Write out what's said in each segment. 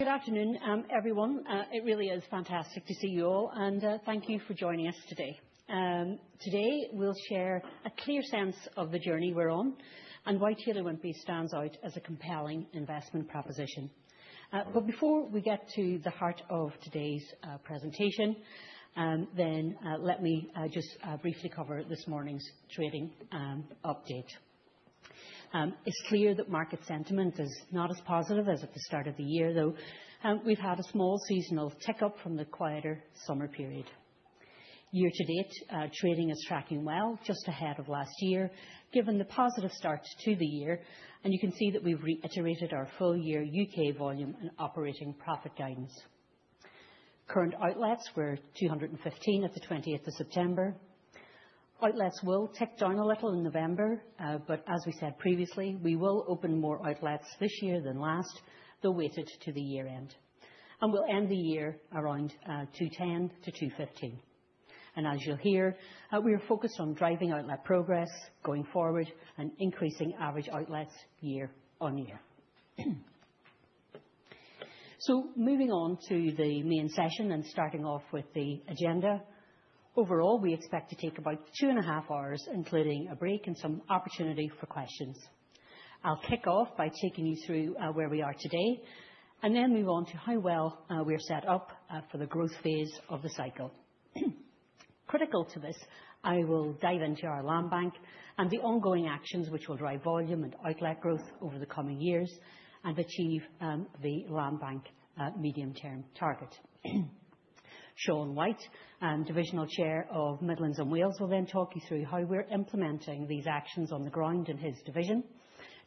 Good afternoon, everyone. It really is fantastic to see you all, and thank you for joining us today. Today, we'll share a clear sense of the journey we're on, and why Taylor Wimpey stands out as a compelling investment proposition. Before we get to the heart of today's presentation, let me just briefly cover this morning's trading update. It's clear that market sentiment is not as positive as at the start of the year, though. We've had a small seasonal tick up from the quieter summer period. Year to date, trading is tracking well, just ahead of last year, given the positive start to the year. You can see that we've reiterated our full year U.K. volume and operating profit guidance. Current outlets were 215 at the 20th of September. Outlets will tick down a little in November, as we said previously, we will open more outlets this year than last, though weighted to the year-end. We'll end the year around 210 to 215. As you'll hear, we are focused on driving outlet progress going forward, and increasing average outlets year-over-year. Moving on to the main session and starting off with the agenda. Overall, we expect to take about two and a half hours, including a break and some opportunity for questions. I'll kick off by taking you through where we are today, and then move on to how well we are set up for the growth phase of the cycle. Critical to this, I will dive into our land bank and the ongoing actions which will drive volume and outlet growth over the coming years, and achieve the land bank medium term target. Shaun White, Divisional Chair of Midlands and Wales, will then talk you through how we're implementing these actions on the ground in his division,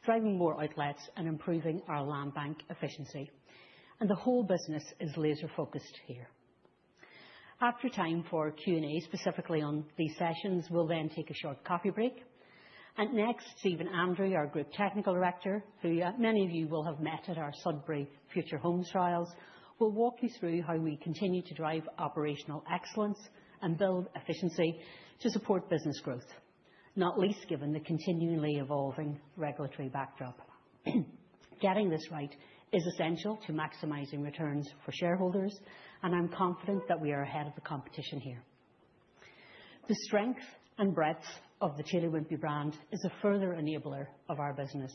driving more outlets and improving our land bank efficiency, the whole business is laser-focused here. After time for Q&A, specifically on these sessions, we'll then take a short coffee break. Next, Stephen Andrew, our Group Technical Director, who many of you will have met at our Sudbury Future Homes trials, will walk you through how we continue to drive operational excellence and build efficiency to support business growth, not least given the continually evolving regulatory backdrop. Getting this right is essential to maximizing returns for shareholders, I'm confident that we are ahead of the competition here. The strength and breadth of the Taylor Wimpey brand is a further enabler of our business.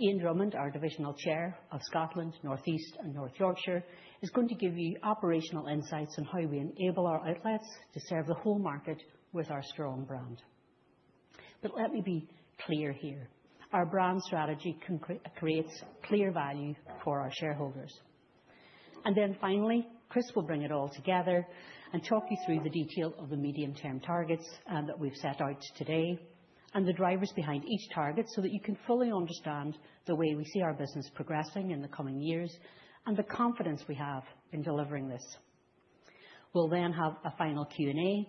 Ian Drummond, our Divisional Chair of Scotland, North East, and North Yorkshire, is going to give you operational insights on how we enable our outlets to serve the whole market with our strong brand. Let me be clear here, our brand strategy creates clear value for our shareholders. Finally, Chris will bring it all together and talk you through the detail of the medium-term targets that we've set out today, the drivers behind each target, so that you can fully understand the way we see our business progressing in the coming years, the confidence we have in delivering this. We'll have a final Q&A,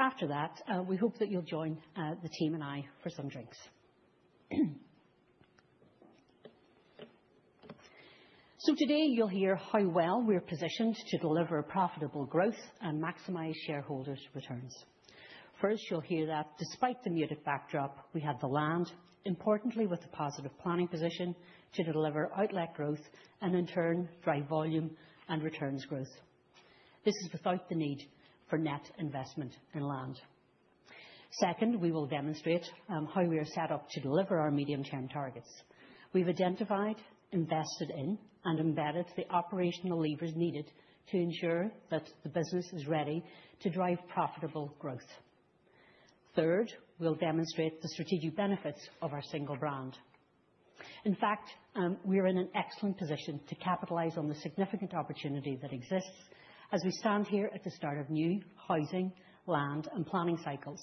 after that, we hope that you'll join the team and I for some drinks. Today you'll hear how well we are positioned to deliver profitable growth and maximize shareholders' returns. First, you'll hear that despite the muted backdrop, we have the land, importantly with the positive planning position, to deliver outlet growth and in turn, drive volume and returns growth. This is without the need for net investment in land. Second, we will demonstrate how we are set up to deliver our medium-term targets. We've identified, invested in, and embedded the operational levers needed to ensure that the business is ready to drive profitable growth. Third, we'll demonstrate the strategic benefits of our single brand. In fact, we are in an excellent position to capitalize on the significant opportunity that exists as we stand here at the start of new housing, land, and planning cycles.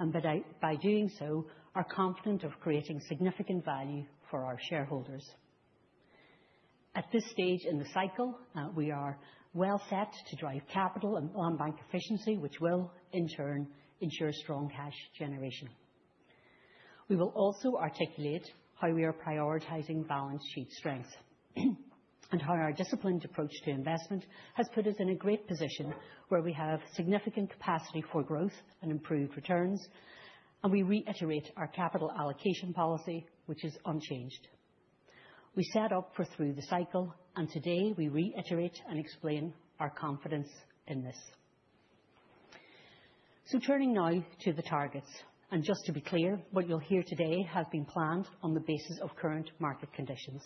By doing so, are confident of creating significant value for our shareholders. At this stage in the cycle, we are well set to drive capital and land bank efficiency, which will in turn ensure strong cash generation. We will also articulate how we are prioritizing balance sheet strength, and how our disciplined approach to investment has put us in a great position where we have significant capacity for growth and improved returns, and we reiterate our capital allocation policy, which is unchanged. We set up for through the cycle, and today we reiterate and explain our confidence in this. Turning now to the targets, and just to be clear, what you'll hear today has been planned on the basis of current market conditions.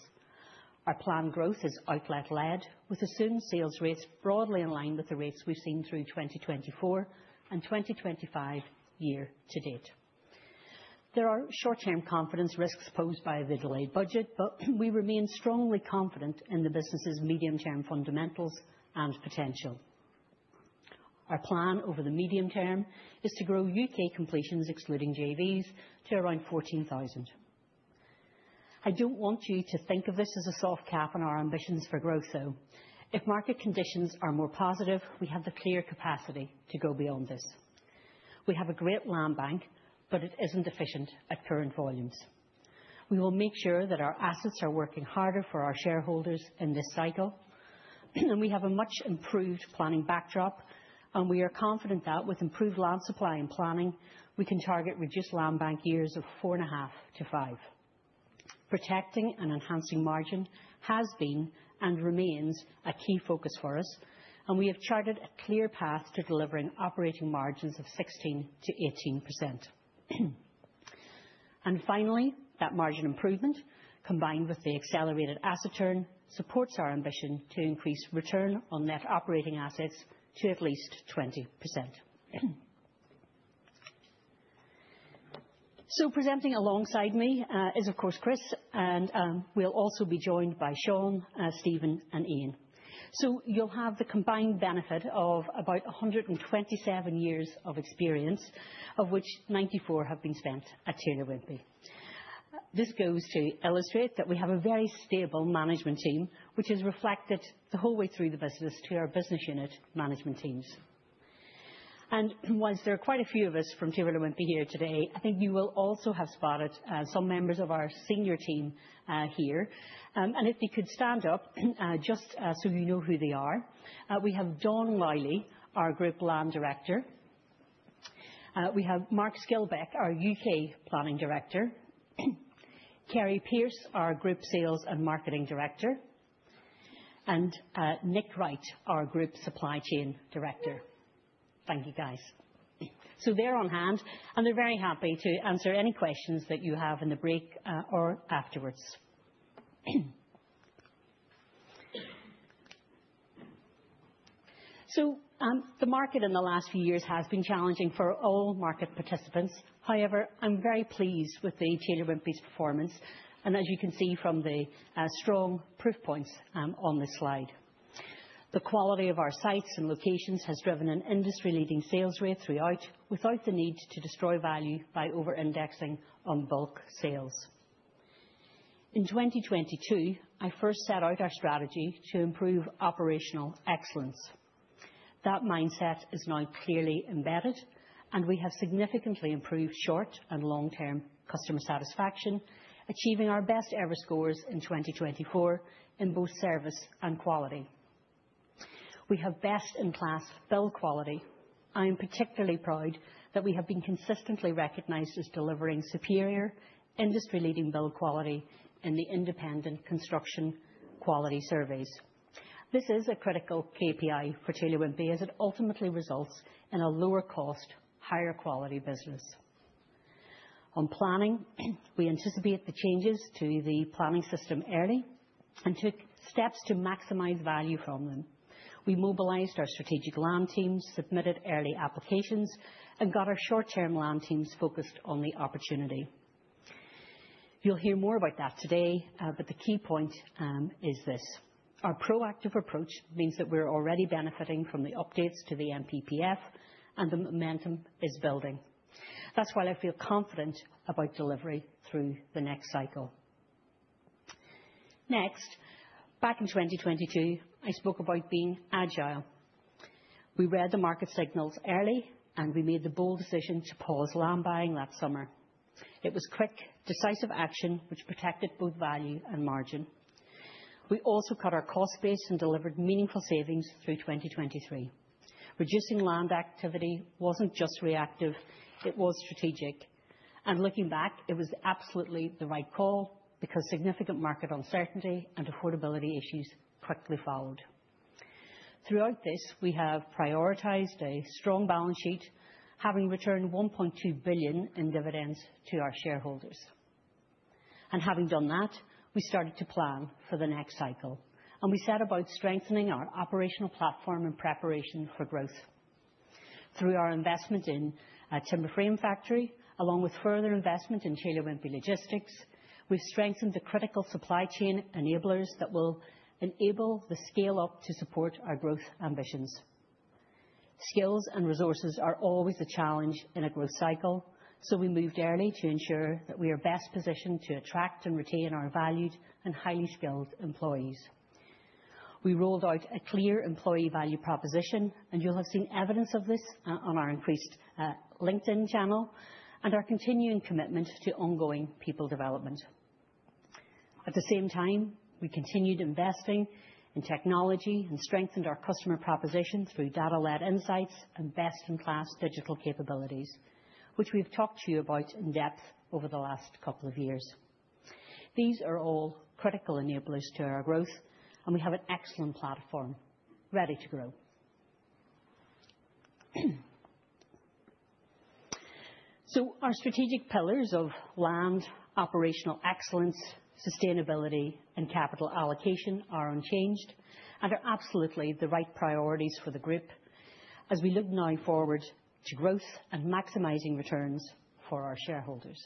Our planned growth is outlet-led, with assumed sales rates broadly in line with the rates we've seen through 2024 and 2025 year to date. There are short-term confidence risks posed by the delayed budget, but we remain strongly confident in the business' medium-term fundamentals and potential. Our plan over the medium term is to grow U.K. completions, excluding JVs, to around 14,000. I don't want you to think of this as a soft cap on our ambitions for growth, though. If market conditions are more positive, we have the clear capacity to go beyond this. We have a great land bank, but it isn't efficient at current volumes. We will make sure that our assets are working harder for our shareholders in this cycle. We have a much improved planning backdrop, and we are confident that with improved land supply and planning, we can target reduced land bank years of four and a half to five. Protecting and enhancing margin has been and remains a key focus for us, and we have charted a clear path to delivering operating margins of 16%-18%. Finally, that margin improvement, combined with the accelerated asset turn, supports our ambition to increase return on net operating assets to at least 20%. Presenting alongside me, is, of course, Chris, and we'll also be joined by Shaun, Stephen, and Ian. You'll have the combined benefit of about 127 years of experience, of which 94 have been spent at Taylor Wimpey. This goes to illustrate that we have a very stable management team, which is reflected the whole way through the business to our business unit management teams. Whilst there are quite a few of us from Taylor Wimpey here today, I think you will also have spotted some members of our senior team here. If they could stand up just so you know who they are. We have Dawn Reilly, our group land director. We have Mark Skilbeck, our U.K. planning director, Ceri Pearce, our group sales and marketing director, and Nick Wright, our group supply chain director. Thank you, guys. They're on hand, and they're very happy to answer any questions that you have in the break, or afterwards. The market in the last few years has been challenging for all market participants. However, I'm very pleased with Taylor Wimpey's performance, and as you can see from the strong proof points on this slide. The quality of our sites and locations has driven an industry-leading sales rate throughout, without the need to destroy value by over-indexing on bulk sales. In 2022, I first set out our strategy to improve operational excellence. That mindset is now clearly embedded, and we have significantly improved short and long-term customer satisfaction, achieving our best ever scores in 2024 in both service and quality. We have best-in-class build quality. I am particularly proud that we have been consistently recognized as delivering superior industry-leading build quality in the independent construction quality surveys. This is a critical KPI for Taylor Wimpey, as it ultimately results in a lower cost, higher quality business. On planning, we anticipate the changes to the planning system early and took steps to maximize value from them. We mobilized our strategic land teams, submitted early applications, and got our short-term land teams focused on the opportunity. You'll hear more about that today, but the key point is this: Our proactive approach means that we're already benefiting from the updates to the NPPF, and the momentum is building. That's why I feel confident about delivery through the next cycle. Back in 2022, I spoke about being agile. We read the market signals early, and we made the bold decision to pause land buying that summer. It was quick, decisive action, which protected both value and margin. We also cut our cost base and delivered meaningful savings through 2023. Reducing land activity wasn't just reactive, it was strategic. Looking back, it was absolutely the right call because significant market uncertainty and affordability issues quickly followed. Throughout this, we have prioritized a strong balance sheet, having returned 1.2 billion in dividends to our shareholders. Having done that, we started to plan for the next cycle, and we set about strengthening our operational platform in preparation for growth. Through our investment in a timber frame factory, along with further investment in Taylor Wimpey Logistics, we've strengthened the critical supply chain enablers that will enable the scale-up to support our growth ambitions. Skills and resources are always a challenge in a growth cycle, so we moved early to ensure that we are best positioned to attract and retain our valued and highly skilled employees. We rolled out a clear employee value proposition, and you'll have seen evidence of this on our increased LinkedIn channel and our continuing commitment to ongoing people development. At the same time, we continued investing in technology and strengthened our customer proposition through data-led insights and best-in-class digital capabilities, which we've talked to you about in depth over the last couple of years. These are all critical enablers to our growth, and we have an excellent platform, ready to grow. Our strategic pillars of land, operational excellence, sustainability, and capital allocation are unchanged and are absolutely the right priorities for the group as we look now forward to growth and maximizing returns for our shareholders.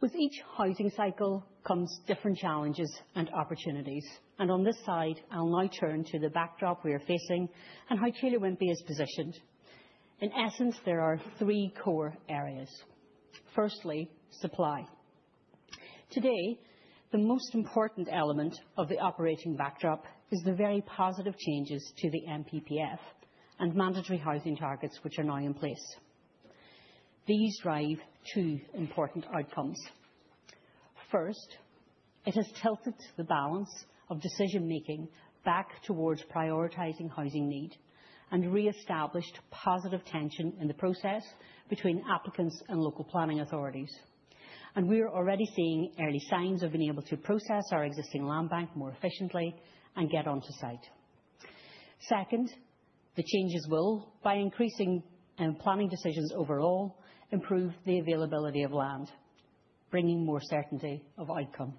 With each housing cycle comes different challenges and opportunities, on this side, I'll now turn to the backdrop we are facing and how Taylor Wimpey is positioned. In essence, there are three core areas. Firstly, supply. Today, the most important element of the operating backdrop is the very positive changes to the NPPF. Mandatory housing targets which are now in place. These drive two important outcomes. First, it has tilted the balance of decision-making back towards prioritizing housing need, and re-established positive tension in the process between applicants and local planning authorities. We are already seeing early signs of being able to process our existing land bank more efficiently and get onto site. Second, the changes will, by increasing planning decisions overall, improve the availability of land, bringing more certainty of outcome.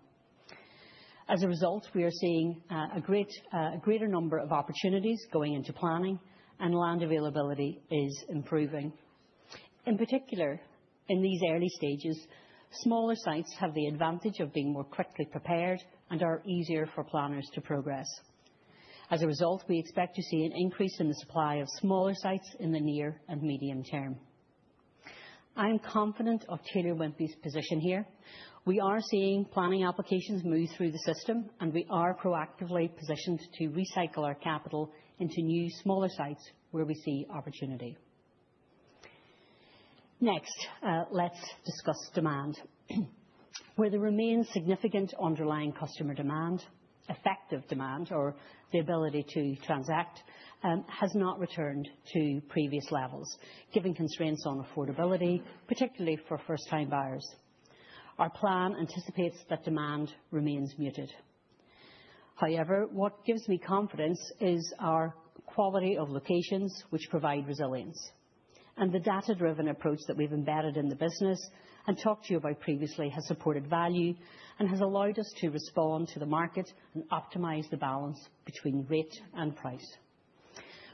As a result, we are seeing a greater number of opportunities going into planning and land availability is improving. In particular, in these early stages, smaller sites have the advantage of being more quickly prepared and are easier for planners to progress. As a result, we expect to see an increase in the supply of smaller sites in the near and medium term. I am confident of Taylor Wimpey's position here. We are seeing planning applications move through the system, we are proactively positioned to recycle our capital into new, smaller sites where we see opportunity. Next, let's discuss demand. Where there remains significant underlying customer demand, effective demand, or the ability to transact, has not returned to previous levels given constraints on affordability, particularly for first-time buyers. Our plan anticipates that demand remains muted. However, what gives me confidence is our quality of locations, which provide resilience, and the data-driven approach that we've embedded in the business and talked to you about previously, has supported value and has allowed us to respond to the market and optimize the balance between rate and price.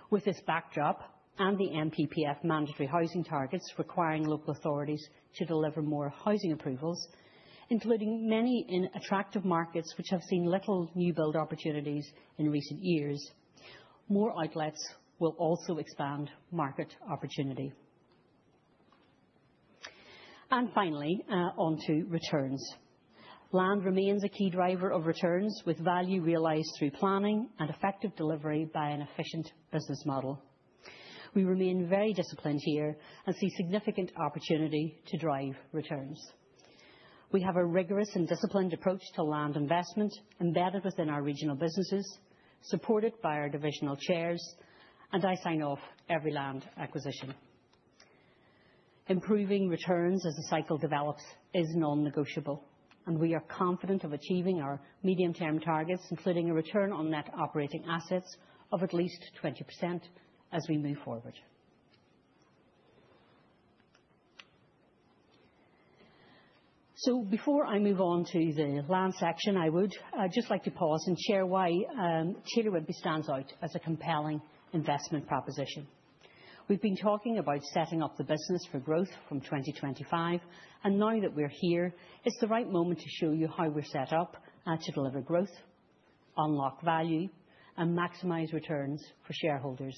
With this backdrop and the NPPF mandatory housing targets requiring local authorities to deliver more housing approvals, including many in attractive markets which have seen little new build opportunities in recent years, more outlets will also expand market opportunity. Finally, onto returns. Land remains a key driver of returns with value realized through planning and effective delivery by an efficient business model. We remain very disciplined here, see significant opportunity to drive returns. We have a rigorous and disciplined approach to land investment embedded within our regional businesses, supported by our divisional chairs, I sign off every land acquisition. Improving returns as the cycle develops is non-negotiable, we are confident of achieving our medium-term targets, including a return on net operating assets of at least 20% as we move forward. Before I move on to the land section, I would just like to pause and share why Taylor Wimpey stands out as a compelling investment proposition. We've been talking about setting up the business for growth from 2025, now that we're here, it's the right moment to show you how we're set up to deliver growth, unlock value, and maximize returns for shareholders.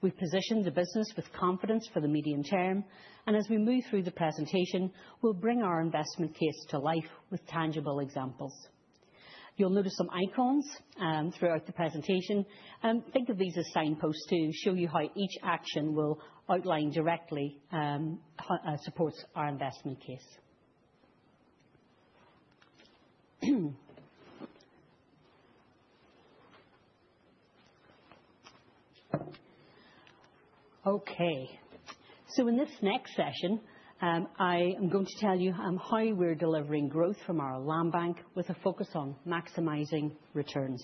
We've positioned the business with confidence for the medium term, and as we move through the presentation, we'll bring our investment case to life with tangible examples. You'll notice some icons throughout the presentation. Think of these as signposts to show you how each action will outline directly supports our investment case. In this next session, I am going to tell you how we're delivering growth from our land bank with a focus on maximizing returns.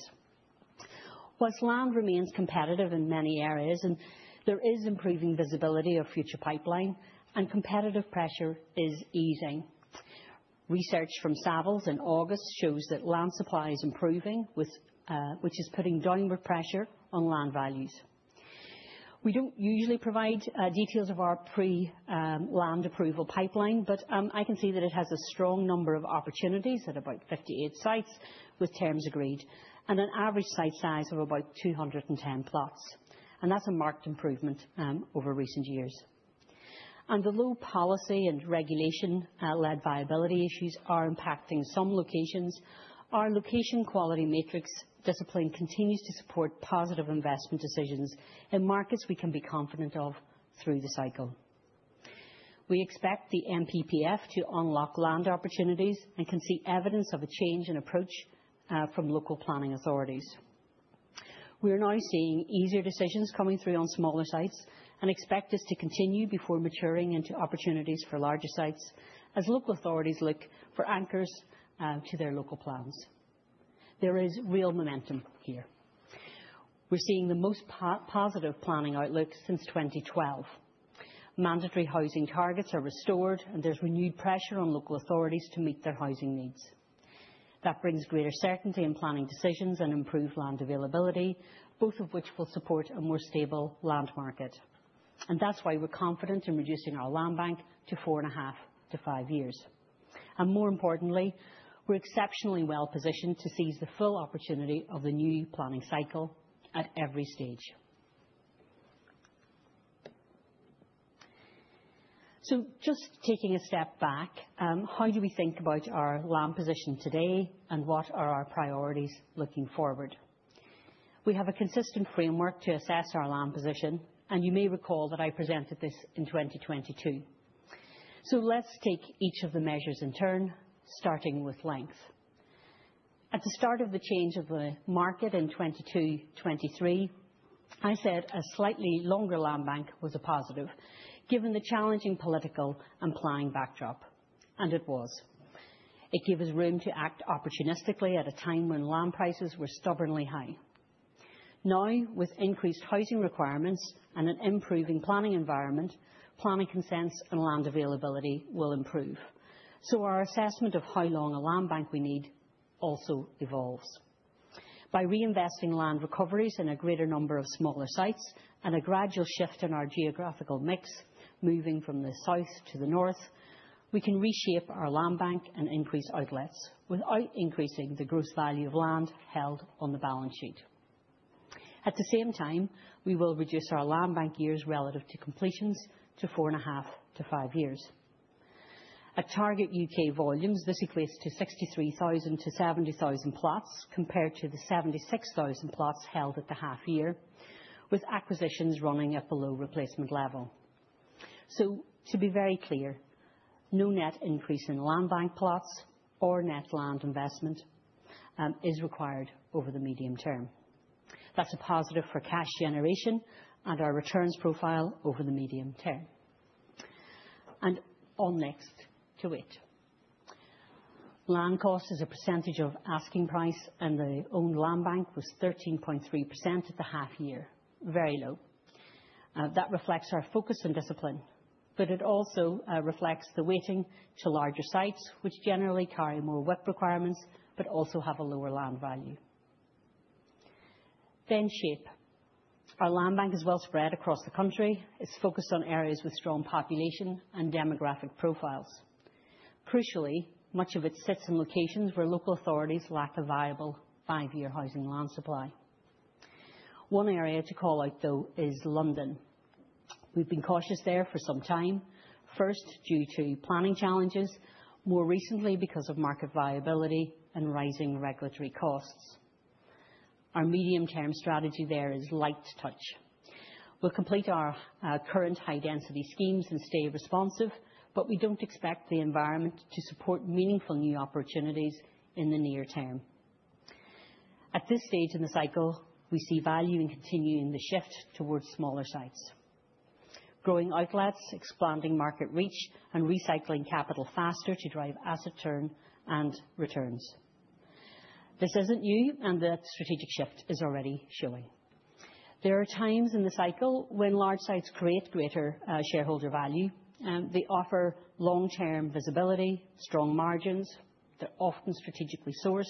Whilst land remains competitive in many areas, and there is improving visibility of future pipeline, and competitive pressure is easing. Research from Savills in August shows that land supply is improving, which is putting downward pressure on land values. We don't usually provide details of our pre-land approval pipeline, but I can see that it has a strong number of opportunities at about 58 sites with terms agreed, and an average site size of about 210 plots. That's a marked improvement over recent years. Although policy and regulation-led viability issues are impacting some locations, our location quality matrix discipline continues to support positive investment decisions in markets we can be confident of through the cycle. We expect the NPPF to unlock land opportunities and can see evidence of a change in approach from local planning authorities. We are now seeing easier decisions coming through on smaller sites and expect this to continue before maturing into opportunities for larger sites, as local authorities look for anchors to their local plans. There is real momentum here. We're seeing the most positive planning outlook since 2012. Mandatory housing targets are restored, and there's renewed pressure on local authorities to meet their housing needs. That brings greater certainty in planning decisions and improved land availability, both of which will support a more stable land market. That's why we're confident in reducing our land bank to 4.5-5 years. More importantly, we're exceptionally well positioned to seize the full opportunity of the new planning cycle at every stage. Just taking a step back, how do we think about our land position today and what are our priorities looking forward? We have a consistent framework to assess our land position, and you may recall that I presented this in 2022. Let's take each of the measures in turn, starting with length. At the start of the change of the market in 2022, 2023, I said a slightly longer land bank was a positive given the challenging political and planning backdrop, and it was. It gave us room to act opportunistically at a time when land prices were stubbornly high. Now, with increased housing requirements and an improving planning environment, planning consents and land availability will improve. Our assessment of how long a land bank we need also evolves. By reinvesting land recoveries in a greater number of smaller sites and a gradual shift in our geographical mix, moving from the south to the north, we can reshape our land bank and increase outlets without increasing the gross value of land held on the balance sheet. At the same time, we will reduce our land bank years relative to completions to 4.5-5 years. At target U.K. volumes, this equates to 63,000 to 70,000 plots, compared to the 76,000 plots held at the half year, with acquisitions running at below replacement level. To be very clear, no net increase in land bank plots or net land investment is required over the medium term. That's a positive for cash generation and our returns profile over the medium term. On next, to width. Land cost as a percentage of asking price and the owned land bank was 13.3% at the half year. Very low. That reflects our focus and discipline, but it also reflects the weighting to larger sites, which generally carry more WIP requirements, but also have a lower land value. Shape. Our land bank is well spread across the country. It's focused on areas with strong population and demographic profiles. Crucially, much of it sits in locations where local authorities lack a viable five-year housing land supply. One area to call out though is London. We've been cautious there for some time. First, due to planning challenges, more recently because of market viability and rising regulatory costs. Our medium term strategy there is light touch. We'll complete our current high density schemes and stay responsive, but we don't expect the environment to support meaningful new opportunities in the near term. At this stage in the cycle, we see value in continuing the shift towards smaller sites. Growing outlets, expanding market reach, and recycling capital faster to drive asset turn and returns. This isn't new, and that strategic shift is already showing. There are times in the cycle when large sites create greater shareholder value. They offer long-term visibility, strong margins. They're often strategically sourced,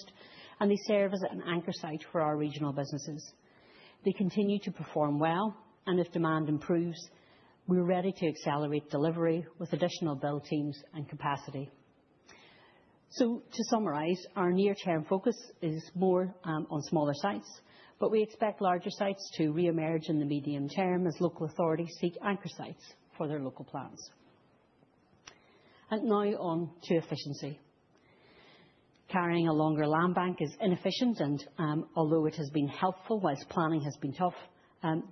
and they serve as an anchor site for our regional businesses. They continue to perform well, and if demand improves, we're ready to accelerate delivery with additional build teams and capacity. To summarize, our near term focus is more on smaller sites, but we expect larger sites to reemerge in the medium term as local authorities seek anchor sites for their local plans. Now on to efficiency. Carrying a longer land bank is inefficient and, although it has been helpful whilst planning has been tough,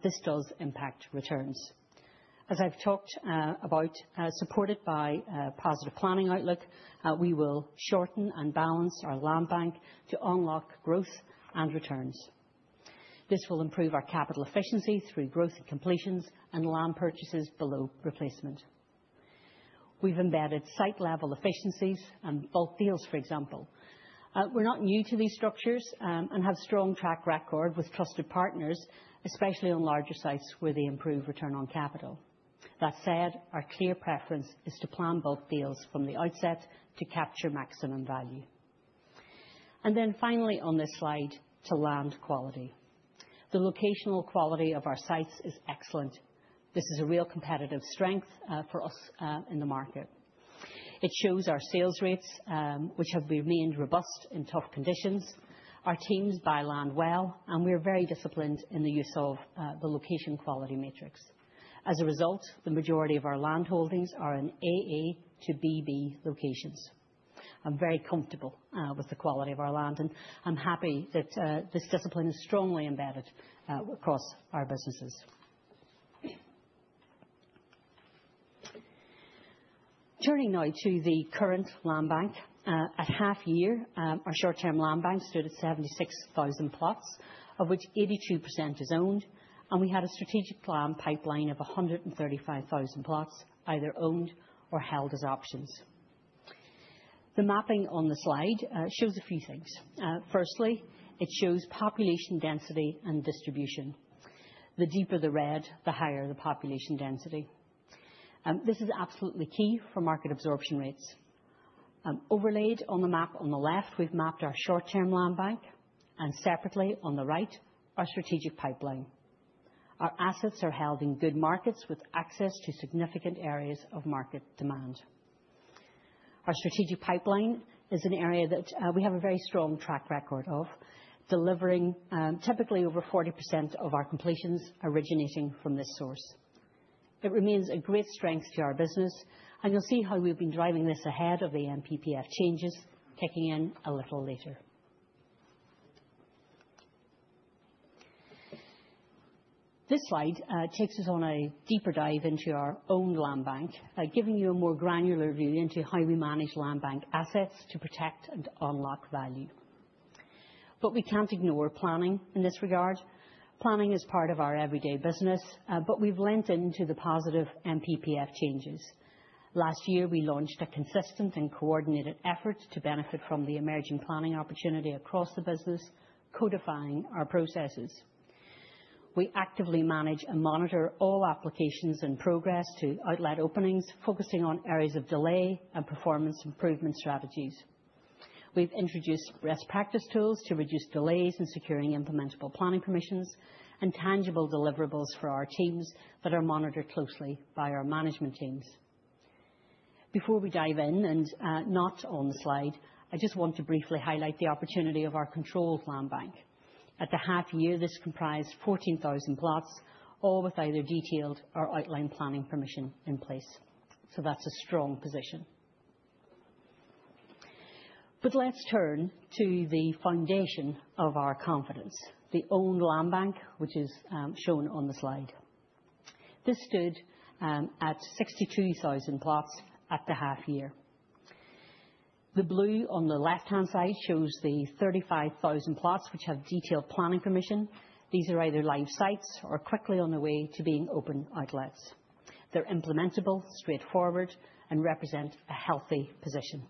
this does impact returns. As I've talked about, supported by a positive planning outlook, we will shorten and balance our land bank to unlock growth and returns. This will improve our capital efficiency through growth and completions and land purchases below replacement. We've embedded site level efficiencies and bulk deals, for example. We're not new to these structures, and have strong track record with trusted partners, especially on larger sites where they improve return on capital. That said, our clear preference is to plan bulk deals from the outset to capture maximum value. Finally on this slide, to land quality. The locational quality of our sites is excellent. This is a real competitive strength for us in the market. It shows our sales rates, which have remained robust in tough conditions. Our teams buy land well, and we are very disciplined in the use of the location quality matrix. As a result, the majority of our land holdings are in AA to BB locations. I'm very comfortable with the quality of our land, and I'm happy that this discipline is strongly embedded across our businesses. Turning now to the current land bank. At half year, our short-term land bank stood at 76,000 plots, of which 82% is owned, and we had a strategic land pipeline of 135,000 plots, either owned or held as options. The mapping on the slide shows a few things. Firstly, it shows population density and distribution. The deeper the red, the higher the population density. This is absolutely key for market absorption rates. Overlaid on the map on the left, we've mapped our short-term land bank, and separately on the right, our strategic pipeline. Our assets are held in good markets with access to significant areas of market demand. Our strategic pipeline is an area that we have a very strong track record of, delivering typically over 40% of our completions originating from this source. It remains a great strength to our business, and you'll see how we've been driving this ahead of the NPPF changes, kicking in a little later. This slide takes us on a deeper dive into our owned land bank, giving you a more granular view into how we manage land bank assets to protect and unlock value. We can't ignore planning in this regard. Planning is part of our everyday business, but we've leant into the positive NPPF changes. Last year, we launched a consistent and coordinated effort to benefit from the emerging planning opportunity across the business, codifying our processes. We actively manage and monitor all applications and progress to outlet openings, focusing on areas of delay and performance improvement strategies. We've introduced best practice tools to reduce delays in securing implementable planning permissions, and tangible deliverables for our teams that are monitored closely by our management teams. Before we dive in, and not on the slide, I just want to briefly highlight the opportunity of our controlled land bank. At the half year, this comprised 14,000 plots, all with either detailed or outline planning permission in place. That's a strong position. Let's turn to the foundation of our confidence, the owned land bank, which is shown on the slide. This stood at 62,000 plots at the half year. The blue on the left-hand side shows the 35,000 plots which have detailed planning permission. These are either live sites or quickly on their way to being open outlets. They're implementable, straightforward, and represent a healthy position.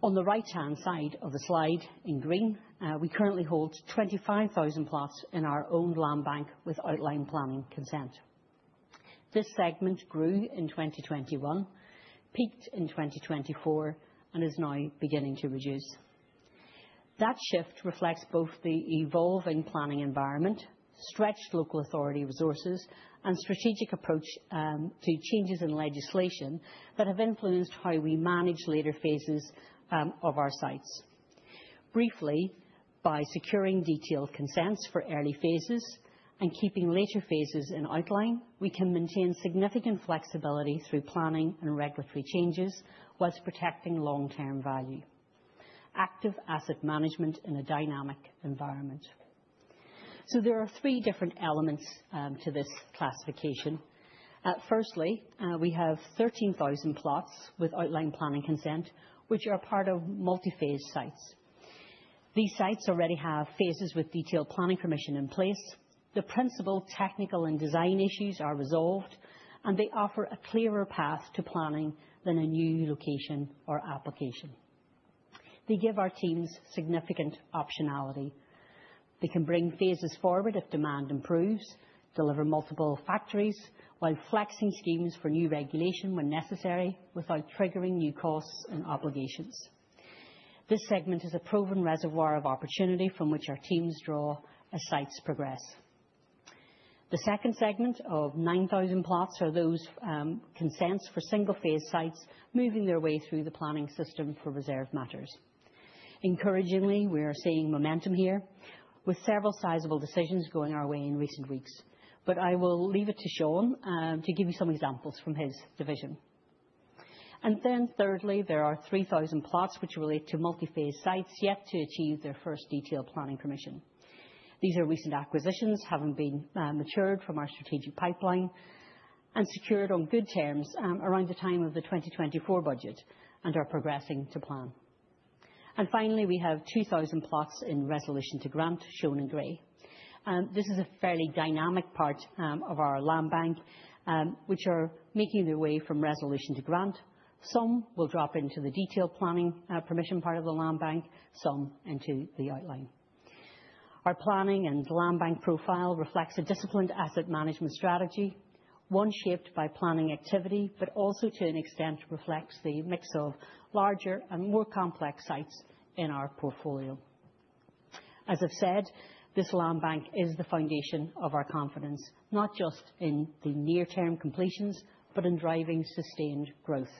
On the right-hand side of the slide, in green, we currently hold 25,000 plots in our owned land bank with outline planning consent. This segment grew in 2021, peaked in 2024, and is now beginning to reduce. That shift reflects both the evolving planning environment, stretched local authority resources, and strategic approach to changes in legislation that have influenced how we manage later phases of our sites. Briefly, by securing detailed consents for early phases and keeping later phases in outline, we can maintain significant flexibility through planning and regulatory changes whilst protecting long-term value. Active asset management in a dynamic environment. There are three different elements to this classification. Firstly, we have 13,000 plots with outline planning consent, which are part of multi-phase sites. These sites already have phases with detailed planning permission in place. The principal technical and design issues are resolved, and they offer a clearer path to planning than a new location or application. They give our teams significant optionality. They can bring phases forward if demand improves, deliver multiple factories, while flexing schemes for new regulation when necessary, without triggering new costs and obligations. This segment is a proven reservoir of opportunity from which our teams draw as sites progress. The second segment of 9,000 plots are those consents for single-phase sites moving their way through the planning system for reserved matters. Encouragingly, we are seeing momentum here, with several sizable decisions going our way in recent weeks. I will leave it to Shaun to give you some examples from his division. Thirdly, there are 3,000 plots which relate to multi-phase sites yet to achieve their first detailed planning permission. These are recent acquisitions, having been matured from our strategic pipeline, and secured on good terms around the time of the 2024 budget and are progressing to plan. Finally, we have 2,000 plots in resolution to grant, shown in gray. This is a fairly dynamic part of our land bank, which are making their way from resolution to grant. Some will drop into the detailed planning permission part of the land bank, some into the outline. Our planning and land bank profile reflects a disciplined asset management strategy, one shaped by planning activity, but also to an extent reflects the mix of larger and more complex sites in our portfolio. As I've said, this land bank is the foundation of our confidence, not just in the near-term completions, but in driving sustained growth.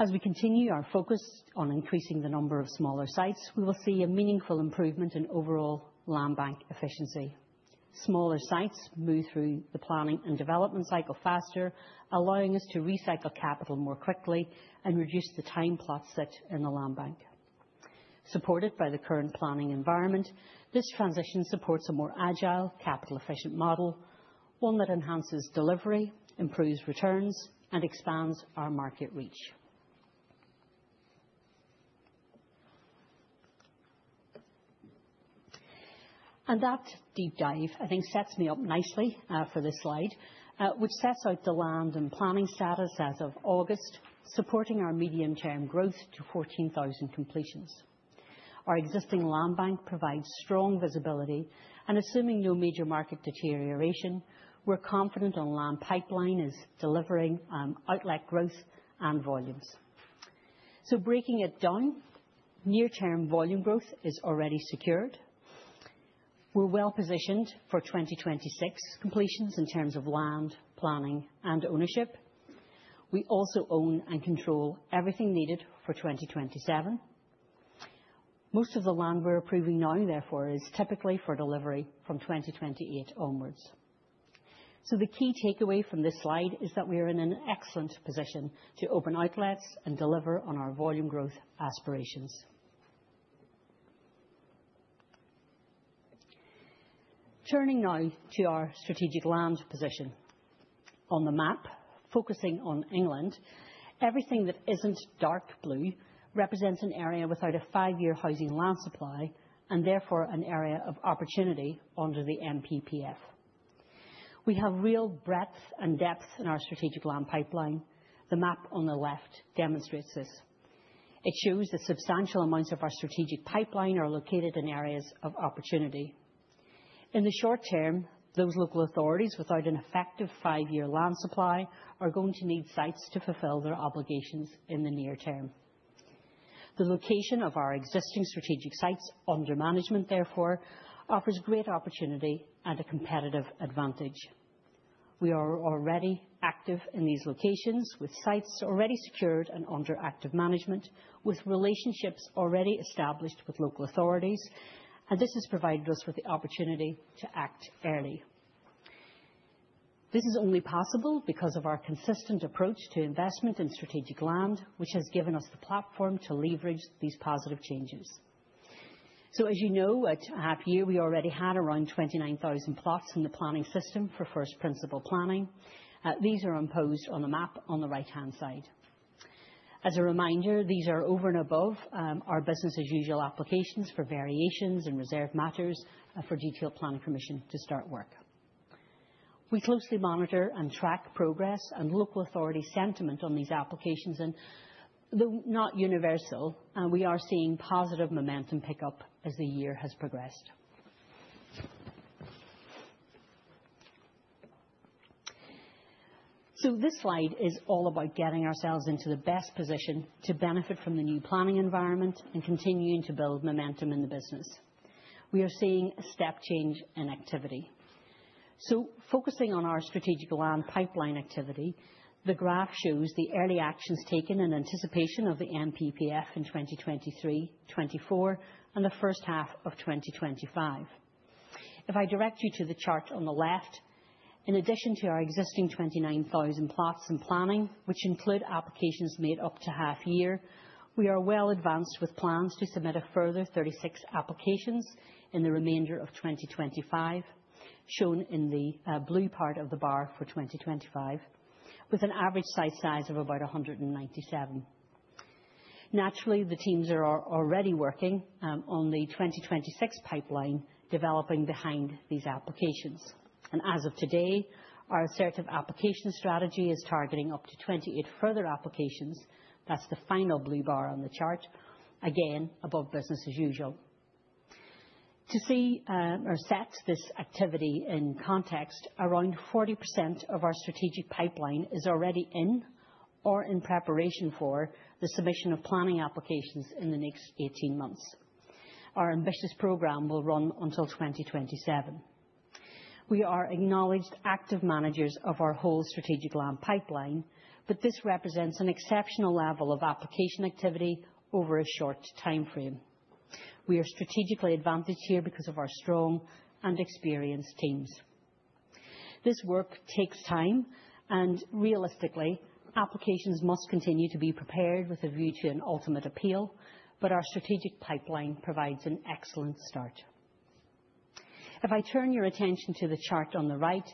As we continue our focus on increasing the number of smaller sites, we will see a meaningful improvement in overall land bank efficiency. Smaller sites move through the planning and development cycle faster, allowing us to recycle capital more quickly and reduce the time plots sit in the land bank. Supported by the current planning environment, this transition supports a more agile, capital-efficient model, one that enhances delivery, improves returns, and expands our market reach. That deep dive, I think, sets me up nicely for this slide, which sets out the land and planning status as of August, supporting our medium-term growth to 14,000 completions. Our existing land bank provides strong visibility, and assuming no major market deterioration, we're confident our land pipeline is delivering outlet growth and volumes. Breaking it down, near-term volume growth is already secured. We're well-positioned for 2026 completions in terms of land, planning, and ownership. We also own and control everything needed for 2027. Most of the land we're approving now, therefore, is typically for delivery from 2028 onwards. The key takeaway from this slide is that we are in an excellent position to open outlets and deliver on our volume growth aspirations. Turning now to our strategic land position. On the map, focusing on England, everything that isn't dark blue represents an area without a five-year housing land supply, and therefore an area of opportunity under the NPPF. We have real breadth and depth in our strategic land pipeline. The map on the left demonstrates this. It shows the substantial amounts of our strategic pipeline are located in areas of opportunity. In the short term, those local authorities without an effective five-year land supply are going to need sites to fulfill their obligations in the near term. The location of our existing strategic sites under management, therefore, offers great opportunity at a competitive advantage. We are already active in these locations, with sites already secured and under active management, with relationships already established with local authorities, and this has provided us with the opportunity to act early. This is only possible because of our consistent approach to investment in strategic land, which has given us the platform to leverage these positive changes. As you know, at half year, we already had around 29,000 plots in the planning system for first principle planning. These are imposed on the map on the right-hand side. As a reminder, these are over and above our business as usual applications for variations and reserved matters for detailed planning permission to start work. We closely monitor and track progress and local authority sentiment on these applications, and though not universal, we are seeing positive momentum pick up as the year has progressed. This slide is all about getting ourselves into the best position to benefit from the new planning environment and continuing to build momentum in the business. We are seeing a step change in activity. Focusing on our strategic land pipeline activity, the graph shows the early actions taken in anticipation of the NPPF in 2023, 2024, and the first half of 2025. If I direct you to the chart on the left, in addition to our existing 29,000 plots and planning, which include applications made up to half year, we are well advanced with plans to submit a further 36 applications in the remainder of 2025, shown in the blue part of the bar for 2025, with an average site size of about 197. Naturally, the teams are already working on the 2026 pipeline developing behind these applications. As of today, our assertive application strategy is targeting up to 28 further applications. That's the final blue bar on the chart. Again, above business as usual. To see or set this activity in context, around 40% of our strategic pipeline is already in or in preparation for the submission of planning applications in the next 18 months. Our ambitious program will run until 2027. We are acknowledged active managers of our whole strategic land pipeline, this represents an exceptional level of application activity over a short timeframe. We are strategically advantaged here because of our strong and experienced teams. This work takes time, and realistically, applications must continue to be prepared with a view to an ultimate appeal, our strategic pipeline provides an excellent start. If I turn your attention to the chart on the right,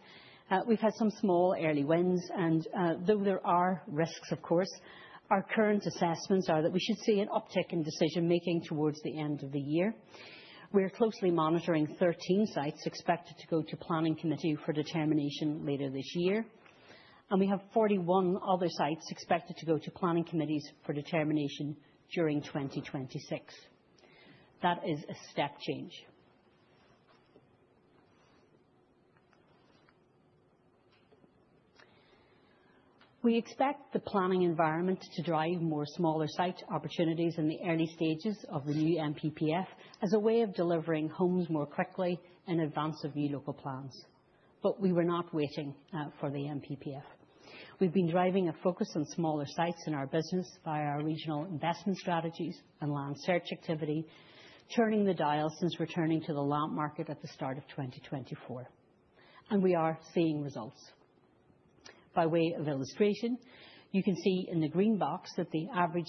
we've had some small early wins and, though there are risks, of course, our current assessments are that we should see an uptick in decision-making towards the end of the year. We are closely monitoring 13 sites expected to go to planning committee for determination later this year, and we have 41 other sites expected to go to planning committees for determination during 2026. That is a step change. We expect the planning environment to drive more smaller site opportunities in the early stages of the new NPPF as a way of delivering homes more quickly in advance of new local plans. We were not waiting for the NPPF. We've been driving a focus on smaller sites in our business via our regional investment strategies and land search activity, turning the dial since returning to the land market at the start of 2024. We are seeing results. By way of illustration, you can see in the green box that the average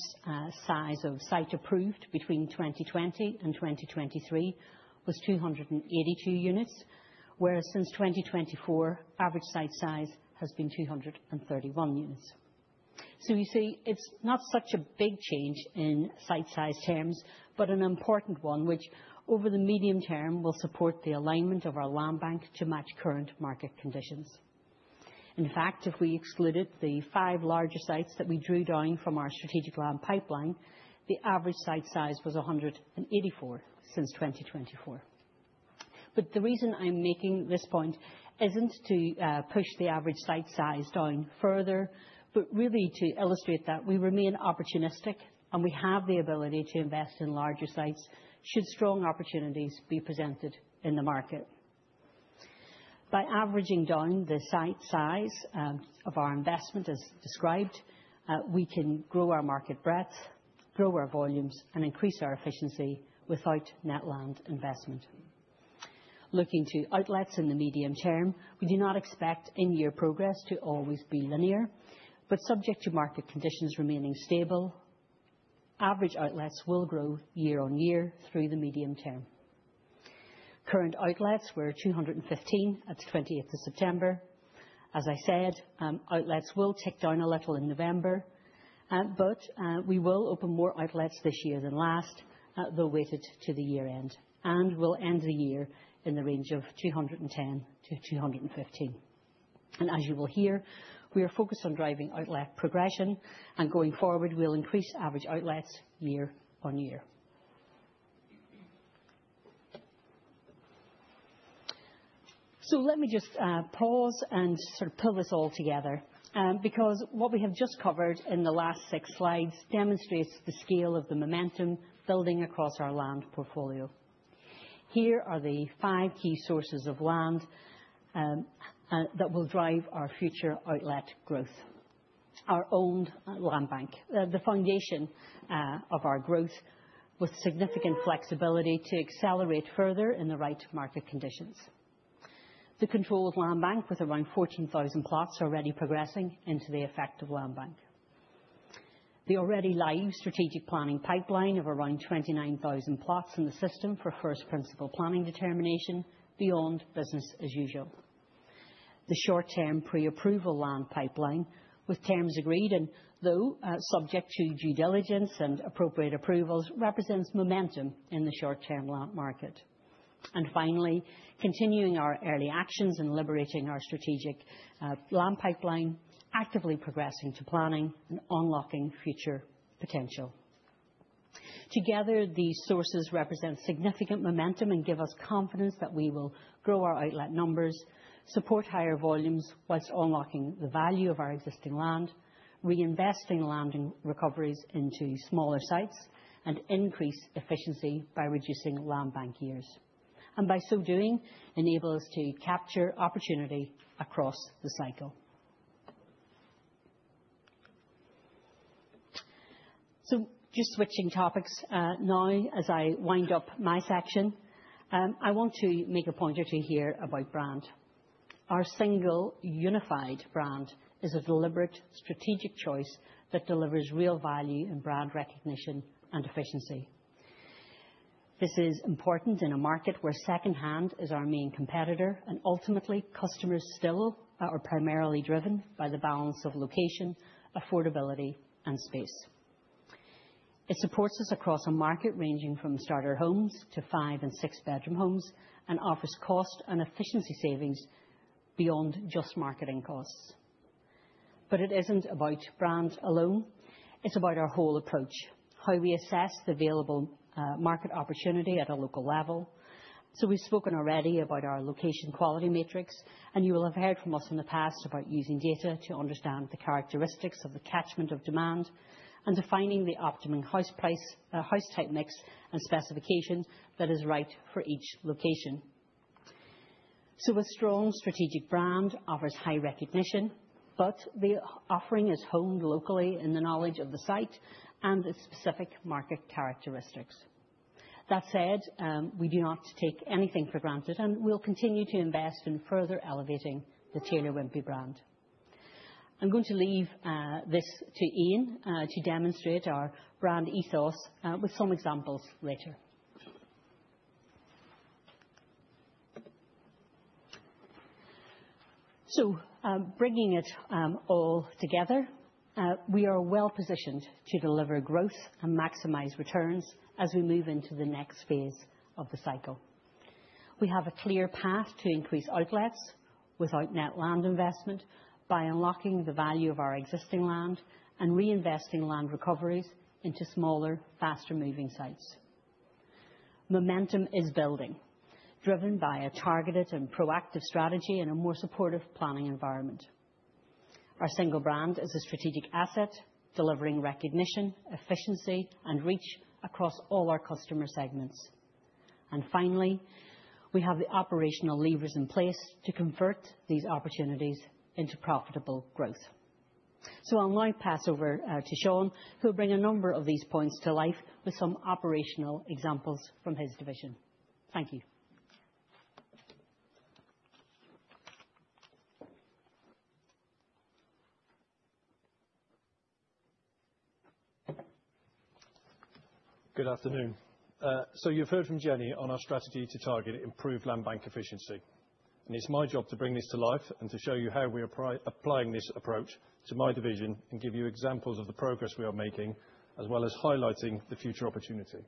size of site approved between 2020 and 2023 was 282 units, whereas since 2024, average site size has been 231 units. You see, it's not such a big change in site size terms, but an important one which, over the medium term, will support the alignment of our land bank to match current market conditions. In fact, if we excluded the five larger sites that we drew down from our strategic land pipeline, the average site size was 184 since 2024. The reason I'm making this point isn't to push the average site size down further, but really to illustrate that we remain opportunistic, and we have the ability to invest in larger sites should strong opportunities be presented in the market. By averaging down the site size of our investment as described, we can grow our market breadth, grow our volumes, and increase our efficiency without net land investment. Looking to outlets in the medium term, we do not expect in-year progress to always be linear, but subject to market conditions remaining stable, average outlets will grow year on year through the medium term. Current outlets were 215 at the 20th of September. As I said, outlets will tick down a little in November, but we will open more outlets this year than last, though weighted to the year-end. We'll end the year in the range of 210 to 215. As you will hear, we are focused on driving outlet progression, and going forward, we'll increase average outlets year on year. Let me just pause and sort of pull this all together, because what we have just covered in the last six slides demonstrates the scale of the momentum building across our land portfolio. Here are the five key sources of land that will drive our future outlet growth. Our owned land bank, the foundation of our growth, with significant flexibility to accelerate further in the right market conditions. The controlled land bank with around 14,000 plots already progressing into the effective land bank. The already live strategic planning pipeline of around 29,000 plots in the system for first principle planning determination beyond business as usual. The short-term pre-approval land pipeline, with terms agreed, and though subject to due diligence and appropriate approvals, represents momentum in the short-term land market. Finally, continuing our early actions and liberating our strategic land pipeline, actively progressing to planning and unlocking future potential. Together, these sources represent significant momentum and give us confidence that we will grow our outlet numbers, support higher volumes whilst unlocking the value of our existing land, reinvesting land recoveries into smaller sites, and increase efficiency by reducing land bank years. By so doing, enable us to capture opportunity across the cycle. Just switching topics now as I wind up my section. I want to make a pointer to here about brand. Our single unified brand is a deliberate strategic choice that delivers real value in brand recognition and efficiency. This is important in a market where second-hand is our main competitor, and ultimately customers still are primarily driven by the balance of location, affordability, and space. It supports us across a market ranging from starter homes to five and six bedroom homes, and offers cost and efficiency savings beyond just marketing costs. It isn't about brand alone. It's about our whole approach, how we assess the available market opportunity at a local level. We've spoken already about our location quality matrix, and you will have heard from us in the past about using data to understand the characteristics of the catchment of demand and defining the optimum house type mix and specification that is right for each location. A strong strategic brand offers high recognition, but the offering is honed locally in the knowledge of the site and the specific market characteristics. That said, we do not take anything for granted, and we'll continue to invest in further elevating the Taylor Wimpey brand. I'm going to leave this to Ian, to demonstrate our brand ethos with some examples later. Bringing it all together, we are well-positioned to deliver growth and maximize returns as we move into the next phase of the cycle. We have a clear path to increase outlets without net land investment by unlocking the value of our existing land and reinvesting land recoveries into smaller, faster moving sites. Momentum is building, driven by a targeted and proactive strategy in a more supportive planning environment. Our single brand is a strategic asset, delivering recognition, efficiency, and reach across all our customer segments. Finally, we have the operational levers in place to convert these opportunities into profitable growth. I'll now pass over to Shaun, who will bring a number of these points to life with some operational examples from his division. Thank you. Good afternoon. You've heard from Jennie on our strategy to target improved land bank efficiency. It's my job to bring this to life and to show you how we are applying this approach to my division and give you examples of the progress we are making, as well as highlighting the future opportunity.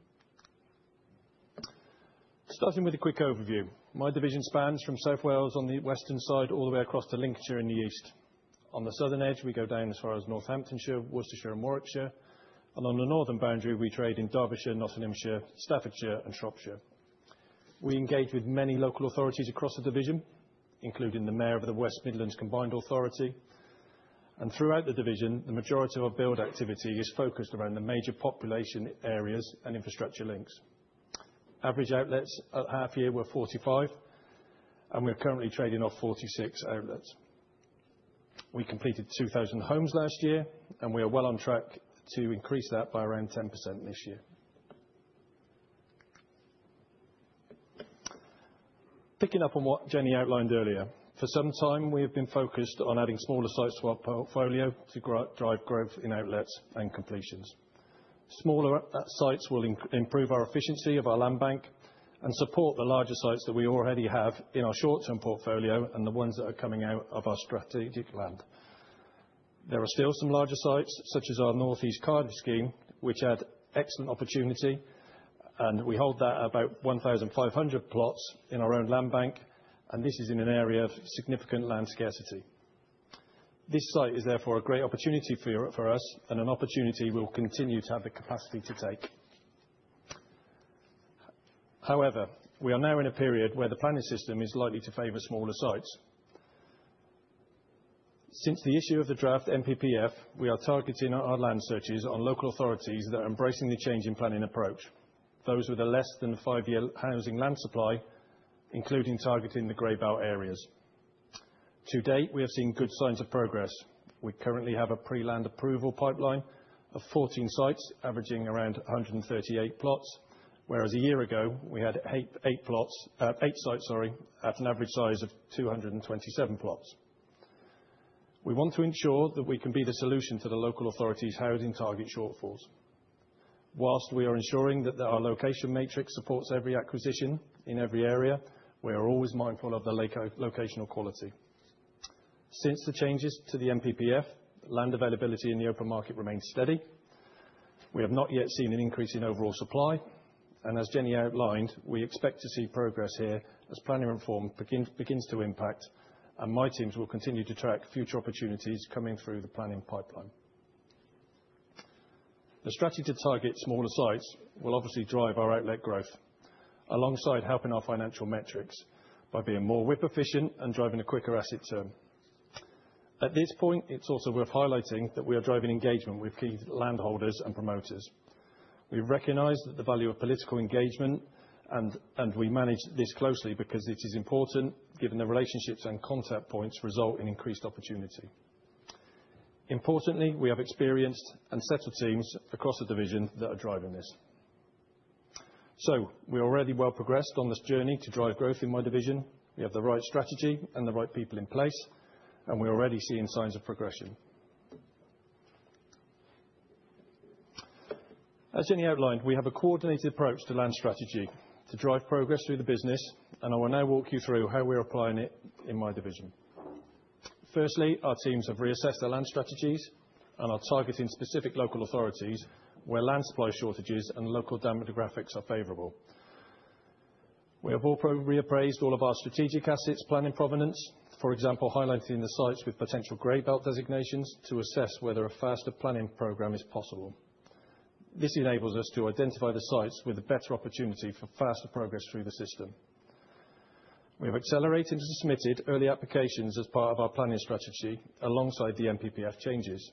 Starting with a quick overview. My division spans from South Wales on the western side all the way across to Lincolnshire in the east. On the southern edge, we go down as far as Northamptonshire, Worcestershire, and Warwickshire. On the northern boundary, we trade in Derbyshire, Nottinghamshire, Staffordshire, and Shropshire. We engage with many local authorities across the division, including the Mayor of the West Midlands Combined Authority. Throughout the division, the majority of our build activity is focused around the major population areas and infrastructure links. Average outlets at half year were 45. We are currently trading off 46 outlets. We completed 2,000 homes last year. We are well on track to increase that by around 10% this year. Picking up on what Jennie outlined earlier, for some time, we have been focused on adding smaller sites to our portfolio to drive growth in outlets and completions. Smaller sites will improve our efficiency of our land bank and support the larger sites that we already have in our short-term portfolio and the ones that are coming out of our strategic land. There are still some larger sites, such as our North East Cardiff scheme, which had excellent opportunity. We hold that about 1,500 plots in our own land bank. This is in an area of significant land scarcity. This site is therefore a great opportunity for us, an opportunity we'll continue to have the capacity to take. However, we are now in a period where the planning system is likely to favor smaller sites. Since the issue of the draft NPPF, we are targeting our land searches on local authorities that are embracing the change in planning approach, those with a less than five-year housing land supply, including targeting the grey belt areas. To date, we have seen good signs of progress. We currently have a pre-land approval pipeline of 14 sites, averaging around 138 plots, whereas a year ago, we had eight sites, sorry, at an average size of 227 plots. We want to ensure that we can be the solution to the local authorities' housing target shortfalls. Whilst we are ensuring that our location matrix supports every acquisition in every area, we are always mindful of the locational quality. Since the changes to the NPPF, land availability in the open market remains steady. We have not yet seen an increase in overall supply. As Jennie outlined, we expect to see progress here as planning reform begins to impact. My teams will continue to track future opportunities coming through the planning pipeline. The strategy to target smaller sites will obviously drive our outlet growth alongside helping our financial metrics by being more WIP efficient and driving a quicker asset term. At this point, it's also worth highlighting that we are driving engagement with key land holders and promoters. We recognize the value of political engagement. We manage this closely because it is important given the relationships and contact points result in increased opportunity. Importantly, we have experienced and settled teams across the division that are driving this. We are already well progressed on this journey to drive growth in my division. We have the right strategy and the right people in place. We are already seeing signs of progression. As Jennie outlined, we have a coordinated approach to land strategy to drive progress through the business. I will now walk you through how we are applying it in my division. Firstly, our teams have reassessed their land strategies and are targeting specific local authorities where land supply shortages and local demographics are favorable. We have also reappraised all of our strategic assets planning provenance, for example, highlighting the sites with potential grey belt designations to assess whether a faster planning program is possible. This enables us to identify the sites with a better opportunity for faster progress through the system. We have accelerated and submitted early applications as part of our planning strategy alongside the NPPF changes.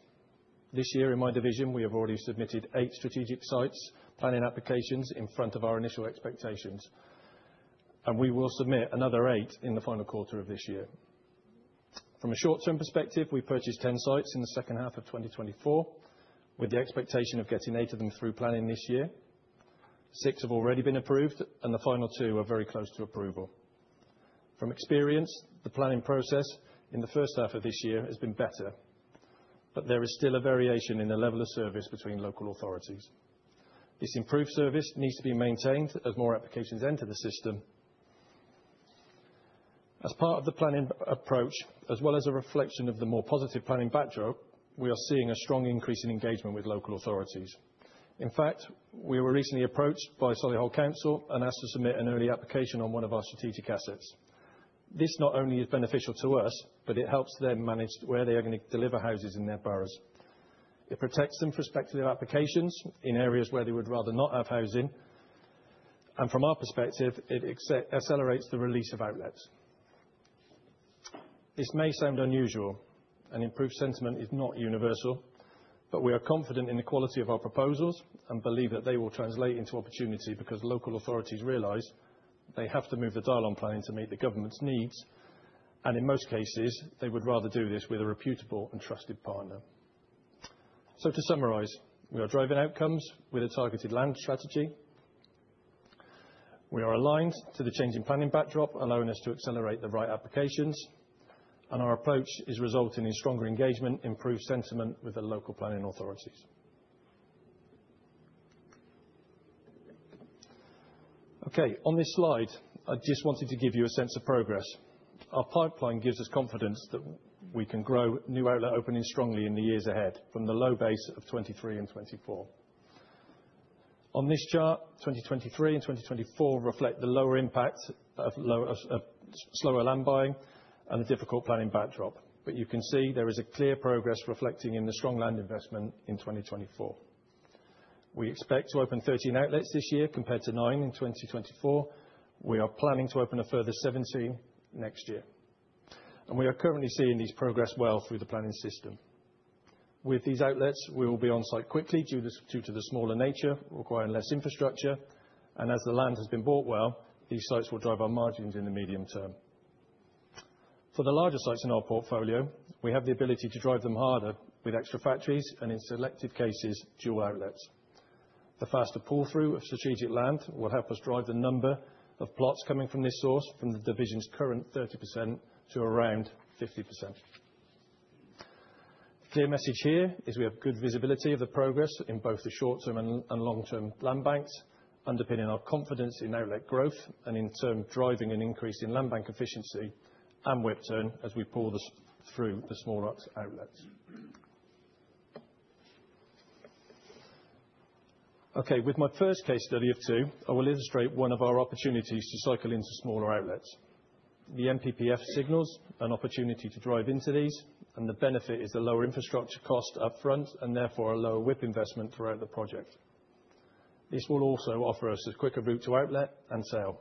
This year in my division, we have already submitted eight strategic sites, planning applications in front of our initial expectations, and we will submit another eight in the final quarter of this year. From a short-term perspective, we purchased 10 sites in the second half of 2024 with the expectation of getting eight of them through planning this year. Six have already been approved, and the final two are very close to approval. From experience, the planning process in the first half of this year has been better, but there is still a variation in the level of service between local authorities. This improved service needs to be maintained as more applications enter the system. As part of the planning approach, as well as a reflection of the more positive planning backdrop, we are seeing a strong increase in engagement with local authorities. In fact, we were recently approached by Solihull Council and asked to submit an early application on one of our strategic assets. This not only is beneficial to us, but it helps them manage where they are going to deliver houses in their boroughs. It protects them from speculative applications in areas where they would rather not have housing, and from our perspective, it accelerates the release of outlets. This may sound unusual, and improved sentiment is not universal, but we are confident in the quality of our proposals and believe that they will translate into opportunity because local authorities realize they have to move the dial on planning to meet the government's needs, and in most cases, they would rather do this with a reputable and trusted partner. To summarize, we are driving outcomes with a targeted land strategy. We are aligned to the change in planning backdrop, allowing us to accelerate the right applications. And our approach is resulting in stronger engagement, improved sentiment with the local planning authorities. On this slide, I just wanted to give you a sense of progress. Our pipeline gives us confidence that we can grow new outlet openings strongly in the years ahead from the low base of 2023 and 2024. On this chart, 2023 and 2024 reflect the lower impact of slower land buying and a difficult planning backdrop. You can see there is a clear progress reflecting in the strong land investment in 2024. We expect to open 13 outlets this year compared to nine in 2024. We are planning to open a further 17 next year. And we are currently seeing these progress well through the planning system. With these outlets, we will be on site quickly due to the smaller nature, requiring less infrastructure, and as the land has been bought well, these sites will drive our margins in the medium term. For the larger sites in our portfolio, we have the ability to drive them harder with extra factories, and in selective cases, dual outlets. The faster pull-through of strategic land will help us drive the number of plots coming from this source from the division's current 30% to around 50%. Clear message here is we have good visibility of the progress in both the short-term and long-term land banks, underpinning our confidence in outlet growth and in turn driving an increase in land bank efficiency and WIP turn as we pull this through the smaller outlets. With my first case study of two, I will illustrate one of our opportunities to cycle into smaller outlets. The NPPF signals an opportunity to drive into these, and the benefit is the lower infrastructure cost upfront and therefore a lower WIP investment throughout the project. This will also offer us a quicker route to outlet and sale.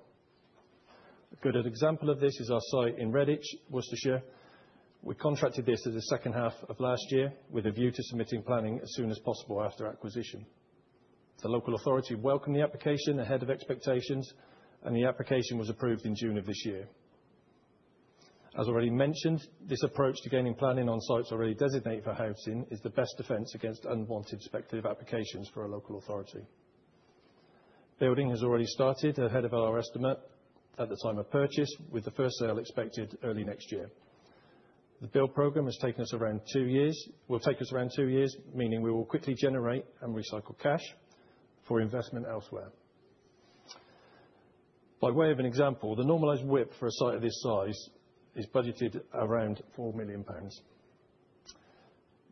A good example of this is our site in Redditch, Worcestershire. We contracted this as the second half of last year with a view to submitting planning as soon as possible after acquisition. The local authority welcomed the application ahead of expectations, the application was approved in June of this year. As already mentioned, this approach to gaining planning on sites already designated for housing is the best defense against unwanted speculative applications for a local authority. Building has already started ahead of our estimate at the time of purchase, with the first sale expected early next year. The build program will take us around two years, meaning we will quickly generate and recycle cash for investment elsewhere. By way of an example, the normalized WIP for a site of this size is budgeted around 4 million pounds.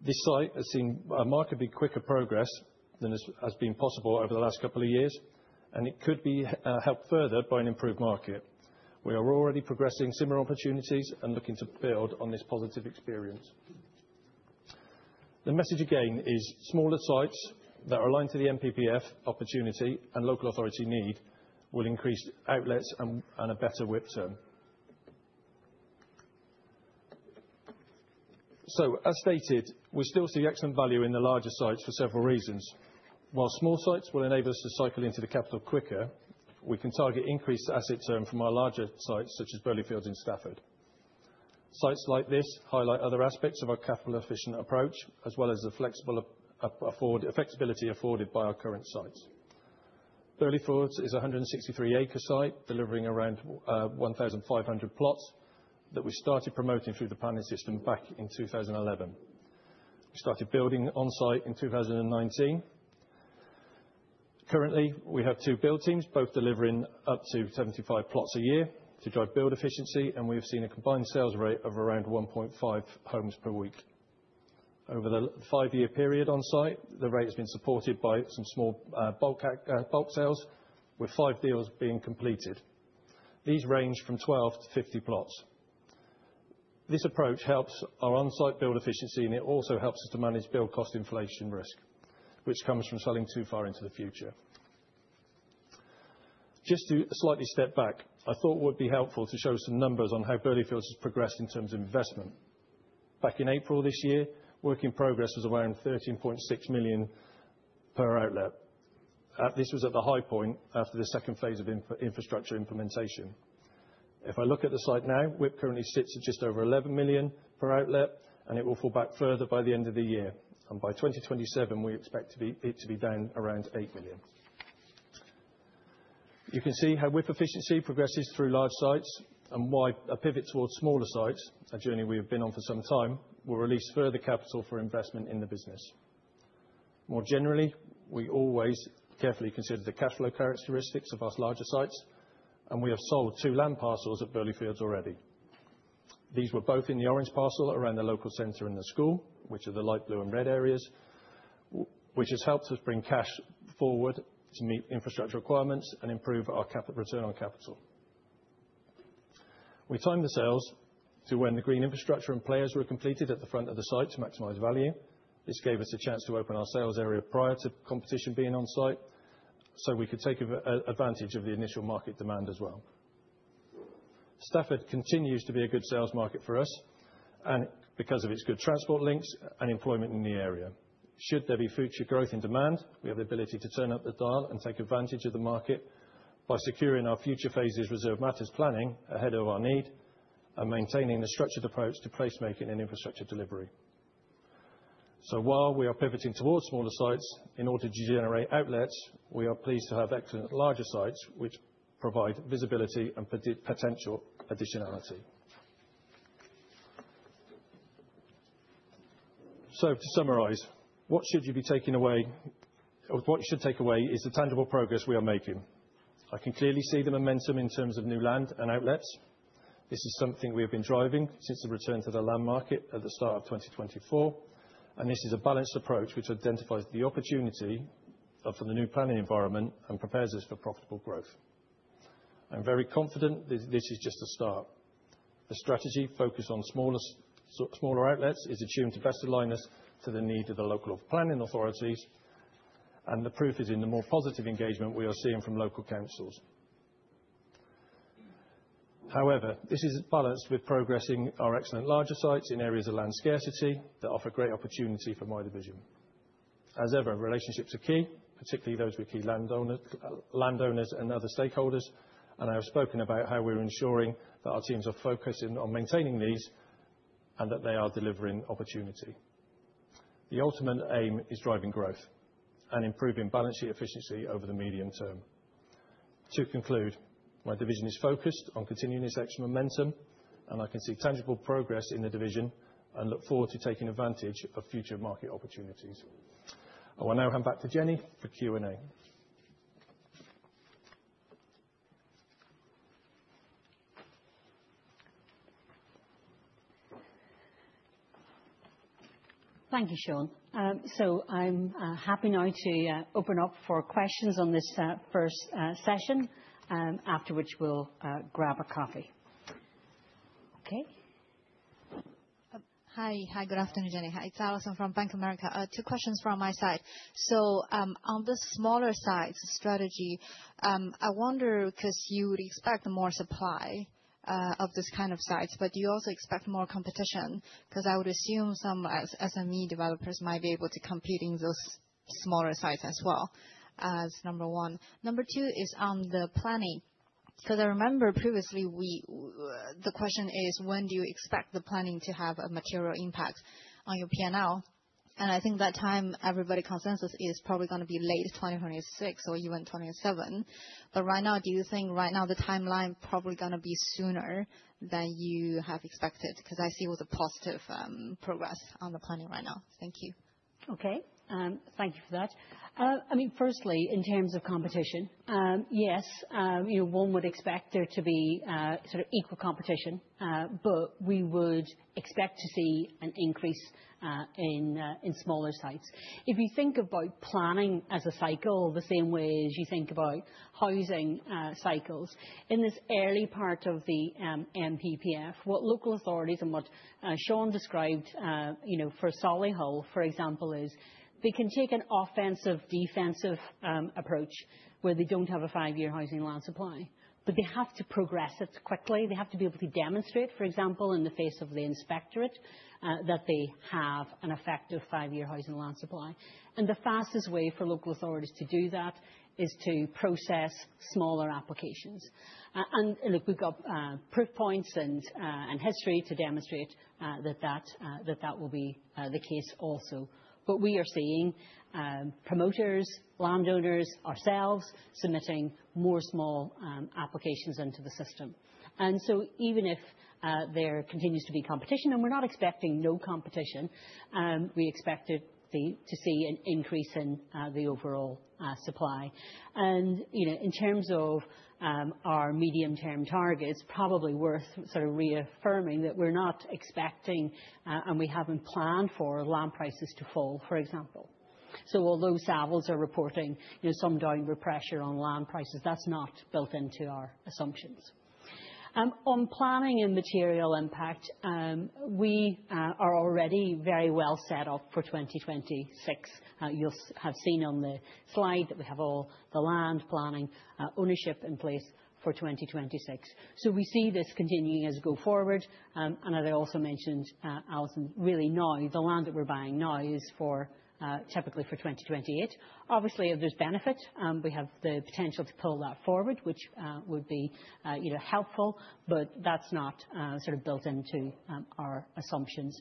This site has seen a markedly quicker progress than has been possible over the last couple of years, and it could be helped further by an improved market. We are already progressing similar opportunities and looking to build on this positive experience. The message again is smaller sites that are aligned to the NPPF opportunity and local authority need will increase outlets and a better WIP term. As stated, we still see excellent value in the larger sites for several reasons. While small sites will enable us to cycle into the capital quicker, we can target increased asset term from our larger sites such as Burleyfields in Stafford. Sites like this highlight other aspects of our capital-efficient approach as well as the flexibility afforded by our current sites. Burleyfields is a 163-acre site delivering around 1,500 plots that we started promoting through the planning system back in 2011. We started building on-site in 2019. Currently, we have two build teams, both delivering up to 75 plots a year to drive build efficiency, and we've seen a combined sales rate of around 1.5 homes per week. Over the five-year period on site, the rate has been supported by some small bulk sales, with five deals being completed. These range from 12 to 50 plots. This approach helps our onsite build efficiency, and it also helps us to manage build cost inflation risk, which comes from selling too far into the future. Just to slightly step back, I thought it would be helpful to show some numbers on how Burleyfields has progressed in terms of investment. Back in April this year, work in progress was around 13.6 million per outlet. This was at the high point after the second phase of infrastructure implementation. If I look at the site now, WIP currently sits at just over 11 million per outlet, and it will fall back further by the end of the year. By 2027, we expect it to be down around 8 million. You can see how WIP efficiency progresses through live sites and why a pivot towards smaller sites, a journey we have been on for some time, will release further capital for investment in the business. More generally, we always carefully consider the cash flow characteristics of our larger sites, and we have sold two land parcels at Burleyfields already. These were both in the orange parcel around the local center and the school, which are the light blue and red areas, which has helped us bring cash forward to meet infrastructure requirements and improve our return on capital. We timed the sales to when the green infrastructure and phases were completed at the front of the site to maximize value. This gave us a chance to open our sales area prior to competition being on site, so we could take advantage of the initial market demand as well. Stafford continues to be a good sales market for us and because of its good transport links and employment in the area. Should there be future growth in demand, we have the ability to turn up the dial and take advantage of the market by securing our future phases reserved matters planning ahead of our need and maintaining a structured approach to placemaking and infrastructure delivery. While we are pivoting towards smaller sites in order to generate outlets, we are pleased to have excellent larger sites which provide visibility and potential additionality. To summarize, what you should take away is the tangible progress we are making. I can clearly see the momentum in terms of new land and outlets. This is something we have been driving since the return to the land market at the start of 2024, and this is a balanced approach which identifies the opportunity for the new planning environment and prepares us for profitable growth. I'm very confident this is just the start. The strategy focused on smaller outlets is attuned to best align us to the need of the local planning authorities, and the proof is in the more positive engagement we are seeing from local councils. However, this is balanced with progressing our excellent larger sites in areas of land scarcity that offer great opportunity for my division. As ever, relationships are key, particularly those with key landowners and other stakeholders, and I have spoken about how we are ensuring that our teams are focused in on maintaining these, and that they are delivering opportunity. The ultimate aim is driving growth and improving balance sheet efficiency over the medium term. To conclude, my division is focused on continuing this excellent momentum, and I can see tangible progress in the division and look forward to taking advantage of future market opportunities. I will now hand back to Jennie for Q&A. Thank you, Shaun. I'm happy now to open up for questions on this first session, after which we'll grab a coffee. Okay. Hi, good afternoon, Jennie. Hi, it's Allison from Bank of America. Two questions from my side. On the smaller sites strategy, I wonder because you would expect more supply of this kind of sites, but do you also expect more competition? I would assume some SME developers might be able to compete in those smaller sites as well as number 1. Number 2 is on the planning. I remember previously, the question is, when do you expect the planning to have a material impact on your P&L? I think that time everybody consensus is probably going to be late 2026 or even 2027. Right now, do you think right now the timeline probably going to be sooner than you have expected? I see all the positive progress on the planning right now. Thank you. Okay. Thank you for that. Firstly, in terms of competition, yes, one would expect there to be equal competition. We would expect to see an increase in smaller sites. If you think about planning as a cycle, the same way as you think about housing cycles, in this early part of the NPPF, what local authorities and what Shaun described, for Solihull, for example, is they can take an offensive, defensive approach where they don't have a five-year housing land supply. They have to progress it quickly. They have to be able to demonstrate, for example, in the face of the inspectorate, that they have an effective five-year housing land supply. The fastest way for local authorities to do that is to process smaller applications. Look, we've got proof points and history to demonstrate that that will be the case also. We are seeing promoters, landowners, ourselves, submitting more small applications into the system. Even if there continues to be competition, and we're not expecting no competition, we expect to see an increase in the overall supply. In terms of our medium-term targets, probably worth sort of reaffirming that we're not expecting, and we haven't planned for land prices to fall, for example. Although Savills are reporting some downward pressure on land prices, that's not built into our assumptions. On planning and material impact, we are already very well set up for 2026. You'll have seen on the slide that we have all the land planning ownership in place for 2026. We see this continuing as we go forward. As I also mentioned, Allison, really now, the land that we're buying now is typically for 2028. Obviously, if there's benefit, we have the potential to pull that forward, which would be helpful, but that's not built into our assumptions.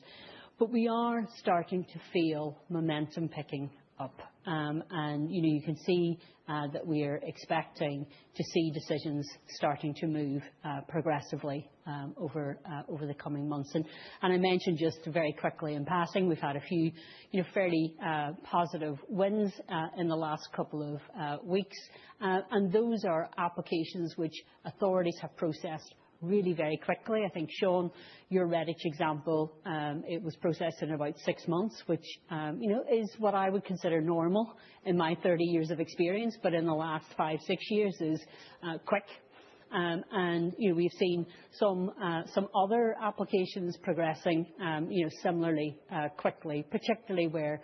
We are starting to feel momentum picking up. You can see that we are expecting to see decisions starting to move progressively over the coming months. I mentioned just very quickly in passing, we've had a few fairly positive wins in the last couple of weeks. Those are applications which authorities have processed really very quickly. I think, Shaun, your Redditch example, it was processed in about six months, which is what I would consider normal in my 30 years of experience. In the last five, six years is quick. We've seen some other applications progressing similarly quickly, particularly where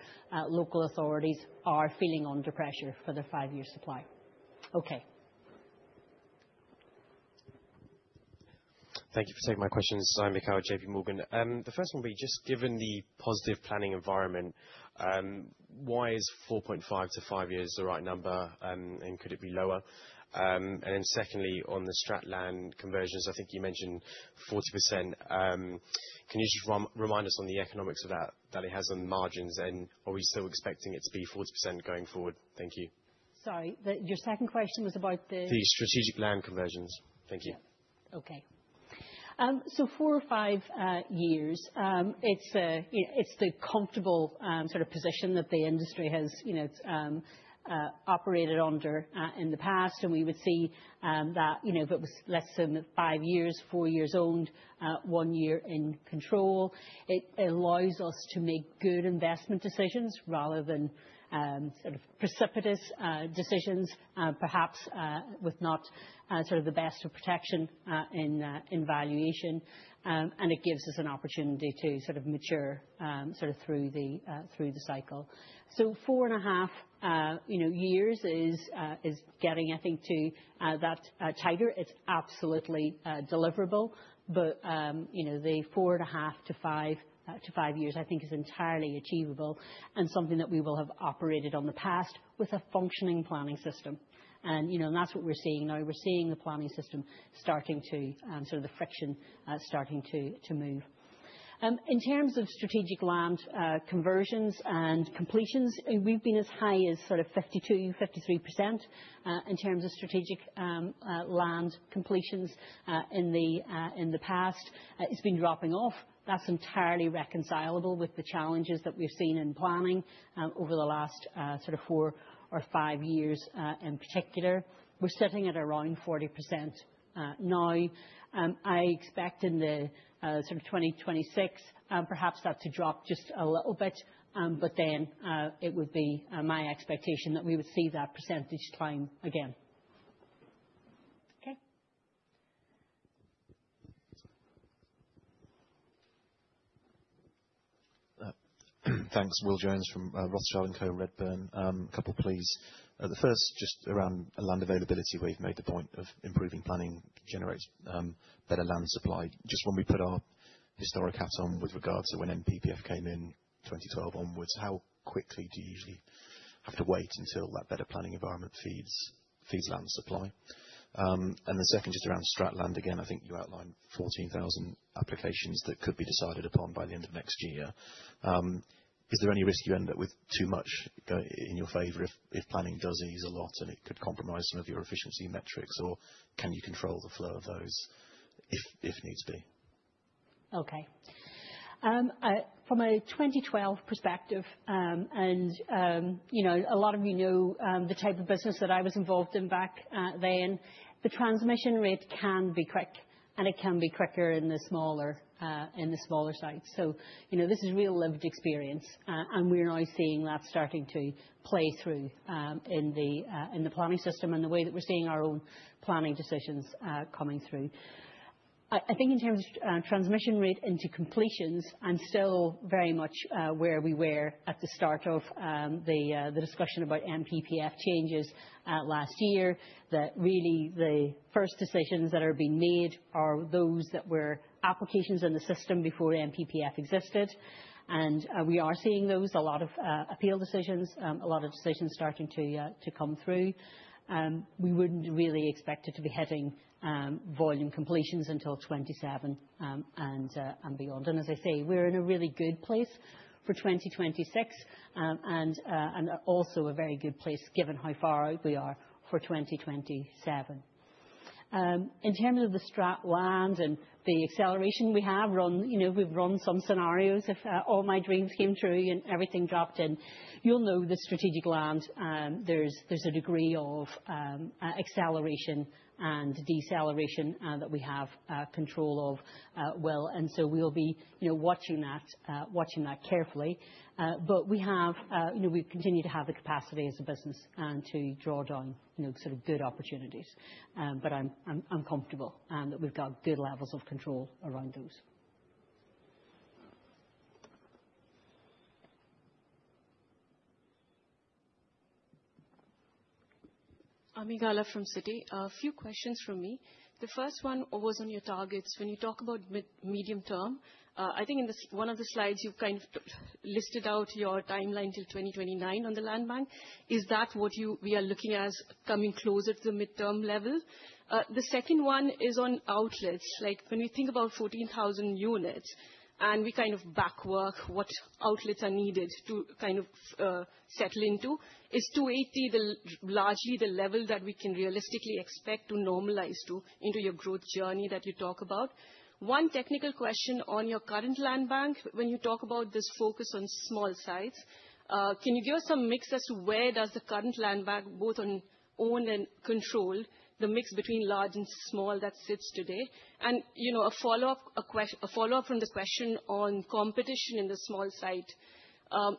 local authorities are feeling under pressure for their five-year supply. Okay. Thank you for taking my questions. I'm Mikhail, JPMorgan. The first one will be just given the positive planning environment, why is 4.5 to five years the right number, and could it be lower? Secondly, on the strat land conversions, I think you mentioned 40%. Can you just remind us on the economics of that it has on margins? Are we still expecting it to be 40% going forward? Thank you. Sorry. Your second question was about the? The strategic land conversions. Thank you. Yeah. Okay. Four or five years, it's the comfortable position that the industry has operated under in the past, and we would see that if it was less than five years, four years owned, one year in control. It allows us to make good investment decisions rather than precipitous decisions, perhaps with not the best of protection in valuation. It gives us an opportunity to mature through the cycle. Four and a half years is getting, I think, to that tighter. It's absolutely deliverable, but the four and a half to five years, I think is entirely achievable and something that we will have operated on the past with a functioning planning system. That's what we're seeing now. We're seeing the planning system, the friction starting to move. In terms of strategic land conversions and completions, we've been as high as 52%-53% in terms of strategic land completions in the past. It's been dropping off. That's entirely reconcilable with the challenges that we've seen in planning over the last four or five years in particular. We're sitting at around 40% now. I expect in the sort of 2026, perhaps that to drop just a little bit. It would be my expectation that we would see that percentage climb again. Okay. Thanks. William Jones from Rothschild & Co Redburn. Couple, please. The first just around land availability, where you've made the point of improving planning generates better land supply. Just when we put our historic hat on with regards to when NPPF came in 2012 onwards, how quickly do you usually have to wait until that better planning environment feeds land supply? The second just around strat land again. I think you outlined 14,000 applications that could be decided upon by the end of next year. Is there any risk you end up with too much going in your favor if planning does ease a lot and it could compromise some of your efficiency metrics? Can you control the flow of those if needs be? Okay. From a 2012 perspective, a lot of you know the type of business that I was involved in back then, the transmission rate can be quick, and it can be quicker in the smaller sites. This is real lived experience. We are now seeing that starting to play through in the planning system and the way that we're seeing our own planning decisions coming through. I think in terms of transmission rate into completions, I'm still very much where we were at the start of the discussion about NPPF changes last year. That really the first decisions that are being made are those that were applications in the system before NPPF existed. We are seeing those. A lot of appeal decisions, a lot of decisions starting to come through. We wouldn't really expect it to be hitting volume completions until 2027 and beyond. As I say, we're in a really good place for 2026. Also a very good place given how far out we are for 2027. In terms of the strat land and the acceleration we have, we've run some scenarios if all my dreams came true and everything dropped in. You'll know the strategic land, there's a degree of acceleration and deceleration that we have control of well. So we'll be watching that carefully. We continue to have the capacity as a business and to draw down good opportunities. I'm comfortable that we've got good levels of control around those. Ami Galla from Citi. A few questions from me. The first one was on your targets. When you talk about medium term, I think in one of the slides you've listed out your timeline till 2029 on the land bank. Is that what we are looking as coming closer to the midterm level? The second one is on outlets. When we think about 14,000 units, and we back work what outlets are needed to settle into. Is 280 largely the level that we can realistically expect to normalize to into your growth journey that you talk about? One technical question on your current land bank. When you talk about this focus on small sites, can you give us some mix as to where does the current land bank, both on own and control, the mix between large and small that sits today? A follow-up from the question on competition in the small site.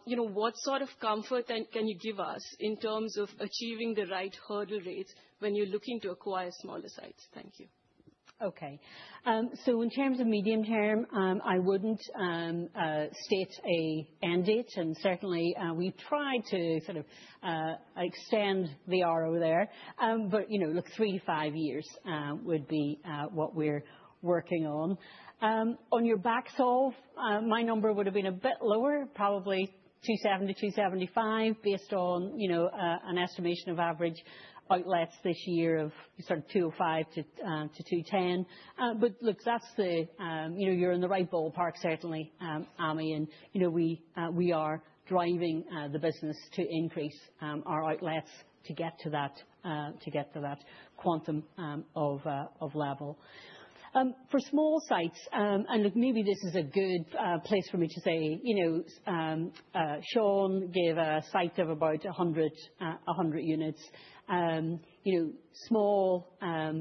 What sort of comfort can you give us in terms of achieving the right hurdle rates when you're looking to acquire smaller sites? Thank you. In terms of medium term, I wouldn't state a end date. Certainly, we tried to extend the RO there. Look, three to five years would be what we're working on. On your back solve, my number would've been a bit lower, probably 270, 275 based on an estimation of average outlets this year of sort of 205 to 210. Look, you're in the right ballpark certainly, Ami. We are driving the business to increase our outlets to get to that quantum of level. For small sites, and maybe this is a good place for me to say, Shaun gave a site of about 100 units. Small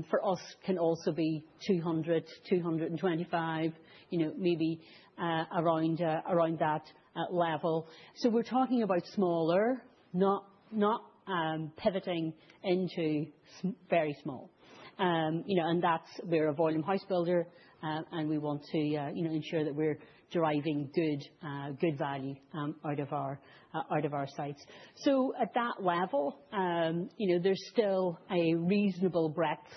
for us can also be 200, 225, maybe around that level. We're talking about smaller, not pivoting into very small. We're a volume house builder, and we want to ensure that we're driving good value out of our sites. At that level, there's still a reasonable breadth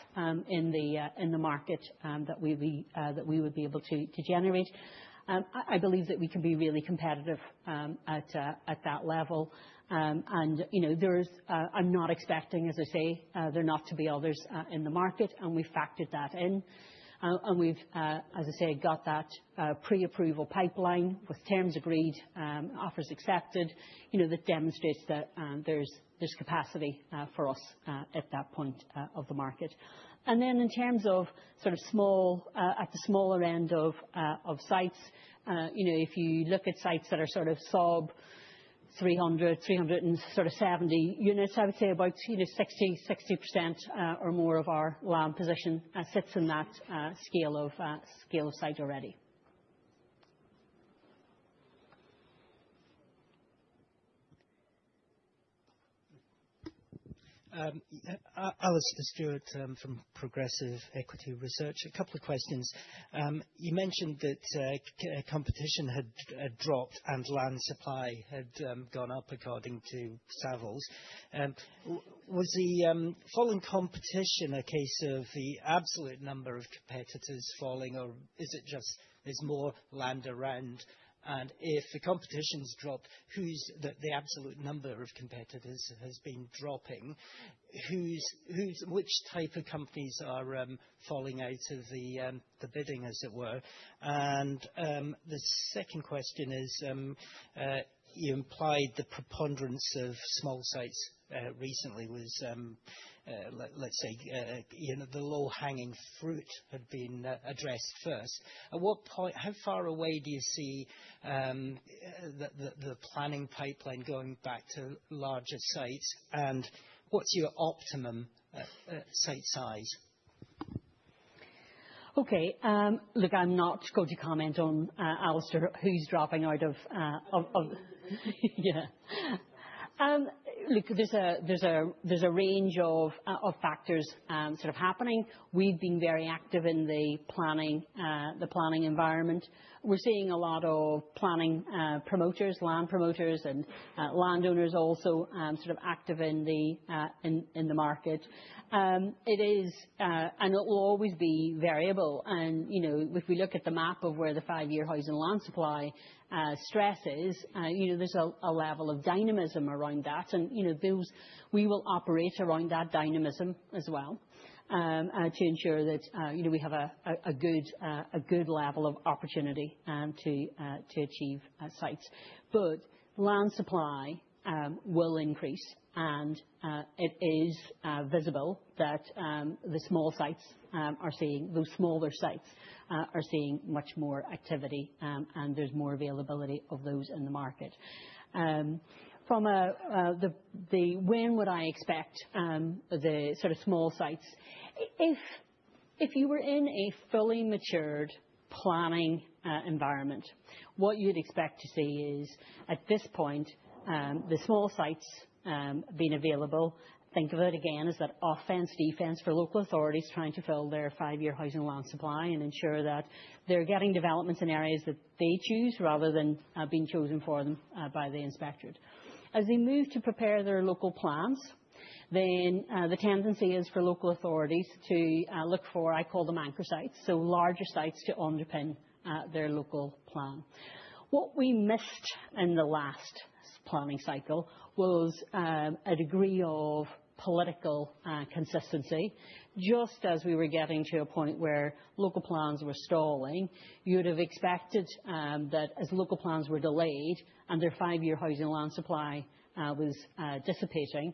in the market that we would be able to generate. I believe that we can be really competitive at that level. I'm not expecting, as I say, there not to be others in the market, and we factored that in, and we've, as I say, got that pre-approval pipeline with terms agreed, offers accepted, that demonstrates that there's capacity for us at that point of the market. Then in terms of at the smaller end of sites, if you look at sites that are sort of sub 300, 370 units, I would say about 60% or more of our land position sits in that scale of site already. Alastair Stewart from Progressive Equity Research. A couple of questions. You mentioned that competition had dropped and land supply had gone up according to Savills. Was the falling competition a case of the absolute number of competitors falling, or is it just there's more land around? If the competition's dropped, the absolute number of competitors has been dropping, which type of companies are falling out of the bidding, as it were? The second question is, you implied the preponderance of small sites recently was, let's say, the low-hanging fruit had been addressed first. How far away do you see the planning pipeline going back to larger sites, and what's your optimum site size? Okay. Look, I'm not going to comment on, Alastair, who's dropping out of yeah. There's a range of factors sort of happening. We've been very active in the planning environment. We're seeing a lot of planning promoters, land promoters, and landowners also sort of active in the market. It is, and it will always be, variable. If we look at the map of where the five-year housing land supply stress is, there's a level of dynamism around that. We will operate around that dynamism as well, to ensure that we have a good level of opportunity to achieve sites. Land supply will increase, and it is visible that those smaller sites are seeing much more activity, and there's more availability of those in the market. When would I expect the sort of small sites? If you were in a fully matured planning environment, what you'd expect to see is, at this point, the small sites being available. Think of it again as that offense, defense for local authorities trying to fill their five-year housing land supply and ensure that they're getting developments in areas that they choose rather than being chosen for them by the inspectorate. As they move to prepare their local plans, the tendency is for local authorities to look for, I call them anchor sites, so larger sites to underpin their local plan. What we missed in the last planning cycle was a degree of political consistency. Just as we were getting to a point where local plans were stalling, you would have expected that as local plans were delayed and their five-year housing land supply was dissipating,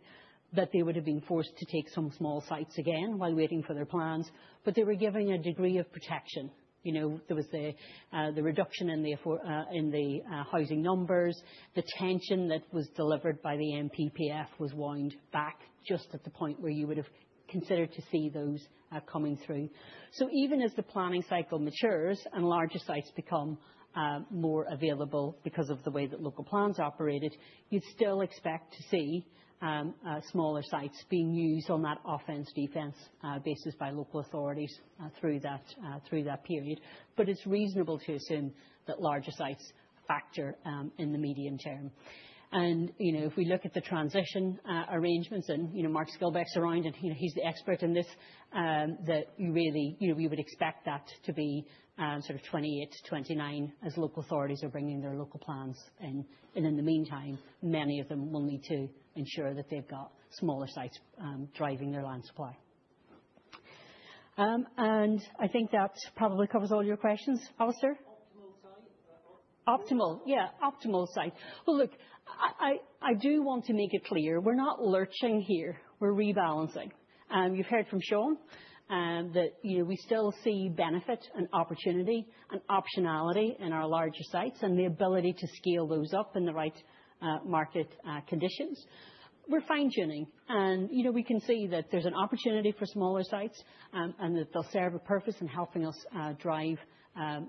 that they would have been forced to take some small sites again while waiting for their plans. They were given a degree of protection. There was the reduction in the housing numbers. The tension that was delivered by the NPPF was wound back just at the point where you would have considered to see those coming through. Even as the planning cycle matures and larger sites become more available because of the way that local plans operated, you'd still expect to see smaller sites being used on that offense, defense basis by local authorities through that period. It's reasonable to assume that larger sites factor in the medium term. If we look at the transition arrangements, and Mark Skilbeck's around, and he's the expert in this, that we would expect that to be sort of 2028 to 2029 as local authorities are bringing their local plans in. In the meantime, many of them will need to ensure that they've got smaller sites driving their land supply. I think that probably covers all your questions, Alastair. Optimal. Yeah, optimal site. Well, look, I do want to make it clear, we're not lurching here. We're rebalancing. You've heard from Shaun that we still see benefit and opportunity and optionality in our larger sites and the ability to scale those up in the right market conditions. We're fine-tuning. We can see that there's an opportunity for smaller sites, and that they'll serve a purpose in helping us drive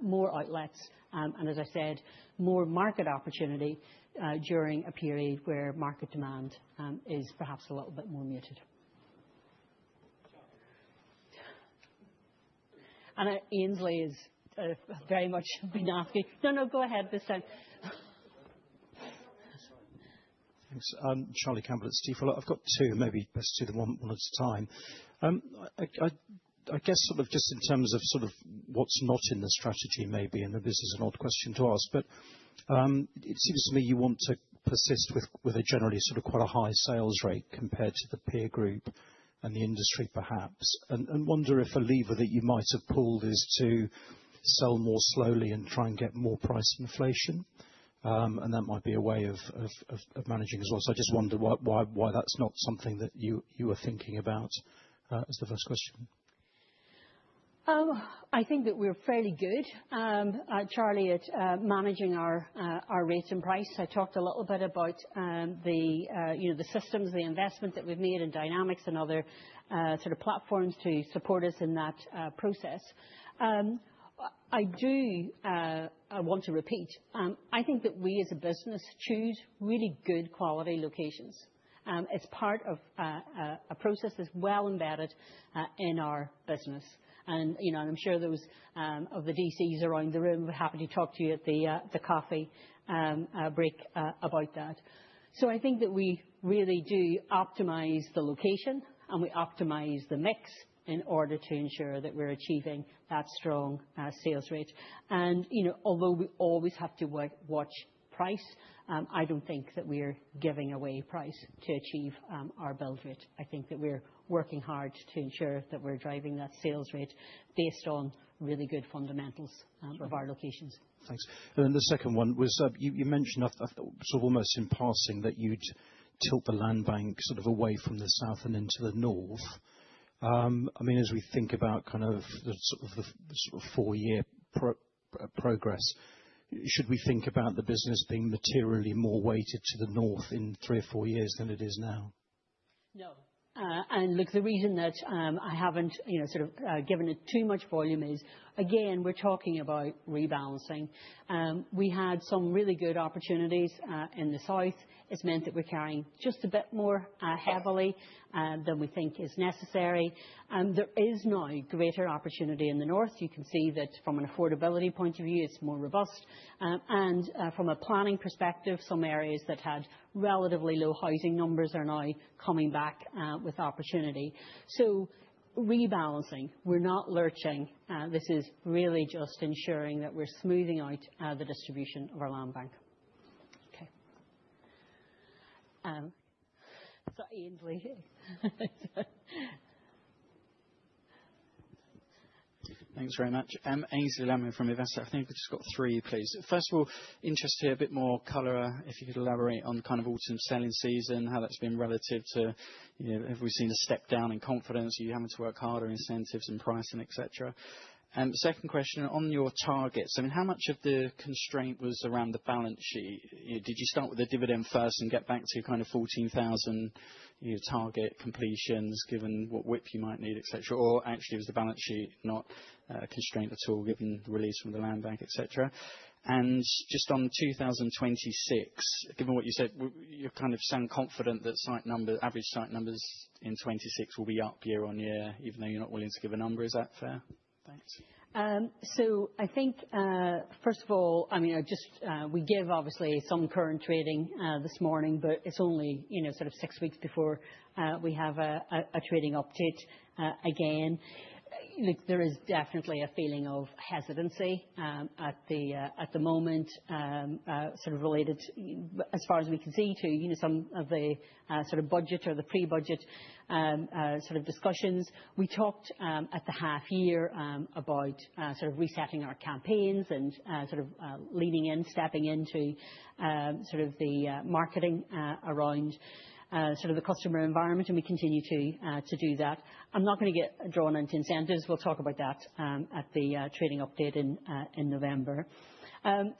more outlets, and as I said, more market opportunity during a period where market demand is perhaps a little bit more muted. I know Aynsley is very much been asking. No, no, go ahead this time. Thanks. Charlie Campbell at Stifel. I've got two, maybe best do them one at a time. I guess sort of just in terms of sort of what's not in the strategy maybe, and that this is an odd question to ask, but it seems to me you want to persist with a generally sort of quite a high sales rate compared to the peer group and the industry, perhaps. Wonder if a lever that you might have pulled is to sell more slowly and try and get more price inflation? That might be a way of managing as well. I just wonder why that's not something that you are thinking about is the first question. I think that we're fairly good, Charlie, at managing our rate and price. I talked a little bit about the systems, the investment that we've made in Microsoft Dynamics and other sort of platforms to support us in that process. I want to repeat, I think that we as a business choose really good quality locations. It's part of a process that's well embedded in our business. I'm sure those of the DCs around the room would happily talk to you at the coffee break about that. I think that we really do optimize the location, and we optimize the mix in order to ensure that we're achieving that strong sales rate. Although we always have to watch price, I don't think that we're giving away price to achieve our build rate. I think that we're working hard to ensure that we're driving that sales rate based on really good fundamentals of our locations. Thanks. The second one was, you mentioned, sort of almost in passing, that you'd tilt the land bank sort of away from the south and into the north. As we think about kind of the sort of four-year progress, should we think about the business being materially more weighted to the north in three or four years than it is now? No. Look, the reason that I haven't given it too much volume is, again, we're talking about rebalancing. We had some really good opportunities in the south. It's meant that we're carrying just a bit more heavily than we think is necessary. There is now a greater opportunity in the north. You can see that from an affordability point of view, it's more robust. From a planning perspective, some areas that had relatively low housing numbers are now coming back with opportunity. Rebalancing. We're not lurching. This is really just ensuring that we're smoothing out the distribution of our land bank. Okay. Saw Aynsley. Thanks very much. Aynsley Lammin from Investec. I think we have just got three, please. First of all, interested to hear a bit more color, if you could elaborate on kind of autumn selling season, how that has been relative to, have we seen a step down in confidence? Are you having to work harder, incentives and pricing, et cetera? The second question, on your targets, how much of the constraint was around the balance sheet? Did you start with the dividend first and get back to kind of 14,000 target completions given what WIP you might need, et cetera, or actually was the balance sheet not a constraint at all given the release from the land bank, et cetera? Just on 2026, given what you said, you kind of sound confident that average site numbers in 2026 will be up year-on-year, even though you are not willing to give a number. Is that fair? Thanks. I think, first of all, we gave obviously some current trading this morning, but it is only sort of 6 weeks before we have a trading update again. Look, there is definitely a feeling of hesitancy at the moment sort of related, as far as we can see, to some of the sort of budget or the pre-budget sort of discussions. We talked at the half year about sort of resetting our campaigns and sort of leaning in, stepping into sort of the marketing around sort of the customer environment, and we continue to do that. I am not going to get drawn into incentives. We will talk about that at the trading update in November.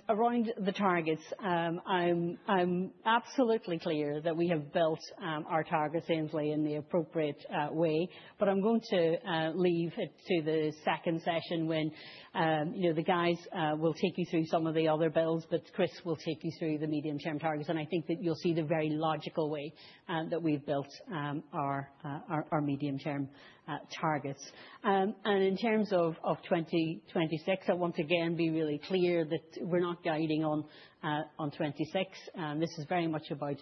Around the targets, I am absolutely clear that we have built our targets, Aynsley, in the appropriate way. I am going to leave it to the second session when the guys will take you through some of the other builds, Chris will take you through the medium-term targets, and I think that you will see the very logical way that we have built our medium-term targets. In terms of 2026, I want again be really clear that we are not guiding on 2026. This is very much about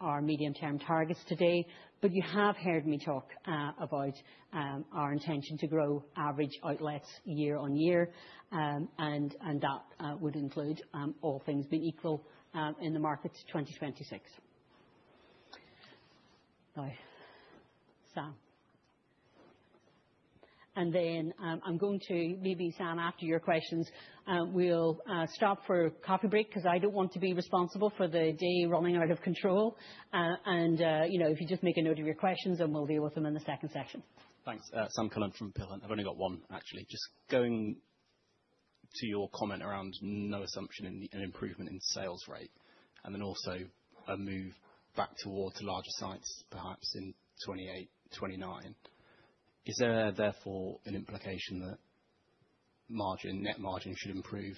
our medium-term targets today. You have heard me talk about our intention to grow average outlets year-on-year, and that would include all things being equal, in the market to 2026. Now, Sam, I am going to, maybe Sam, after your questions, we will stop for a coffee break because I do not want to be responsible for the day running out of control. If you just make a note of your questions, we'll be with them in the second session. Thanks. Samuel Cullen from Peel Hunt. I've only got one, actually. Just going to your comment around no assumption in the improvement in sales rate, then also a move back toward larger sites, perhaps in 2028, 2029. Is there therefore an implication that net margin should improve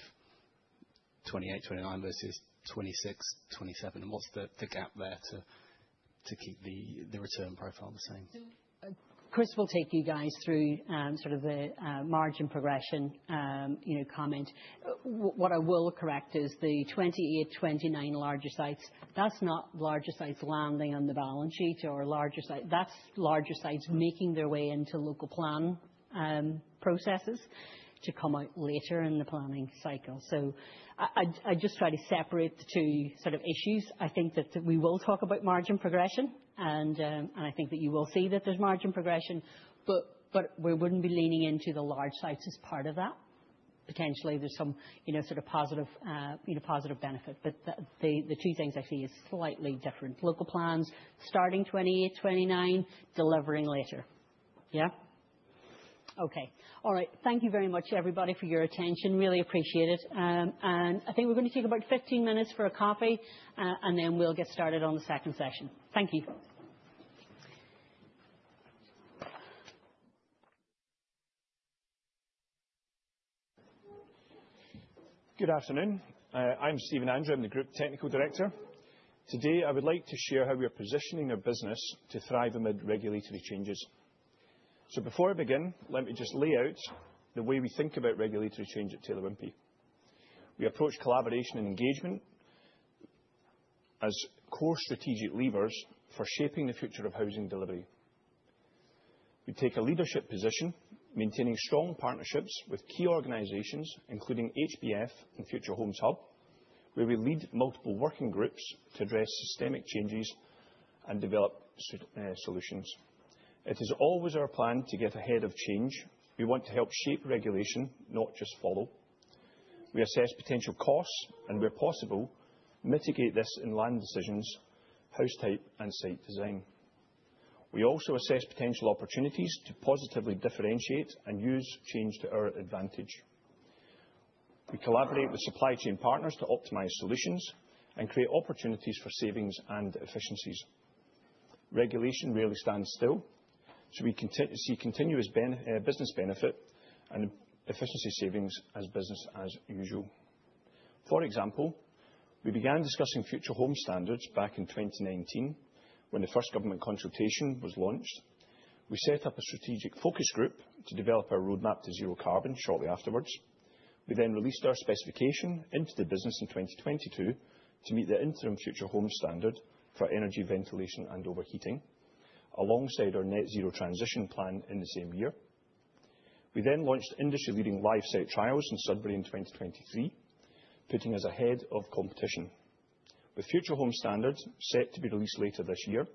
2028, 2029 versus 2026, 2027? What's the gap there to keep the return profile the same? Chris will take you guys through sort of the margin progression comment. What I will correct is the 2028, 2029 larger sites. That's not larger sites landing on the balance sheet, that's larger sites making their way into local plan processes to come out later in the planning cycle. I just try to separate the two sort of issues. I think that we will talk about margin progression, and I think that you will see that there's margin progression. We wouldn't be leaning into the large sites as part of that. Potentially, there's some sort of positive benefit. The two things actually is slightly different. Local plans starting 2028, 2029, delivering later. Yeah? Okay. All right. Thank you very much, everybody, for your attention. Really appreciate it. I think we're going to take about 15 minutes for a coffee, and then we'll get started on the second session. Thank you. Good afternoon. I am Stephen Andrew. I am the group technical director. Today, I would like to share how we are positioning our business to thrive amid regulatory changes. Before I begin, let me just lay out the way we think about regulatory change at Taylor Wimpey. We approach collaboration and engagement as core strategic levers for shaping the future of housing delivery. We take a leadership position, maintaining strong partnerships with key organizations, including HBF and Future Homes Hub, where we lead multiple working groups to address systemic changes and develop solutions. It is always our plan to get ahead of change. We want to help shape regulation, not just follow. We assess potential costs, and where possible, mitigate this in land decisions, house type, and site design. We also assess potential opportunities to positively differentiate and use change to our advantage. We collaborate with supply chain partners to optimize solutions and create opportunities for savings and efficiencies. Regulation rarely stands still, so we see continuous business benefit and efficiency savings as business as usual. For example, we began discussing Future Homes Standard back in 2019 when the first government consultation was launched. We set up a strategic focus group to develop our roadmap to zero carbon shortly afterwards. We then released our specification into the business in 2022 to meet the interim Future Homes Standard for energy, ventilation, and overheating, alongside our net zero transition plan in the same year. We then launched industry-leading live site trials in Sudbury in 2023, putting us ahead of competition. With Future Homes Standard set to be released later this year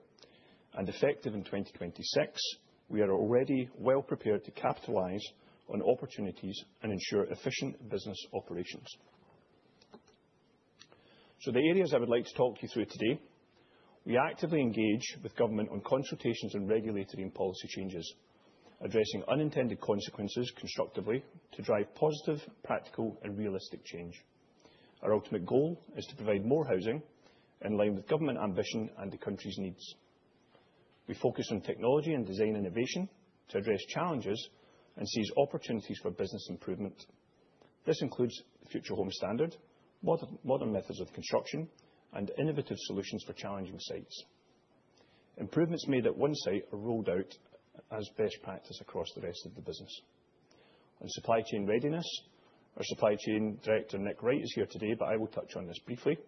and effective in 2026, we are already well prepared to capitalize on opportunities and ensure efficient business operations. The areas I would like to talk you through today, we actively engage with government on consultations on regulatory and policy changes, addressing unintended consequences constructively to drive positive, practical, and realistic change. Our ultimate goal is to provide more housing in line with government ambition and the country's needs. We focus on technology and design innovation to address challenges and seize opportunities for business improvement. This includes the Future Homes Standard, modern methods of construction, and innovative solutions for challenging sites. Improvements made at one site are rolled out as best practice across the rest of the business. On supply chain readiness, our supply chain director, Nick Wright, is here today, but I will touch on this briefly.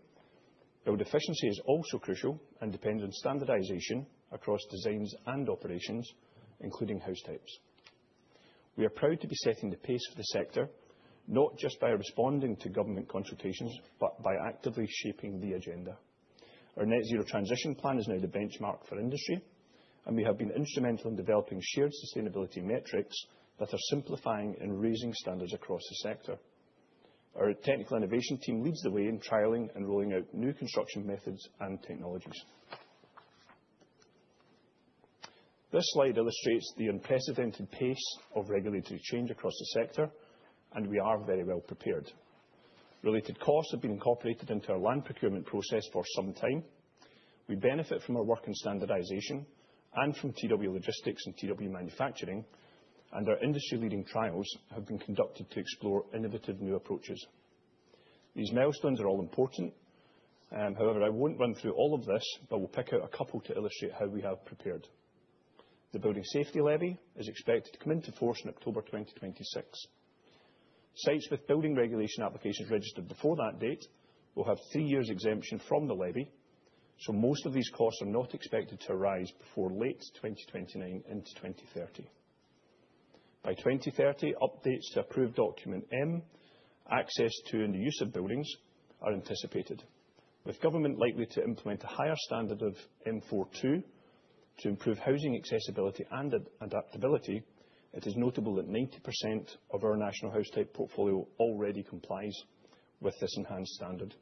Build efficiency is also crucial and depends on standardization across designs and operations, including house types. We are proud to be setting the pace for the sector, not just by responding to government consultations, but by actively shaping the agenda. Our net zero transition plan is now the benchmark for industry, and we have been instrumental in developing shared sustainability metrics that are simplifying and raising standards across the sector. Our technical innovation team leads the way in trialing and rolling out new construction methods and technologies. This slide illustrates the unprecedented pace of regulatory change across the sector, and we are very well prepared. Related costs have been incorporated into our land procurement process for some time. We benefit from our work in standardization and from TW Logistics and TW Manufacturing, and our industry-leading trials have been conducted to explore innovative new approaches. These milestones are all important. However, I won't run through all of this, but we'll pick out a couple to illustrate how we have prepared. The Building Safety Levy is expected to come into force in October 2026. Sites with building regulation applications registered before that date will have three years exemption from the levy, so most of these costs are not expected to arise before late 2029 into 2030. By 2030, updates to Approved Document M, access to and the use of buildings, are anticipated. With government likely to implement a higher standard of M4(2) to improve housing accessibility and adaptability, it is notable that 90% of our national house type portfolio already complies with this enhanced standard.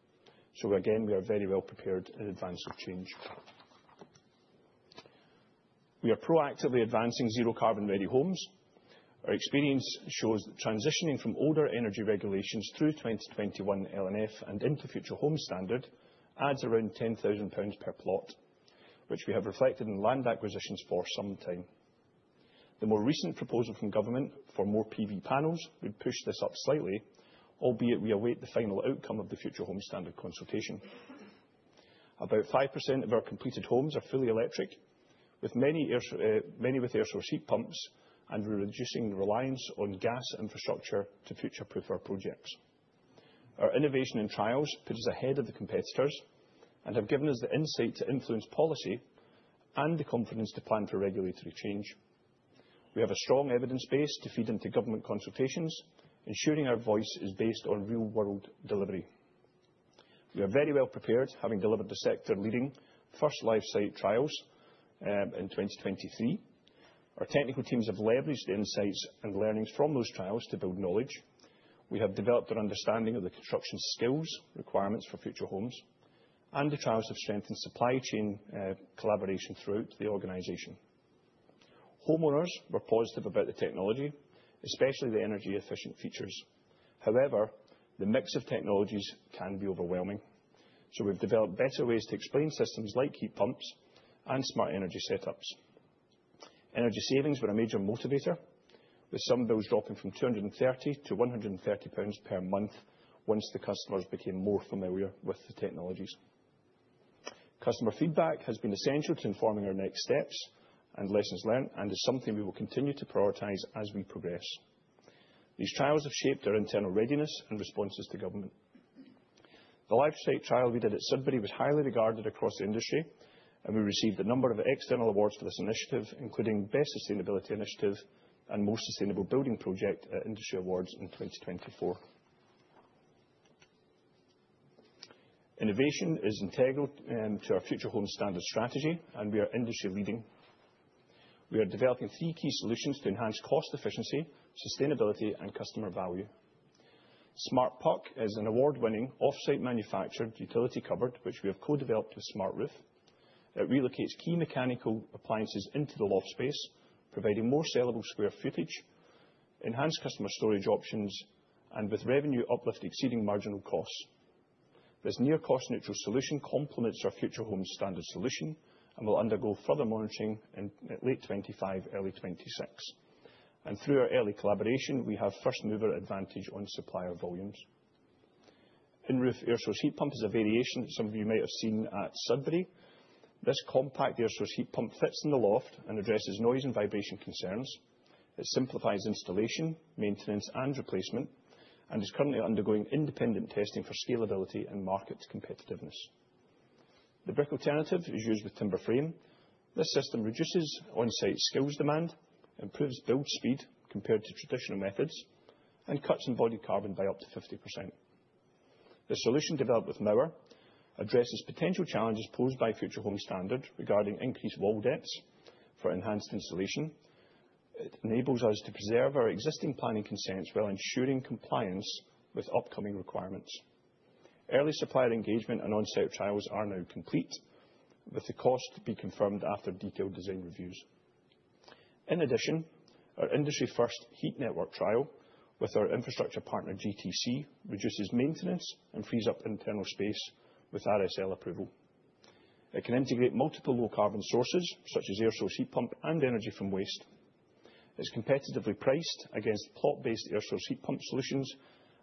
Again, we are very well prepared in advance of change. We are proactively advancing zero carbon-ready homes. Our experience shows that transitioning from older energy regulations through 2021 L and F and into Future Homes Standard adds around 10,000 pounds per plot, which we have reflected in land acquisitions for some time. The more recent proposal from government for more PV panels would push this up slightly, albeit we await the final outcome of the Future Homes Standard consultation. About 5% of our completed homes are fully electric, with many with air source heat pumps, and we're reducing the reliance on gas infrastructure to future-proof our projects. Our innovation and trials put us ahead of the competitors and have given us the insight to influence policy and the confidence to plan for regulatory change. We have a strong evidence base to feed into government consultations, ensuring our voice is based on real-world delivery. We are very well prepared, having delivered the sector-leading first live site trials, in 2023. Our technical teams have leveraged the insights and learnings from those trials to build knowledge. We have developed an understanding of the construction skills requirements for future homes, and the trials have strengthened supply chain collaboration throughout the organization. Homeowners were positive about the technology, especially the energy efficient features. However, the mix of technologies can be overwhelming, so we've developed better ways to explain systems like heat pumps and smart energy setups. Energy savings were a major motivator, with some bills dropping from 230 to 130 pounds per month once the customers became more familiar with the technologies. Customer feedback has been essential to informing our next steps and lessons learned, and is something we will continue to prioritize as we progress. These trials have shaped our internal readiness and responses to government. The live site trial we did at Sudbury was highly regarded across the industry, and we received a number of external awards for this initiative, including Best Sustainability Initiative and Most Sustainable Building Project at Industry Awards in 2024. Innovation is integral to our Future Homes Standard strategy, and we are industry leading. We are developing three key solutions to enhance cost efficiency, sustainability, and customer value. Smart Pod is an award-winning offsite manufactured utility cupboard, which we have co-developed with Smartroof. It relocates key mechanical appliances into the loft space, providing more sellable square footage, enhanced customer storage options, and with revenue uplift exceeding marginal costs. This near cost neutral solution complements our Future Homes Standard solution and will undergo further monitoring in late 2025, early 2026. Through our early collaboration, we have first mover advantage on supplier volumes. In-roof air source heat pump is a variation some of you might have seen at Sudbury. This compact air source heat pump fits in the loft and addresses noise and vibration concerns. It simplifies installation, maintenance, and replacement and is currently undergoing independent testing for scalability and market competitiveness. The brick alternative is used with timber frame. This system reduces onsite skills demand, improves build speed compared to traditional methods, and cuts embodied carbon by up to 50%. This solution, developed with Mauer, addresses potential challenges posed by Future Homes Standard regarding increased wall depths for enhanced insulation. It enables us to preserve our existing planning consents while ensuring compliance with upcoming requirements. Early supplier engagement and onsite trials are now complete, with the cost to be confirmed after detailed design reviews. In addition, our industry first heat network trial with our infrastructure partner, GTC, reduces maintenance and frees up internal space with RSL approval. It can integrate multiple low carbon sources, such as air source heat pump and energy from waste. It is competitively priced against plot-based air source heat pump solutions.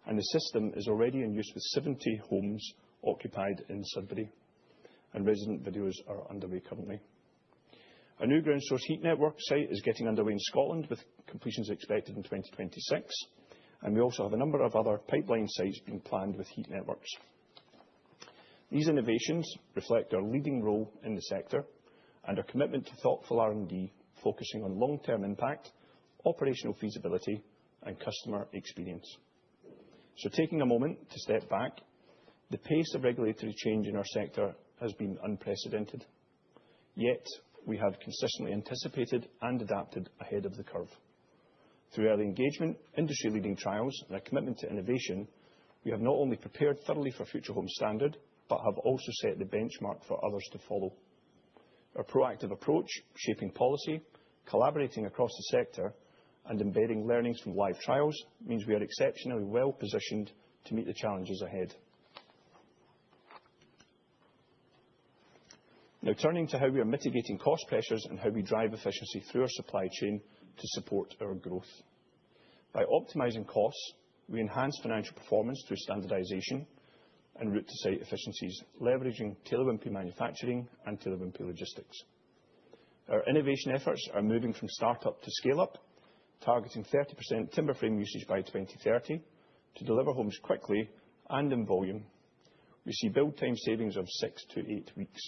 Resident videos are underway currently. The system is already in use with 70 homes occupied in Sudbury. A new ground source heat network site is getting underway in Scotland, with completions expected in 2026. We also have a number of other pipeline sites being planned with heat networks. These innovations reflect our leading role in the sector and our commitment to thoughtful R&D, focusing on long-term impact, operational feasibility, and customer experience. Taking a moment to step back, the pace of regulatory change in our sector has been unprecedented. We have consistently anticipated and adapted ahead of the curve. Through early engagement, industry leading trials, and a commitment to innovation, we have not only prepared thoroughly for Future Homes Standard, but have also set the benchmark for others to follow. Our proactive approach, shaping policy, collaborating across the sector, and embedding learnings from live trials means we are exceptionally well positioned to meet the challenges ahead. Turning to how we are mitigating cost pressures and how we drive efficiency through our supply chain to support our growth. By optimizing costs, we enhance financial performance through standardization and route to site efficiencies, leveraging Taylor Wimpey Manufacturing and Taylor Wimpey Logistics. Our innovation efforts are moving from startup to scale up, targeting 30% timber frame usage by 2030 to deliver homes quickly and in volume. We see build time savings of six to eight weeks.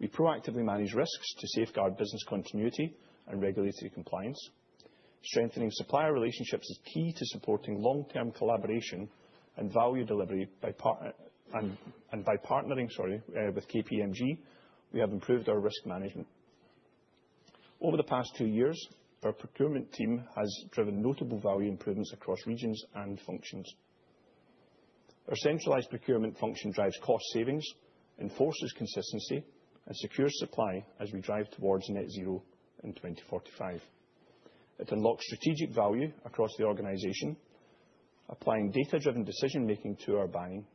We proactively manage risks to safeguard business continuity and regulatory compliance. Strengthening supplier relationships is key to supporting long-term collaboration and value delivery. By partnering, sorry, with KPMG, we have improved our risk management. Over the past two years, our procurement team has driven notable value improvements across regions and functions. Our centralized procurement function drives cost savings, enforces consistency, and secures supply as we drive towards net zero in 2045. It unlocks strategic value across the organization, applying data-driven decision-making to our buying.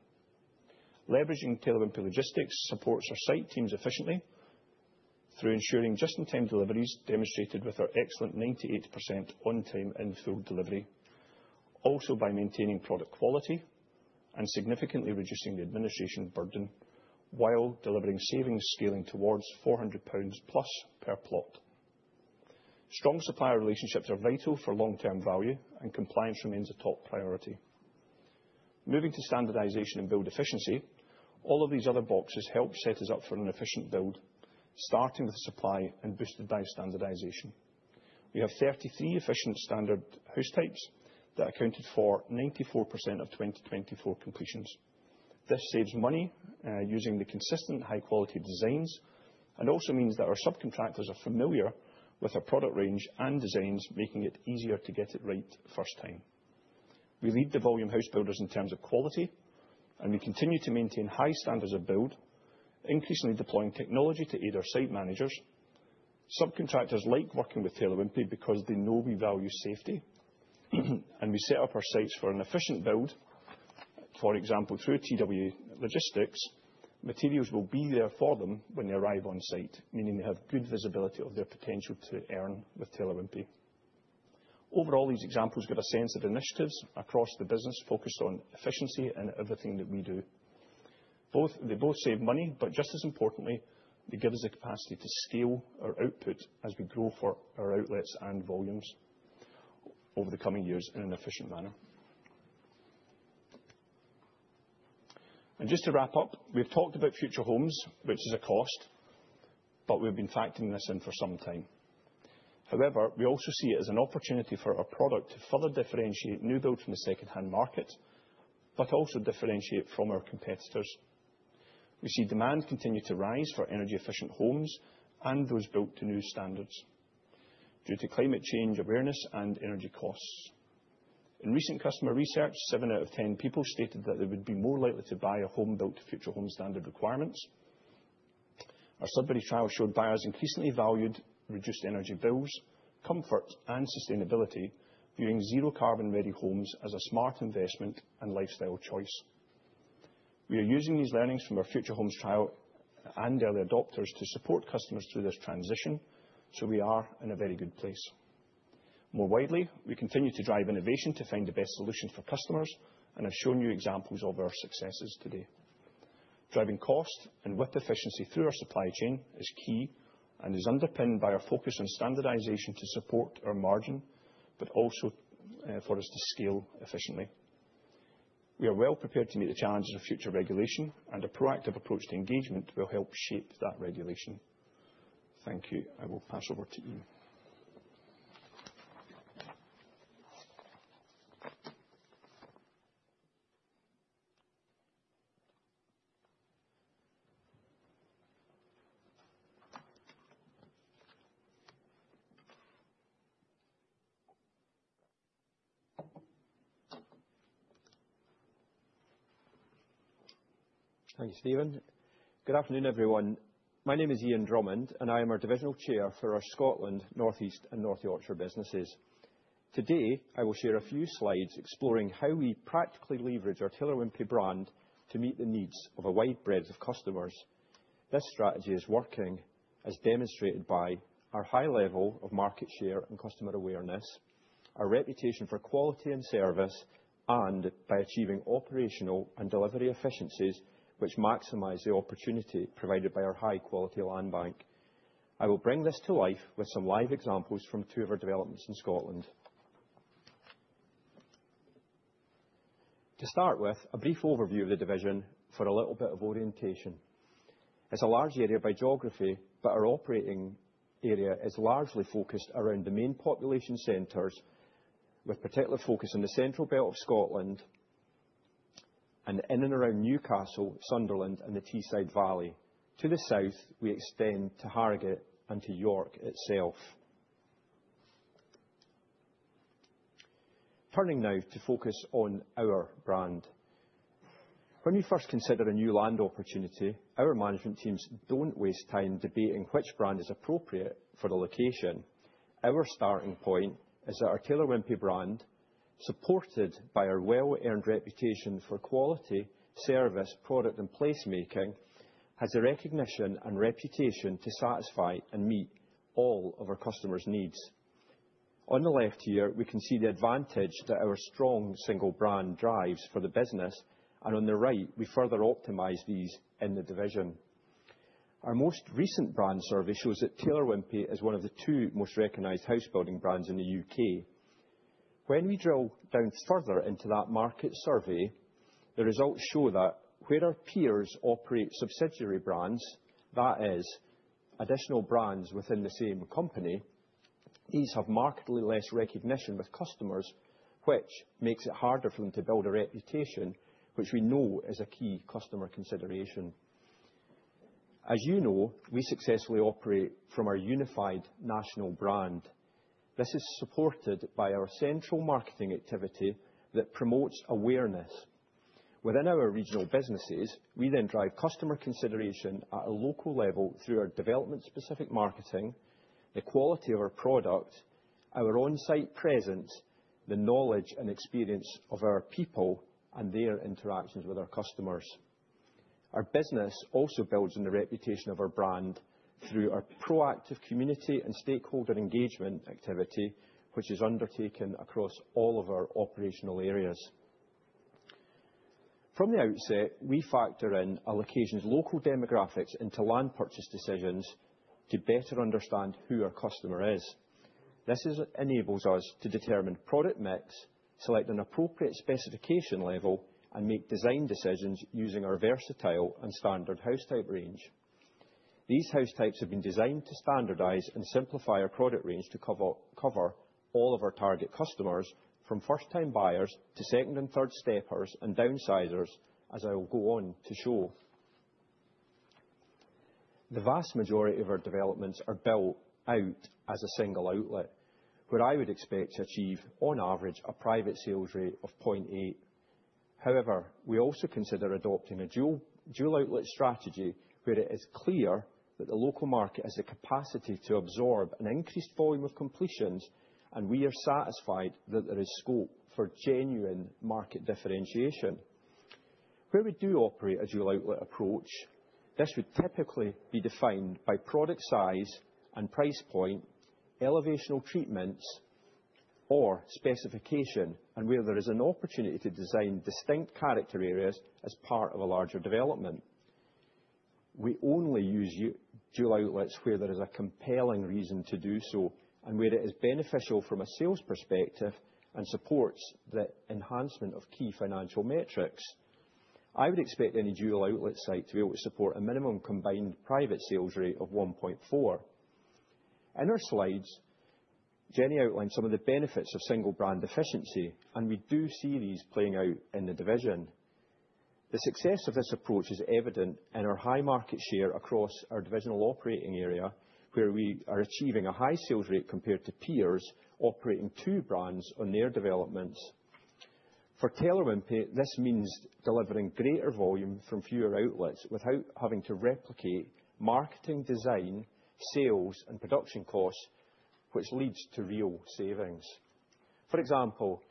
Leveraging Taylor Wimpey Logistics supports our site teams efficiently through ensuring just-in-time deliveries, demonstrated with our excellent 98% on-time in-field delivery, also by maintaining product quality and significantly reducing the administration burden while delivering savings scaling towards 400 pounds plus per plot. Strong supplier relationships are vital for long-term value. Compliance remains a top priority. Moving to standardization and build efficiency, all of these other boxes help set us up for an efficient build, starting with supply and boosted by standardization. We have 33 efficient standard house types that accounted for 94% of 2024 completions. This saves money, using the consistent high-quality designs, and also means that our subcontractors are familiar with our product range and designs, making it easier to get it right first time. We lead the volume house builders in terms of quality, and we continue to maintain high standards of build, increasingly deploying technology to aid our site managers. Subcontractors like working with Taylor Wimpey because they know we value safety, and we set up our sites for an efficient build. For example, through TW Logistics, materials will be there for them when they arrive on site, meaning they have good visibility of their potential to earn with Taylor Wimpey. Overall, these examples give a sense of initiatives across the business focused on efficiency in everything that we do. They both save money, but just as importantly, they give us the capacity to scale our output as we grow for our outlets and volumes over the coming years in an efficient manner. Just to wrap up, we've talked about Future Homes, which is a cost, but we've been factoring this in for some time. However, we also see it as an opportunity for our product to further differentiate new build from the secondhand market, but also differentiate from our competitors. We see demand continue to rise for energy-efficient homes and those built to new standards due to climate change awareness and energy costs. In recent customer research, seven out of 10 people stated that they would be more likely to buy a home built to Future Homes Standard requirements. Our Sudbury trial showed buyers increasingly valued reduced energy bills, comfort, and sustainability, viewing zero carbon-ready homes as a smart investment and lifestyle choice. We are using these learnings from our Future Homes trial and early adopters to support customers through this transition. We are in a very good place. More widely, we continue to drive innovation to find the best solution for customers and have shown you examples of our successes today. Driving cost and with efficiency through our supply chain is key and is underpinned by our focus on standardization to support our margin, but also for us to scale efficiently. We are well prepared to meet the challenges of future regulation. A proactive approach to engagement will help shape that regulation. Thank you. I will pass over to Ian. Thank you, Stephen. Good afternoon, everyone. My name is Ian Drummond, and I am our divisional chair for our Scotland, North East, and North Yorkshire businesses. Today, I will share a few slides exploring how we practically leverage our Taylor Wimpey brand to meet the needs of a wide breadth of customers. This strategy is working as demonstrated by our high level of market share and customer awareness, our reputation for quality and service, and by achieving operational and delivery efficiencies, which maximize the opportunity provided by our high-quality land bank. I will bring this to life with some live examples from two of our developments in Scotland. To start with, a brief overview of the division for a little bit of orientation. It's a large area by geography, but our operating area is largely focused around the main population centers, with particular focus on the central belt of Scotland and in and around Newcastle, Sunderland, and the Tees Valley. To the south, we extend to Harrogate and to York itself. Turning now to focus on our brand. When we first consider a new land opportunity, our management teams don't waste time debating which brand is appropriate for the location. Our starting point is that our Taylor Wimpey brand, supported by our well-earned reputation for quality, service, product, and place-making, has the recognition and reputation to satisfy and meet all of our customers' needs. On the left here, we can see the advantage that our strong single brand drives for the business, and on the right, we further optimize these in the division. Our most recent brand survey shows that Taylor Wimpey is one of the two most recognized house building brands in the U.K. When we drill down further into that market survey, the results show that where our peers operate subsidiary brands, that is additional brands within the same company, these have markedly less recognition with customers, which makes it harder for them to build a reputation, which we know is a key customer consideration. As you know, we successfully operate from our unified national brand. This is supported by our central marketing activity that promotes awareness. Within our regional businesses, we then drive customer consideration at a local level through our development-specific marketing, the quality of our product, our on-site presence, the knowledge and experience of our people, and their interactions with our customers. Our business also builds on the reputation of our brand through our proactive community and stakeholder engagement activity, which is undertaken across all of our operational areas. From the outset, we factor in a location's local demographics into land purchase decisions to better understand who our customer is. This enables us to determine product mix, select an appropriate specification level, and make design decisions using our versatile and standard house type range. These house types have been designed to standardize and simplify our product range to cover all of our target customers, from first-time buyers to second and third steppers and downsizers, as I will go on to show. The vast majority of our developments are built out as a single outlet, where I would expect to achieve, on average, a private sales rate of 0.8. We also consider adopting a dual-outlet strategy where it is clear that the local market has the capacity to absorb an increased volume of completions, and we are satisfied that there is scope for genuine market differentiation. Where we do operate a dual-outlet approach, this would typically be defined by product size and price point, elevational treatments, or specification, and where there is an opportunity to design distinct character areas as part of a larger development. We only use dual outlets where there is a compelling reason to do so and where it is beneficial from a sales perspective and supports the enhancement of key financial metrics. I would expect any dual-outlet site to be able to support a minimum combined private sales rate of 1.4. In her slides, Jennie outlined some of the benefits of single-brand efficiency, and we do see these playing out in the division. The success of this approach is evident in our high market share across our divisional operating area, where we are achieving a high sales rate compared to peers operating two brands on their developments. For Taylor Wimpey, this means delivering greater volume from fewer outlets without having to replicate marketing, design, sales, and production costs, which leads to real savings. For example,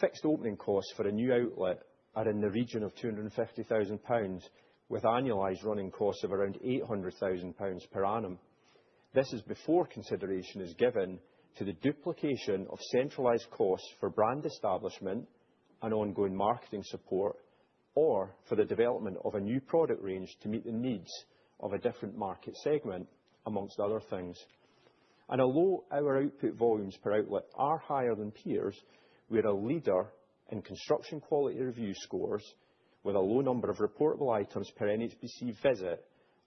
fixed opening costs for a new outlet are in the region of 250,000 pounds with annualized running costs of around 800,000 pounds per annum. This is before consideration is given to the duplication of centralized costs for brand establishment and ongoing marketing support, or for the development of a new product range to meet the needs of a different market segment, amongst other things. Although our output volumes per outlet are higher than peers, we are a leader in construction quality review scores with a low number of reportable items per NHBC visit,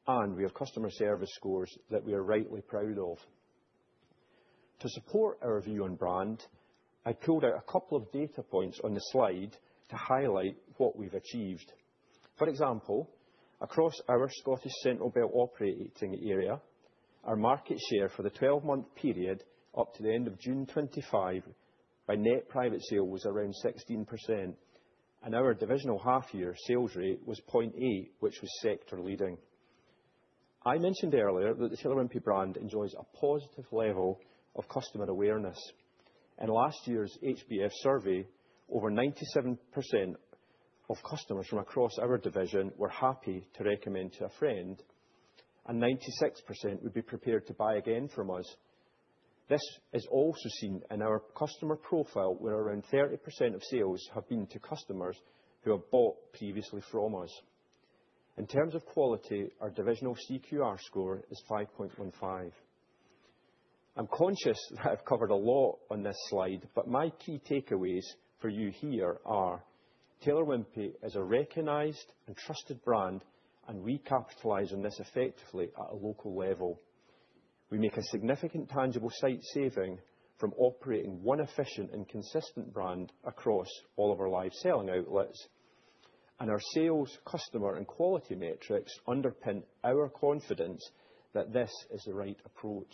and we have customer service scores that we are rightly proud of. To support our view on brand, I pulled out a couple of data points on the slide to highlight what we've achieved. For example, across our Scottish Central Belt operating area, our market share for the 12-month period up to the end of June 2025 by net private sale was around 16%, and our divisional half-year sales rate was 0.8, which was sector leading. I mentioned earlier that the Taylor Wimpey brand enjoys a positive level of customer awareness. In last year's HBF survey, over 97% of customers from across our division were happy to recommend to a friend, and 96% would be prepared to buy again from us. This is also seen in our customer profile, where around 30% of sales have been to customers who have bought previously from us. In terms of quality, our divisional CQR score is 5.15. I'm conscious that I've covered a lot on this slide, but my key takeaways for you here are: Taylor Wimpey is a recognized and trusted brand, and we capitalize on this effectively at a local level. We make a significant tangible site saving from operating one efficient and consistent brand across all of our live selling outlets. Our sales customer and quality metrics underpin our confidence that this is the right approach.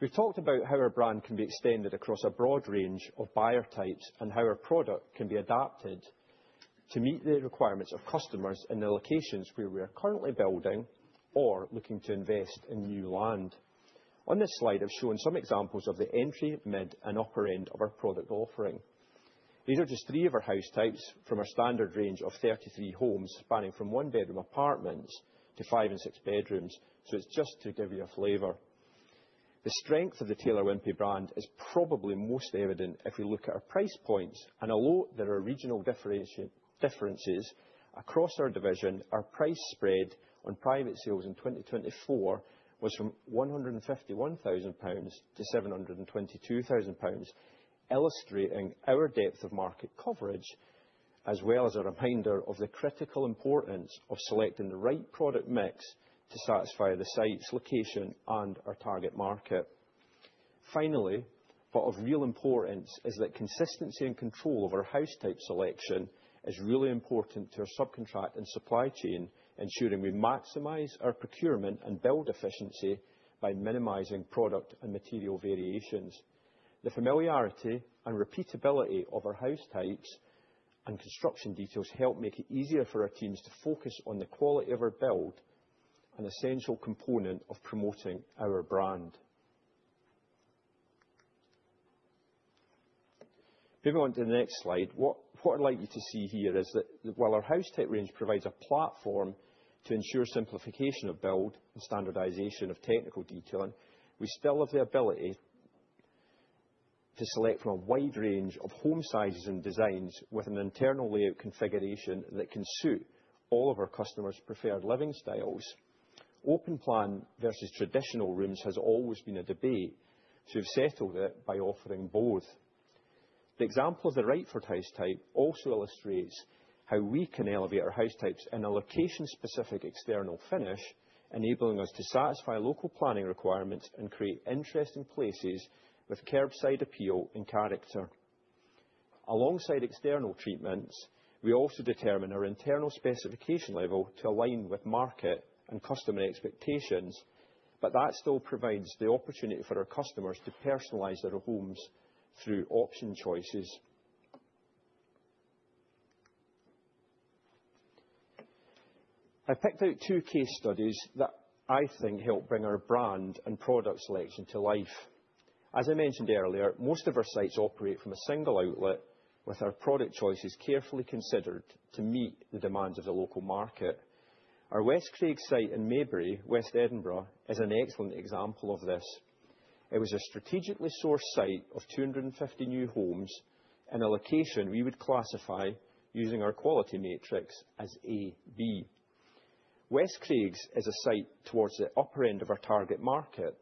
We've talked about how our brand can be extended across a broad range of buyer types and how our product can be adapted to meet the requirements of customers in the locations where we are currently building or looking to invest in new land. On this slide, I've shown some examples of the entry, mid, and upper end of our product offering. These are just 3 of our house types from our standard range of 33 homes, spanning from one-bedroom apartments to 5 and 6 bedrooms. So it's just to give you a flavor. The strength of the Taylor Wimpey brand is probably most evident if we look at our price points. Although there are regional differences across our division, our price spread on private sales in 2024 was from 151,000 pounds to 722,000 pounds, illustrating our depth of market coverage, as well as a reminder of the critical importance of selecting the right product mix to satisfy the site's location and our target market. Finally, of real importance, is that consistency and control of our house type selection is really important to our subcontract and supply chain, ensuring we maximize our procurement and build efficiency by minimizing product and material variations. The familiarity and repeatability of our house types and construction details help make it easier for our teams to focus on the quality of our build, an essential component of promoting our brand. Moving on to the next slide, what I'd like you to see here is that while our house type range provides a platform to ensure simplification of build and standardization of technical detailing, we still have the ability to select from a wide range of home sizes and designs with an internal layout configuration that can suit all of our customers' preferred living styles. Open plan versus traditional rooms has always been a debate. We've settled it by offering both. The example of the Whitford house type also illustrates how we can elevate our house types in a location-specific external finish, enabling us to satisfy local planning requirements and create interesting places with curbside appeal and character. Alongside external treatments, we also determine our internal specification level to align with market and customer expectations, but that still provides the opportunity for our customers to personalize their homes through option choices. I picked out two case studies that I think help bring our brand and product selection to life. As I mentioned earlier, most of our sites operate from a single outlet, with our product choices carefully considered to meet the demands of the local market. Our West Craigs site in Maybury, west Edinburgh, is an excellent example of this. It was a strategically sourced site of 250 new homes in a location we would classify using our quality matrix as AB. West Craigs is a site towards the upper end of our target market,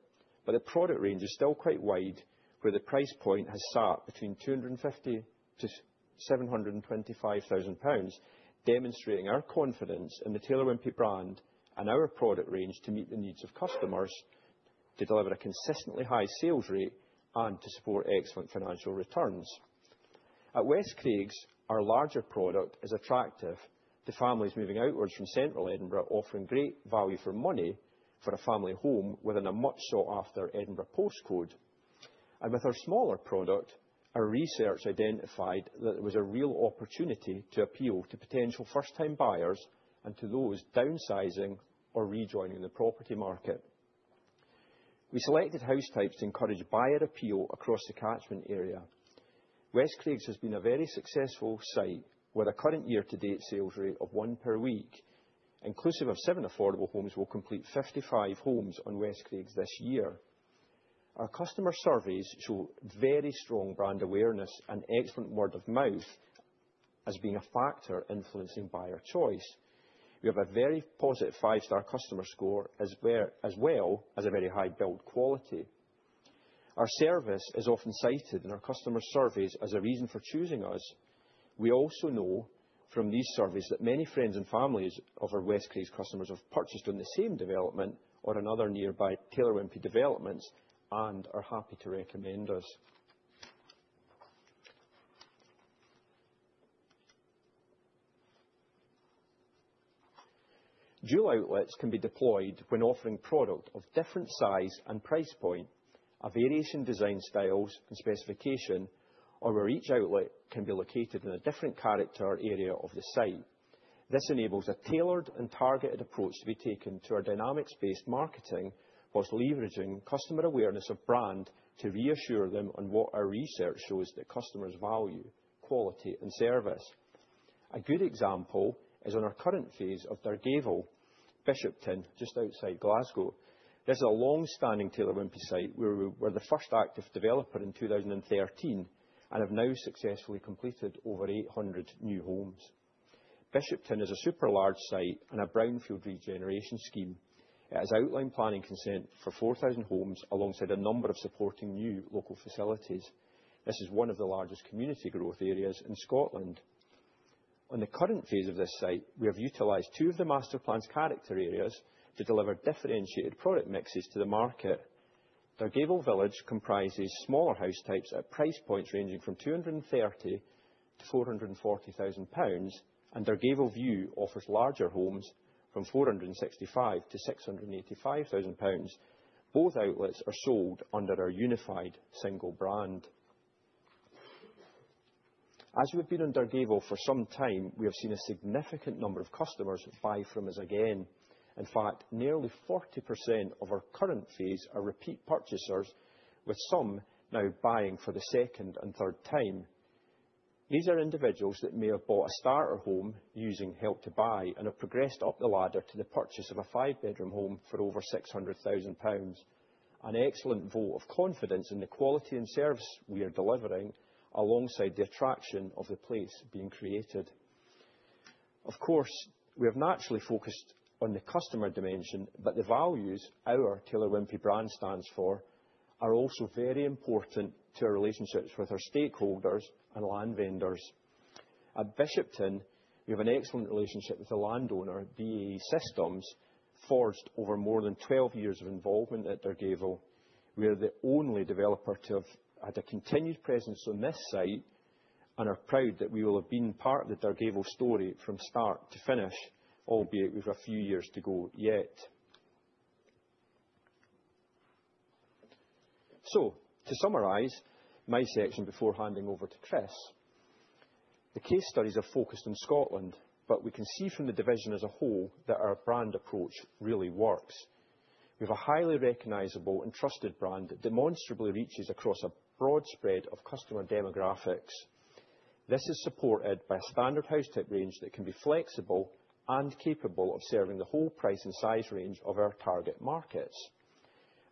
but the product range is still quite wide, where the price point has sat between 250,000 to 725,000 pounds, demonstrating our confidence in the Taylor Wimpey brand and our product range to meet the needs of customers, to deliver a consistently high sales rate, and to support excellent financial returns. At West Craigs, our larger product is attractive to families moving outwards from central Edinburgh, offering great value for money for a family home within a much sought-after Edinburgh postcode. With our smaller product, our research identified that there was a real opportunity to appeal to potential first-time buyers and to those downsizing or rejoining the property market. We selected house types to encourage buyer appeal across the catchment area. West Craigs has been a very successful site with a current year-to-date sales rate of one per week. Inclusive of 7 affordable homes, we will complete 55 homes on West Craigs this year. Our customer surveys show very strong brand awareness and excellent word of mouth as being a factor influencing buyer choice. We have a very positive five-star customer score, as well as a very high build quality. Our service is often cited in our customer surveys as a reason for choosing us. We also know from these surveys that many friends and families of our West Craigs customers have purchased on the same development or another nearby Taylor Wimpey developments and are happy to recommend us. Dual outlets can be deployed when offering product of different size and price point, a variation design styles and specification, or where each outlet can be located in a different character or area of the site. This enables a tailored and targeted approach to be taken to our dynamics-based marketing whilst leveraging customer awareness of brand to reassure them on what our research shows that customers value: quality and service. A good example is on our current phase of Dargavel, Bishopton, just outside Glasgow. This is a long-standing Taylor Wimpey site where we were the first active developer in 2013 and have now successfully completed over 800 new homes. Bishopton is a super large site on a brownfield regeneration scheme. It has outlined planning consent for 4,000 homes alongside a number of supporting new local facilities. This is one of the largest community growth areas in Scotland. On the current phase of this site, we have utilized two of the master plans character areas to deliver differentiated product mixes to the market. Dargavel Village comprises smaller house types at price points ranging from 230,000-440,000 pounds, Dargavel View offers larger homes from 465,000-685,000 pounds. Both outlets are sold under our unified single brand. As we have been on Dargavel for some time, we have seen a significant number of customers buy from us again. In fact, nearly 40% of our current phase are repeat purchasers, with some now buying for the second and third time. These are individuals that may have bought a starter home using Help to Buy and have progressed up the ladder to the purchase of a five-bedroom home for over 600,000 pounds. An excellent vote of confidence in the quality and service we are delivering, alongside the attraction of the place being created. We have naturally focused on the customer dimension, the values our Taylor Wimpey brand stands for are also very important to our relationships with our stakeholders and land vendors. At Bishopton, we have an excellent relationship with the landowner, BAE Systems, forged over more than 12 years of involvement at Dargavel. We are the only developer to have had a continued presence on this site and are proud that we will have been part of the Dargavel story from start to finish, albeit with a few years to go yet. To summarize my section before handing over to Chris. The case studies are focused on Scotland, we can see from the division as a whole that our brand approach really works. We have a highly recognizable and trusted brand that demonstrably reaches across a broad spread of customer demographics. This is supported by a standard house type range that can be flexible and capable of serving the whole price and size range of our target markets.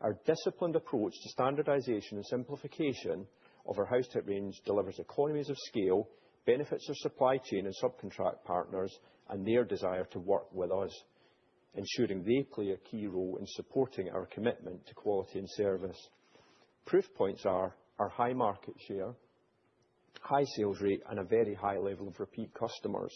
Our disciplined approach to standardization and simplification of our house type range delivers economies of scale, benefits our supply chain and subcontract partners, and their desire to work with us, ensuring they play a key role in supporting our commitment to quality and service. Proof points are our high market share, high sales rate, and a very high level of repeat customers.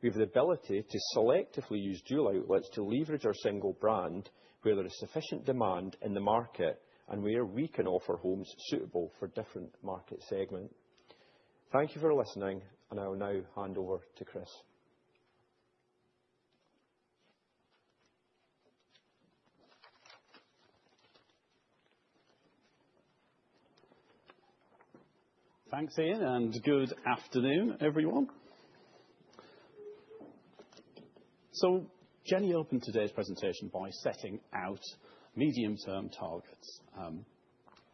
We have the ability to selectively use dual outlets to leverage our single brand where there is sufficient demand in the market, and where we can offer homes suitable for different market segment. Thank you for listening, and I will now hand over to Chris. Thanks, Ian, and good afternoon, everyone. Jennie opened today's presentation by setting out medium-term targets.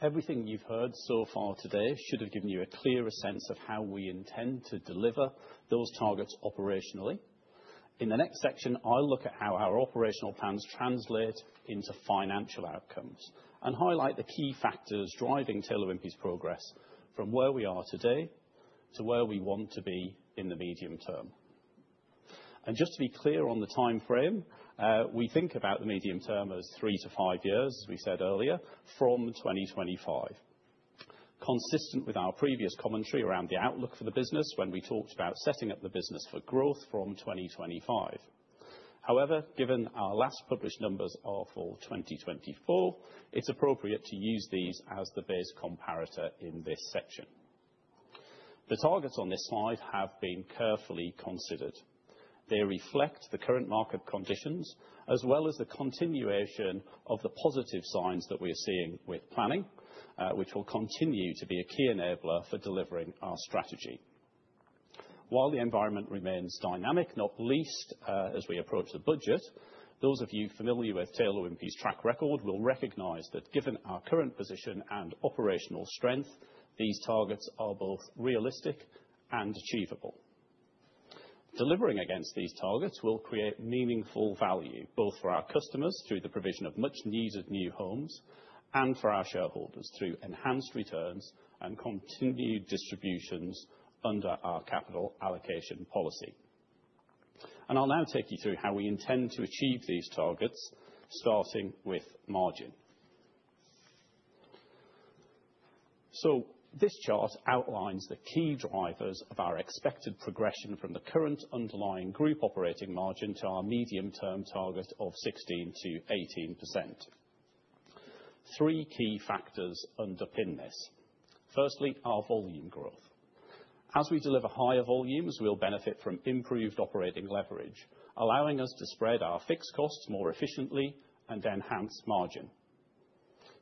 Everything you've heard so far today should have given you a clearer sense of how we intend to deliver those targets operationally. In the next section, I'll look at how our operational plans translate into financial outcomes and highlight the key factors driving Taylor Wimpey's progress from where we are today to where we want to be in the medium term. Just to be clear on the time frame, we think about the medium term as three to five years, as we said earlier, from 2025. Consistent with our previous commentary around the outlook for the business when we talked about setting up the business for growth from 2025. Given our last published numbers are for 2024, it's appropriate to use these as the base comparator in this section. The targets on this slide have been carefully considered. They reflect the current market conditions as well as the continuation of the positive signs that we're seeing with planning, which will continue to be a key enabler for delivering our strategy. While the environment remains dynamic, not least, as we approach the budget, those of you familiar with Taylor Wimpey's track record will recognize that given our current position and operational strength, these targets are both realistic and achievable. Delivering against these targets will create meaningful value, both for our customers through the provision of much needed new homes and for our shareholders through enhanced returns and continued distributions under our capital allocation policy. I'll now take you through how we intend to achieve these targets, starting with margin. This chart outlines the key drivers of our expected progression from the current underlying group operating margin to our medium-term target of 16%-18%. Three key factors underpin this. Firstly, our volume growth. As we deliver higher volumes, we'll benefit from improved operating leverage, allowing us to spread our fixed costs more efficiently and enhance margin.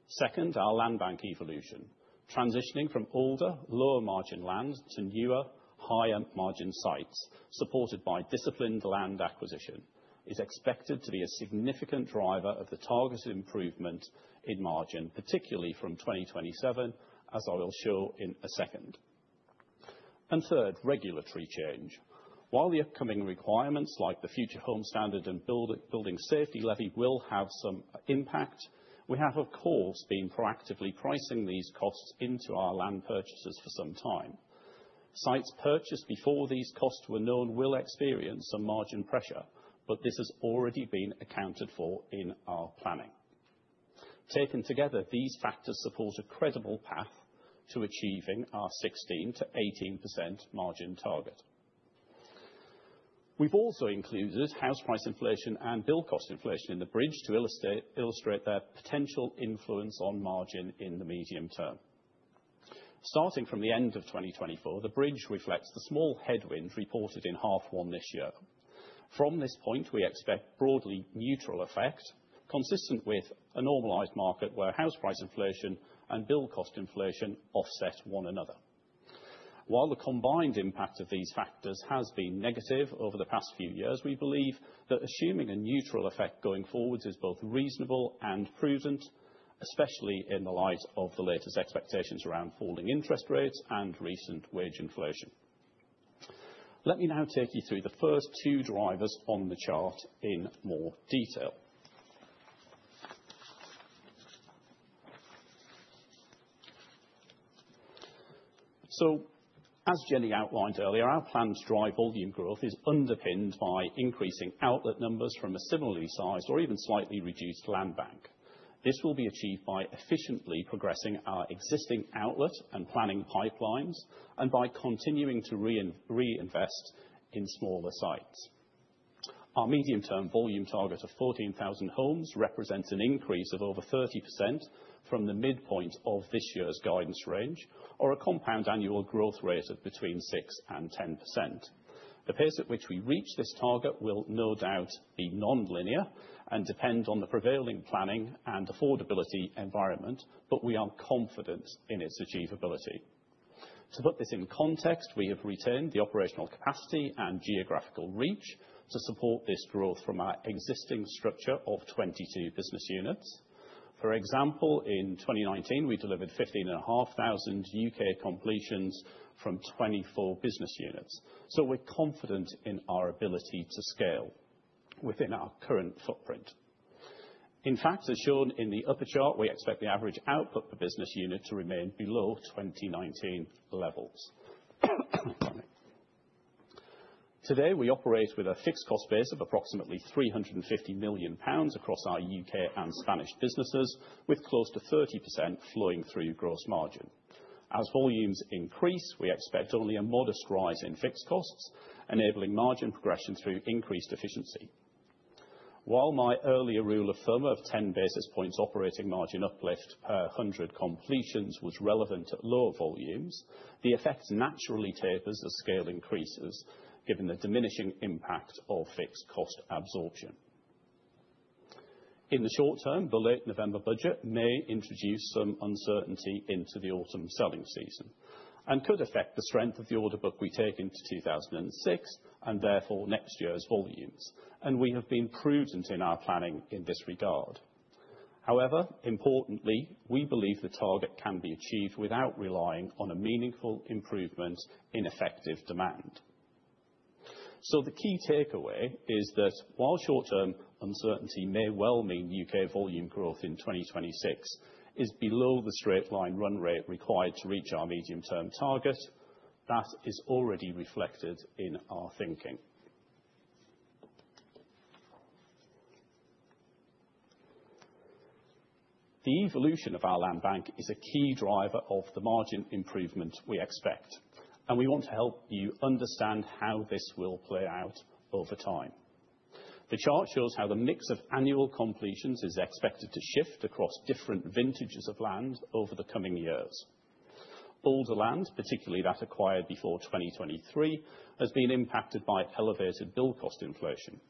Second, our landbank evolution. Transitioning from older, lower margin lands to newer, higher margin sites supported by disciplined land acquisition is expected to be a significant driver of the target improvement in margin, particularly from 2027, as I will show in a second. Third, regulatory change. While the upcoming requirements like the Future Homes Standard and Building Safety Levy will have some impact, we have, of course, been proactively pricing these costs into our land purchases for some time. Sites purchased before these costs were known will experience some margin pressure. This has already been accounted for in our planning. Taken together, these factors support a credible path to achieving our 16%-18% margin target. We've also included house price inflation and build cost inflation in the bridge to illustrate their potential influence on margin in the medium term. Starting from the end of 2024, the bridge reflects the small headwind reported in half one this year. From this point, we expect broadly neutral effect, consistent with a normalized market where house price inflation and build cost inflation offset one another. While the combined impact of these factors has been negative over the past few years, we believe that assuming a neutral effect going forward is both reasonable and prudent, especially in the light of the latest expectations around falling interest rates and recent wage inflation. Let me now take you through the first two drivers on the chart in more detail. As Jennie outlined earlier, our plans to drive volume growth is underpinned by increasing outlet numbers from a similarly sized or even slightly reduced land bank. This will be achieved by efficiently progressing our existing outlet and planning pipelines, and by continuing to reinvest in smaller sites. Our medium term volume target of 14,000 homes represents an increase of over 30% from the midpoint of this year's guidance range, or a compound annual growth rate of between 6% and 10%. The pace at which we reach this target will no doubt be nonlinear and depend on the prevailing planning and affordability environment. We are confident in its achievability. To put this in context, we have retained the operational capacity and geographical reach to support this growth from our existing structure of 22 business units. For example, in 2019, we delivered 15,500 U.K. completions from 24 business units. We're confident in our ability to scale within our current footprint. In fact, as shown in the upper chart, we expect the average output per business unit to remain below 2019 levels. Today, we operate with a fixed cost base of approximately 350 million pounds across our U.K. and Spanish businesses, with close to 30% flowing through gross margin. As volumes increase, we expect only a modest rise in fixed costs, enabling margin progression through increased efficiency. While my earlier rule of thumb of 10 basis points operating margin uplift per 100 completions was relevant at lower volumes, the effect naturally tapers as scale increases, given the diminishing impact of fixed cost absorption. In the short term, the late November budget may introduce some uncertainty into the autumn selling season and could affect the strength of the order book we take into 2026, and therefore next year's volumes. We have been prudent in our planning in this regard. Importantly, we believe the target can be achieved without relying on a meaningful improvement in effective demand. The key takeaway is that while short term uncertainty may well mean U.K. volume growth in 2026 is below the straight line run rate required to reach our medium term target, that is already reflected in our thinking. The evolution of our land bank is a key driver of the margin improvement we expect, we want to help you understand how this will play out over time. The chart shows how the mix of annual completions is expected to shift across different vintages of land over the coming years. Older lands, particularly that acquired before 2023, has been impacted by elevated build cost inflation.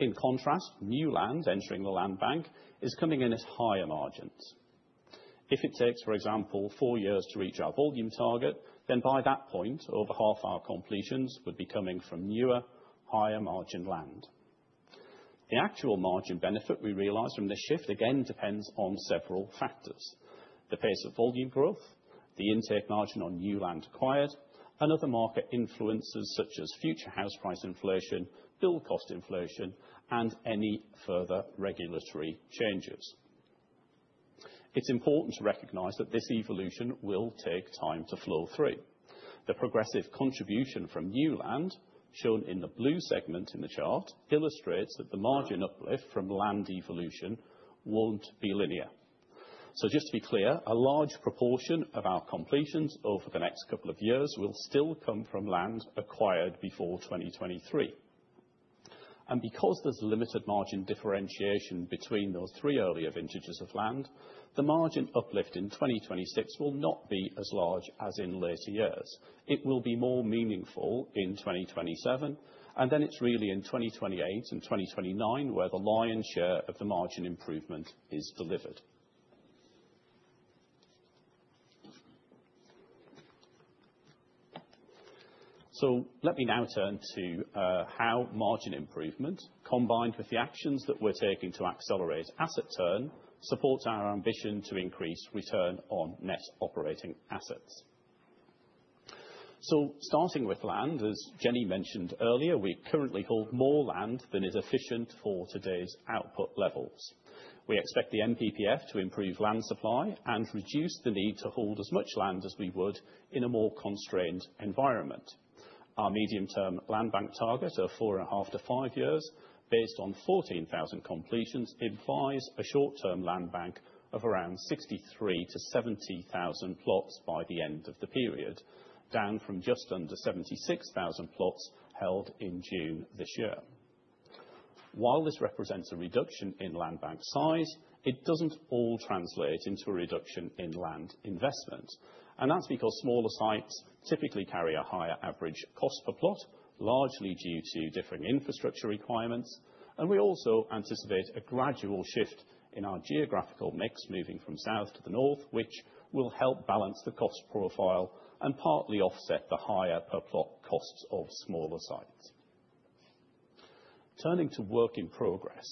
In contrast, new land entering the land bank is coming in as higher margins. If it takes, for example, four years to reach our volume target, then by that point, over half our completions would be coming from newer, higher margin land. The actual margin benefit we realize from this shift again depends on several factors: the pace of volume growth, the intake margin on new land acquired, and other market influences such as future house price inflation, build cost inflation, and any further regulatory changes. It's important to recognize that this evolution will take time to flow through. The progressive contribution from new land, shown in the blue segment in the chart, illustrates that the margin uplift from land evolution won't be linear. Just to be clear, a large proportion of our completions over the next couple of years will still come from land acquired before 2023. Because there's limited margin differentiation between those three earlier vintages of land, the margin uplift in 2026 will not be as large as in later years. It will be more meaningful in 2027, then it's really in 2028 and 2029 where the lion's share of the margin improvement is delivered. Let me now turn to how margin improvement, combined with the actions that we're taking to accelerate asset turn, supports our ambition to increase return on net operating assets. Starting with land, as Jennie mentioned earlier, we currently hold more land than is efficient for today's output levels. We expect the NPPF to improve land supply and reduce the need to hold as much land as we would in a more constrained environment. Our medium term land bank target of four and a half to five years, based on 14,000 completions, implies a short term land bank of around 63,000-70,000 plots by the end of the period, down from just under 76,000 plots held in June this year. While this represents a reduction in land bank size, it doesn't all translate into a reduction in land investment. That's because smaller sites typically carry a higher average cost per plot, largely due to differing infrastructure requirements. We also anticipate a gradual shift in our geographical mix, moving from south to the north, which will help balance the cost profile and partly offset the higher per plot costs of smaller sites. Turning to work in progress,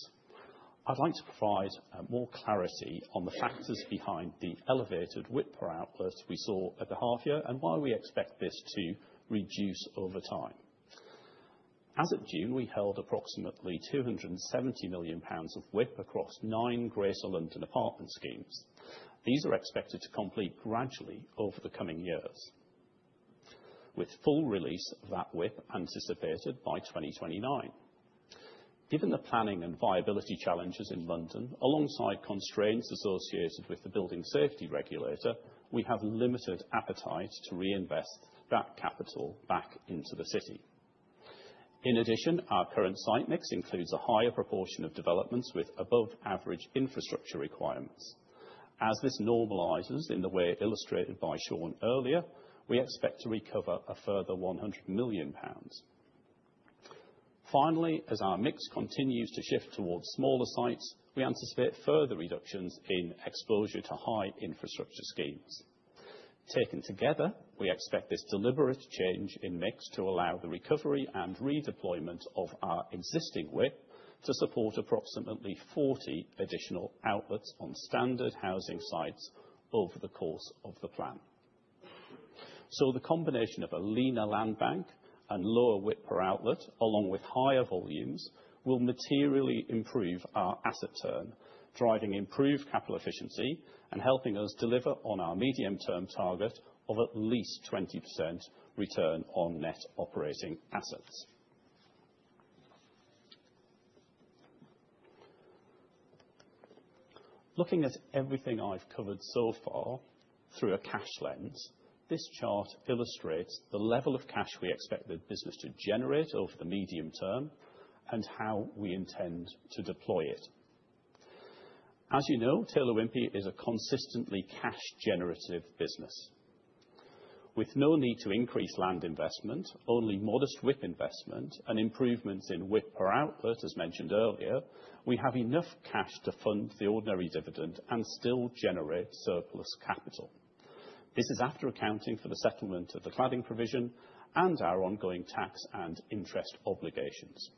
I'd like to provide more clarity on the factors behind the elevated WIP per outlet we saw at the half year and why we expect this to reduce over time. As of June, we held approximately 270 million pounds of WIP across nine Greater London apartment schemes. These are expected to complete gradually over the coming years, with full release of that WIP anticipated by 2029. Given the planning and viability challenges in London, alongside constraints associated with the Building Safety Regulator, we have limited appetite to reinvest that capital back into the city. In addition, our current site mix includes a higher proportion of developments with above-average infrastructure requirements. As this normalizes in the way illustrated by Shaun earlier, we expect to recover a further 100 million pounds. Finally, as our mix continues to shift towards smaller sites, we anticipate further reductions in exposure to high infrastructure schemes. Taken together, we expect this deliberate change in mix to allow the recovery and redeployment of our existing WIP to support approximately 40 additional outlets on standard housing sites over the course of the plan. The combination of a leaner land bank and lower WIP per outlet, along with higher volumes, will materially improve our asset turn, driving improved capital efficiency and helping us deliver on our medium-term target of at least 20% return on net operating assets. Looking at everything I have covered so far through a cash lens, this chart illustrates the level of cash we expect the business to generate over the medium term and how we intend to deploy it. As you know, Taylor Wimpey is a consistently cash-generative business. With no need to increase land investment, only modest WIP investment and improvements in WIP per outlet, as mentioned earlier, we have enough cash to fund the ordinary dividend and still generate surplus capital. This is after accounting for the settlement of the cladding provision and our ongoing tax and interest obligations.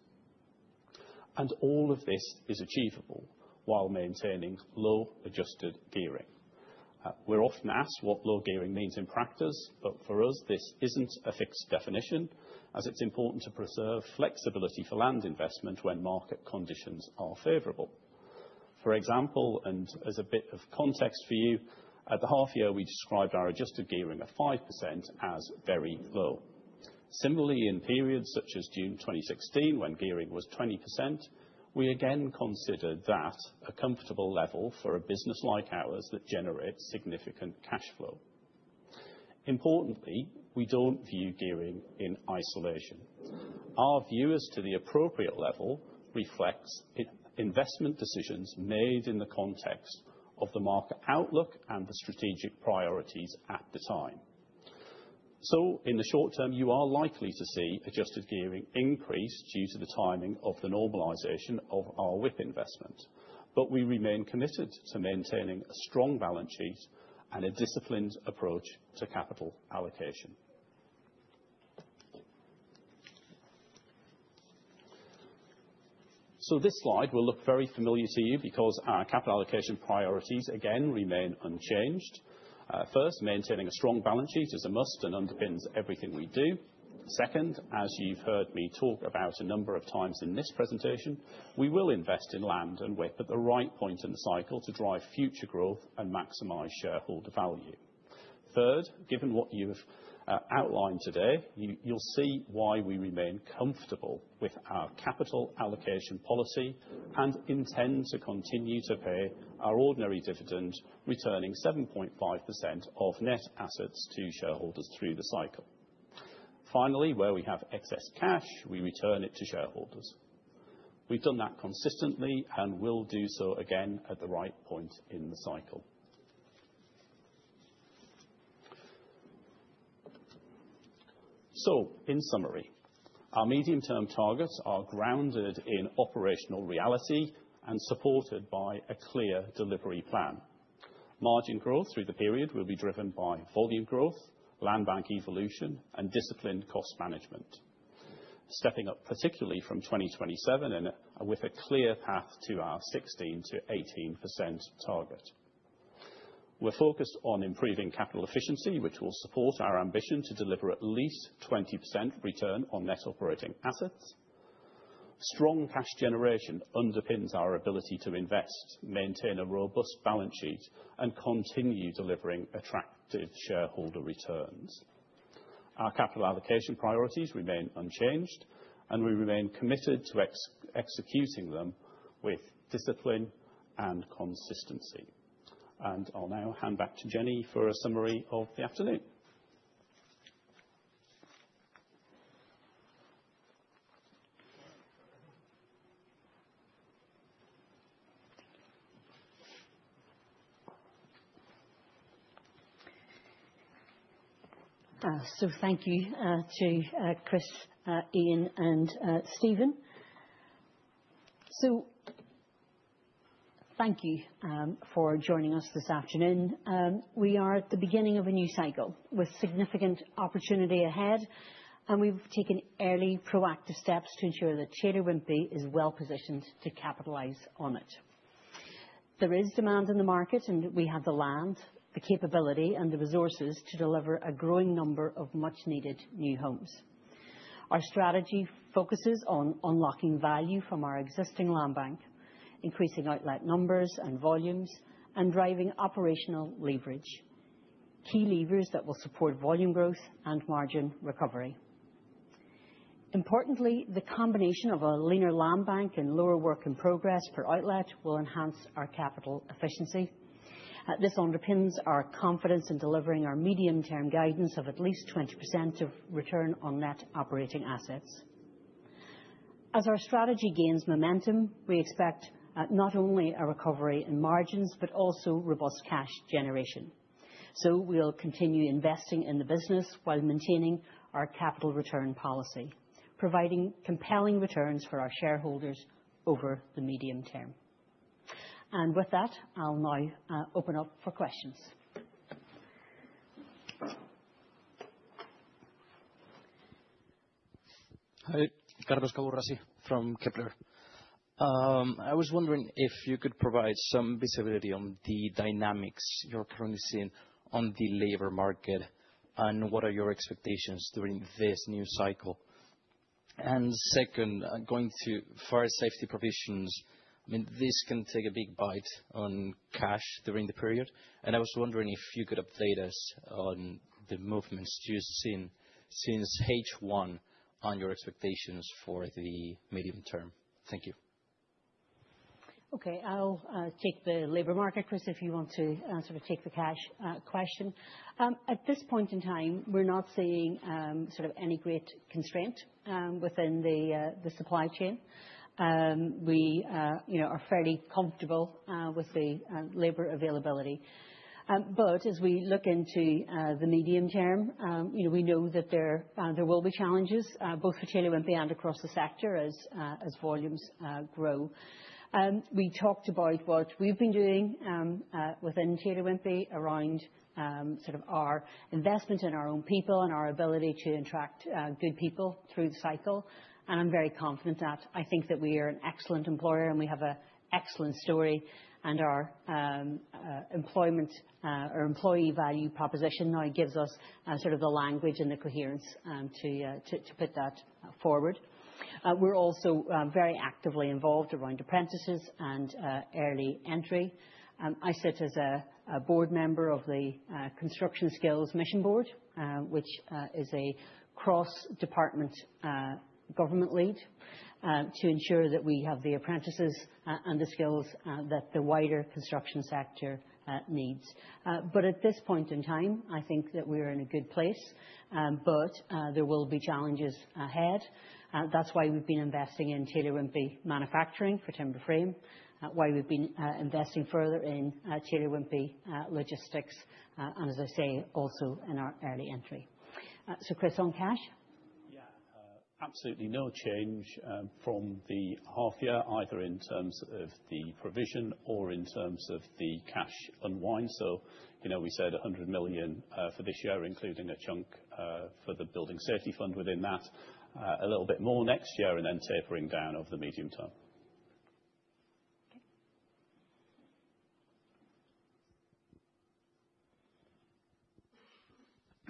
All of this is achievable while maintaining low adjusted gearing. We are often asked what low gearing means in practice, but for us, this is not a fixed definition, as it is important to preserve flexibility for land investment when market conditions are favorable. For example, and as a bit of context for you, at the half year, we described our adjusted gearing of 5% as very low. Similarly, in periods such as June 2016, when gearing was 20%, we again considered that a comfortable level for a business like ours that generates significant cash flow. Importantly, we do not view gearing in isolation. Our view as to the appropriate level reflects investment decisions made in the context of the market outlook and the strategic priorities at the time. In the short term, you are likely to see adjusted gearing increase due to the timing of the normalization of our WIP investment. We remain committed to maintaining a strong balance sheet and a disciplined approach to capital allocation. This slide will look very familiar to you because our capital allocation priorities, again, remain unchanged. First, maintaining a strong balance sheet is a must and underpins everything we do. Second, as you have heard me talk about a number of times in this presentation, we will invest in land and WIP at the right point in the cycle to drive future growth and maximize shareholder value. Third, given what you have outlined today, you will see why we remain comfortable with our capital allocation policy and intend to continue to pay our ordinary dividend, returning 7.5% of net assets to shareholders through the cycle. Finally, where we have excess cash, we return it to shareholders. We have done that consistently and will do so again at the right point in the cycle. In summary, our medium-term targets are grounded in operational reality and supported by a clear delivery plan. Margin growth through the period will be driven by volume growth, land bank evolution, and disciplined cost management. Stepping up, particularly from 2027, and with a clear path to our 16%-18% target. We are focused on improving capital efficiency, which will support our ambition to deliver at least 20% return on net operating assets. Strong cash generation underpins our ability to invest, maintain a robust balance sheet, and continue delivering attractive shareholder returns. Our capital allocation priorities remain unchanged, and we remain committed to executing them with discipline and consistency. I will now hand back to Jennie for a summary of the afternoon. Thank you to Chris, Ian, and Stephen. Thank you for joining us this afternoon. We are at the beginning of a new cycle with significant opportunity ahead, and we have taken early proactive steps to ensure that Taylor Wimpey is well-positioned to capitalize on it. There is demand in the market, and we have the land, the capability, and the resources to deliver a growing number of much-needed new homes. Our strategy focuses on unlocking value from our existing land bank, increasing outlet numbers and volumes, and driving operational leverage. Key levers that will support volume growth and margin recovery. Importantly, the combination of a leaner land bank and lower work in progress per outlet will enhance our capital efficiency. This underpins our confidence in delivering our medium-term guidance of at least 20% of return on net operating assets. We will continue investing in the business while maintaining our capital return policy, providing compelling returns for our shareholders over the medium term. With that, I will now open up for questions. Hi. Carlos Caburrasi from Kepler. I was wondering if you could provide some visibility on the dynamics you are currently seeing on the labor market, and what are your expectations during this new cycle? Second, going to fire safety provisions. This can take a big bite on cash during the period, and I was wondering if you could update us on the movements you have seen since H1 on your expectations for the medium term. Thank you. Okay. I'll take the labor market, Chris, if you want to take the cash question. At this point in time, we are not seeing any great constraint within the supply chain. We are fairly comfortable with the labor availability. As we look into the medium term, we know that there will be challenges both for Taylor Wimpey and across the sector as volumes grow. We talked about what we've been doing within Taylor Wimpey around our investment in our own people and our ability to attract good people through the cycle, and I'm very confident that I think that we are an excellent employer and we have an excellent story, and our employee value proposition now gives us the language and the coherence to put that forward. We're also very actively involved around apprentices and early entry. I sit as a board member of the Construction Skills Mission Board, which is a cross-department government lead to ensure that we have the apprentices and the skills that the wider construction sector needs. At this point in time, I think that we are in a good place. There will be challenges ahead. That's why we've been investing in Taylor Wimpey Manufacturing for timber frame, why we've been investing further in Taylor Wimpey Logistics. As I say, also in our early entry. Chris, on cash? Absolutely no change from the half year, either in terms of the provision or in terms of the cash unwind. We said 100 million for this year, including a chunk for the Building Safety fund within that. A little bit more next year, tapering down over the medium term.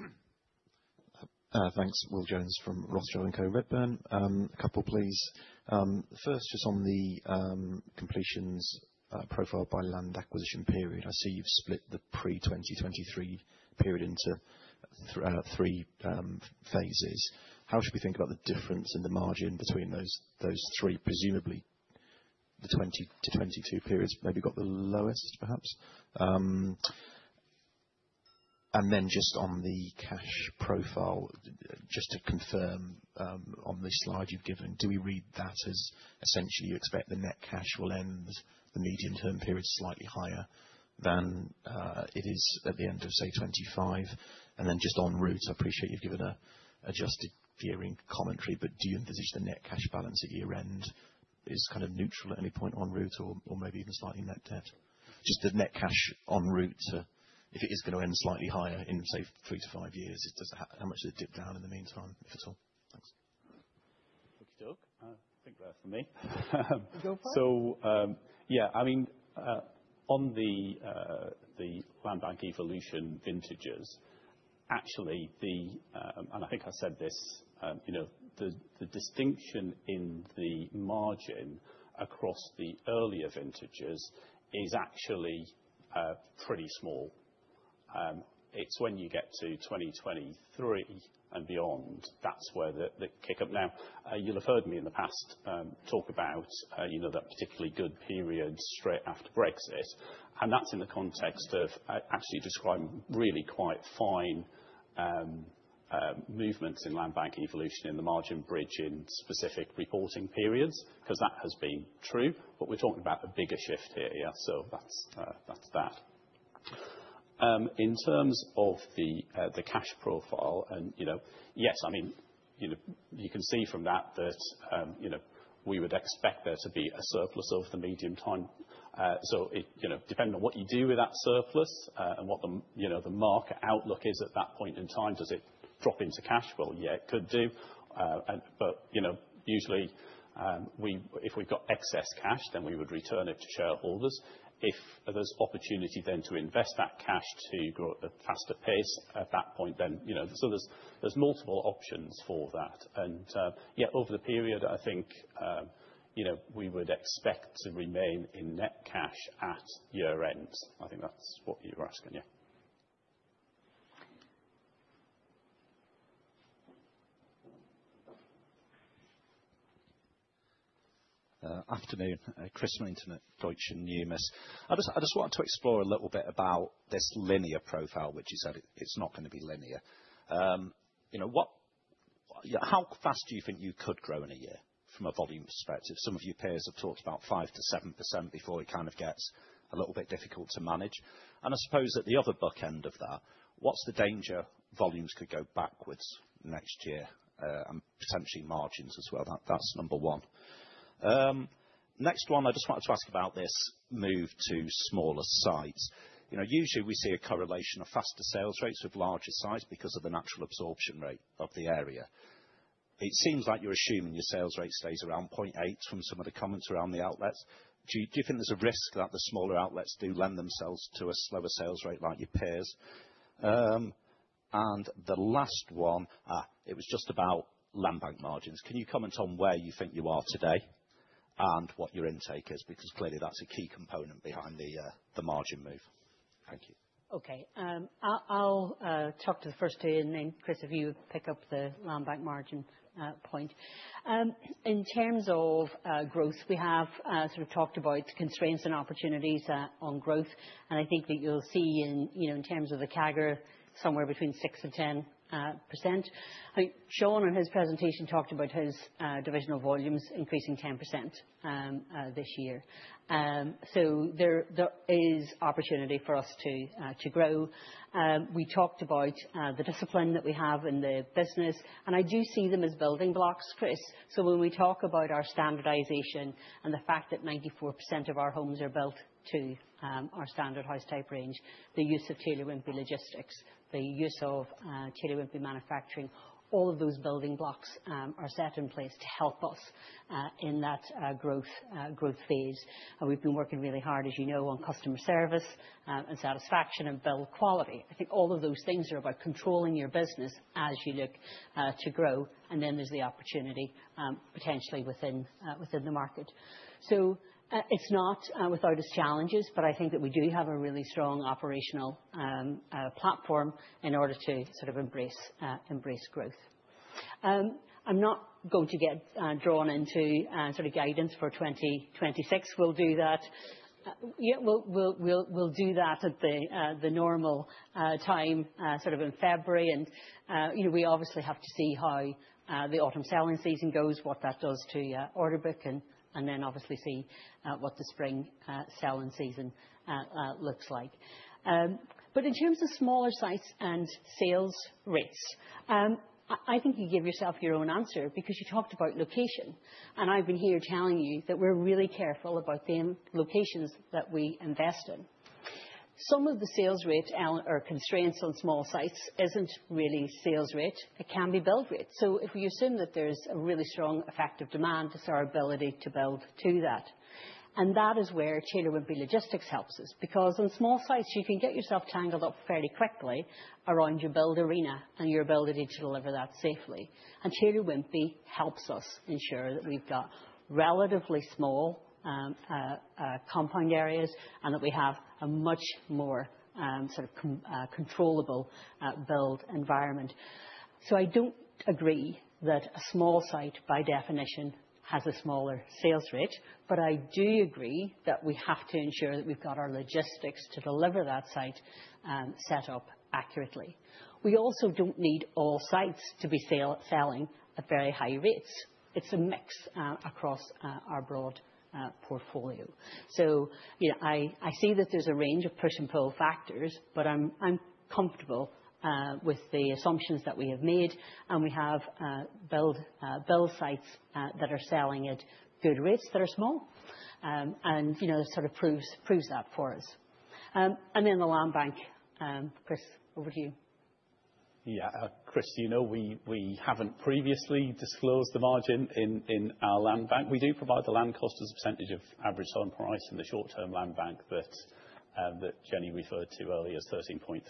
Okay. Thanks. William Jones from Rothschild & Co Redburn. A couple, please. First, just on the completions profile by land acquisition period. I see you've split the pre 2023 period into 3 phases. How should we think about the difference in the margin between those 3, presumably the 2020-2022 periods maybe got the lowest, perhaps? Just on the cash profile, just to confirm on this slide you've given, do we read that as essentially you expect the net cash will end the medium-term period slightly higher than it is at the end of, say, 2025? Just en route, I appreciate you've given an adjusted year-end commentary, do you envisage the net cash balance at year end is kind of neutral at any point en route or maybe even slightly net debt? The net cash en route, if it is going to end slightly higher in, say, three to five years, how much does it dip down in the meantime, if at all? Thanks. Okey-doke. I think that's for me. Go for it. Yeah, on the land bank evolution vintages, actually, and I think I said this, the distinction in the margin across the earlier vintages is actually pretty small. It's when you get to 2023 and beyond, that's where the kick up. Now, you'll have heard me in the past talk about that particularly good period straight after Brexit, and that's in the context of actually describing really quite fine movements in land bank evolution in the margin bridge in specific reporting periods, because that has been true. We're talking about a bigger shift here. Yeah. That's that. In terms of the cash profile, yes, you can see from that we would expect there to be a surplus over the medium term. Depending on what you do with that surplus, and what the market outlook is at that point in time, does it drop into cash? Yeah, it could do. Usually, if we've got excess cash, then we would return it to shareholders. If there's opportunity then to invest that cash to grow at a faster pace at that point then. There's multiple options for that. Yeah, over the period, I think, we would expect to remain in net cash at year end. I think that's what you were asking. Yeah. Afternoon. Chris Sherwin, Deutsche Numis. I just wanted to explore a little bit about this linear profile, which you said it's not going to be linear. How fast do you think you could grow in a year from a volume perspective? Some of your peers have talked about 5%-7% before it kind of gets a little bit difficult to manage. I suppose at the other bookend of that, what's the danger volumes could go backwards next year, and potentially margins as well? That's number 1. Next 1, I just wanted to ask about this move to smaller sites. Usually we see a correlation of faster sales rates with larger sites because of the natural absorption rate of the area. It seems like you're assuming your sales rate stays around 0.8 from some of the comments around the outlets. Do you think there's a risk that the smaller outlets do lend themselves to a slower sales rate like your peers? The last 1, it was just about land bank margins. Can you comment on where you think you are today and what your intake is? Clearly that's a key component behind the margin move. Thank you. Okay. I'll talk to the first 2, then Chris, if you pick up the land bank margin point. In terms of growth, we have sort of talked about constraints and opportunities on growth. I think that you'll see in terms of the CAGR, somewhere between 6%-10%. I think Shaun, in his presentation, talked about his divisional volumes increasing 10% this year. There is opportunity for us to grow. We talked about the discipline that we have in the business, I do see them as building blocks, Chris. When we talk about our standardization and the fact that 94% of our homes are built to our standard house type range, the use of Taylor Wimpey Logistics, the use of Taylor Wimpey Manufacturing, all of those building blocks are set in place to help us in that growth phase. We've been working really hard, as you know, on customer service and satisfaction and build quality. I think all of those things are about controlling your business as you look to grow. There's the opportunity, potentially within the market. It's not without its challenges, but I think that we do have a really strong operational platform in order to embrace growth. I'm not going to get drawn into guidance for 2026. We'll do that at the normal time, in February. We obviously have to see how the autumn selling season goes, what that does to order book. Obviously see what the spring selling season looks like. In terms of smaller sites and sales rates, I think you give yourself your own answer because you talked about location. I've been here telling you that we're really careful about the locations that we invest in. Some of the sales rate or constraints on small sites isn't really sales rate. It can be build rate. If we assume that there's a really strong effective demand, it's our ability to build to that. That is where Taylor Wimpey Logistics helps us, because on small sites, you can get yourself tangled up fairly quickly around your build arena and your ability to deliver that safely. Taylor Wimpey helps us ensure that we've got relatively small compound areas, and that we have a much more sort of controllable build environment. I don't agree that a small site by definition has a smaller sales rate, but I do agree that we have to ensure that we've got our logistics to deliver that site set up accurately. We also don't need all sites to be selling at very high rates. It's a mix across our broad portfolio. I see that there's a range of push and pull factors, but I'm comfortable with the assumptions that we have made, and we have build sites that are selling at good rates that are small, and sort of proves that for us. The land bank, Chris, over to you. Yeah. Chris, you know we haven't previously disclosed the margin in our land bank. We do provide the land cost as a percentage of average selling price in the short-term land bank that Jennie referred to earlier as 13.3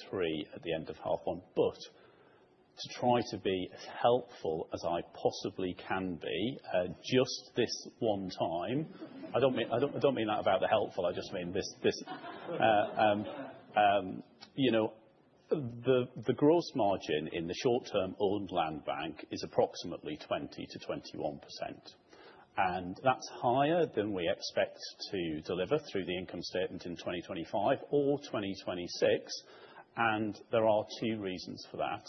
at the end of half one. To try to be as helpful as I possibly can be, just this one time. I don't mean that about the helpful, I just mean The gross margin in the short term owned land bank is approximately 20%-21%, and that's higher than we expect to deliver through the income statement in 2025 or 2026. There are two reasons for that.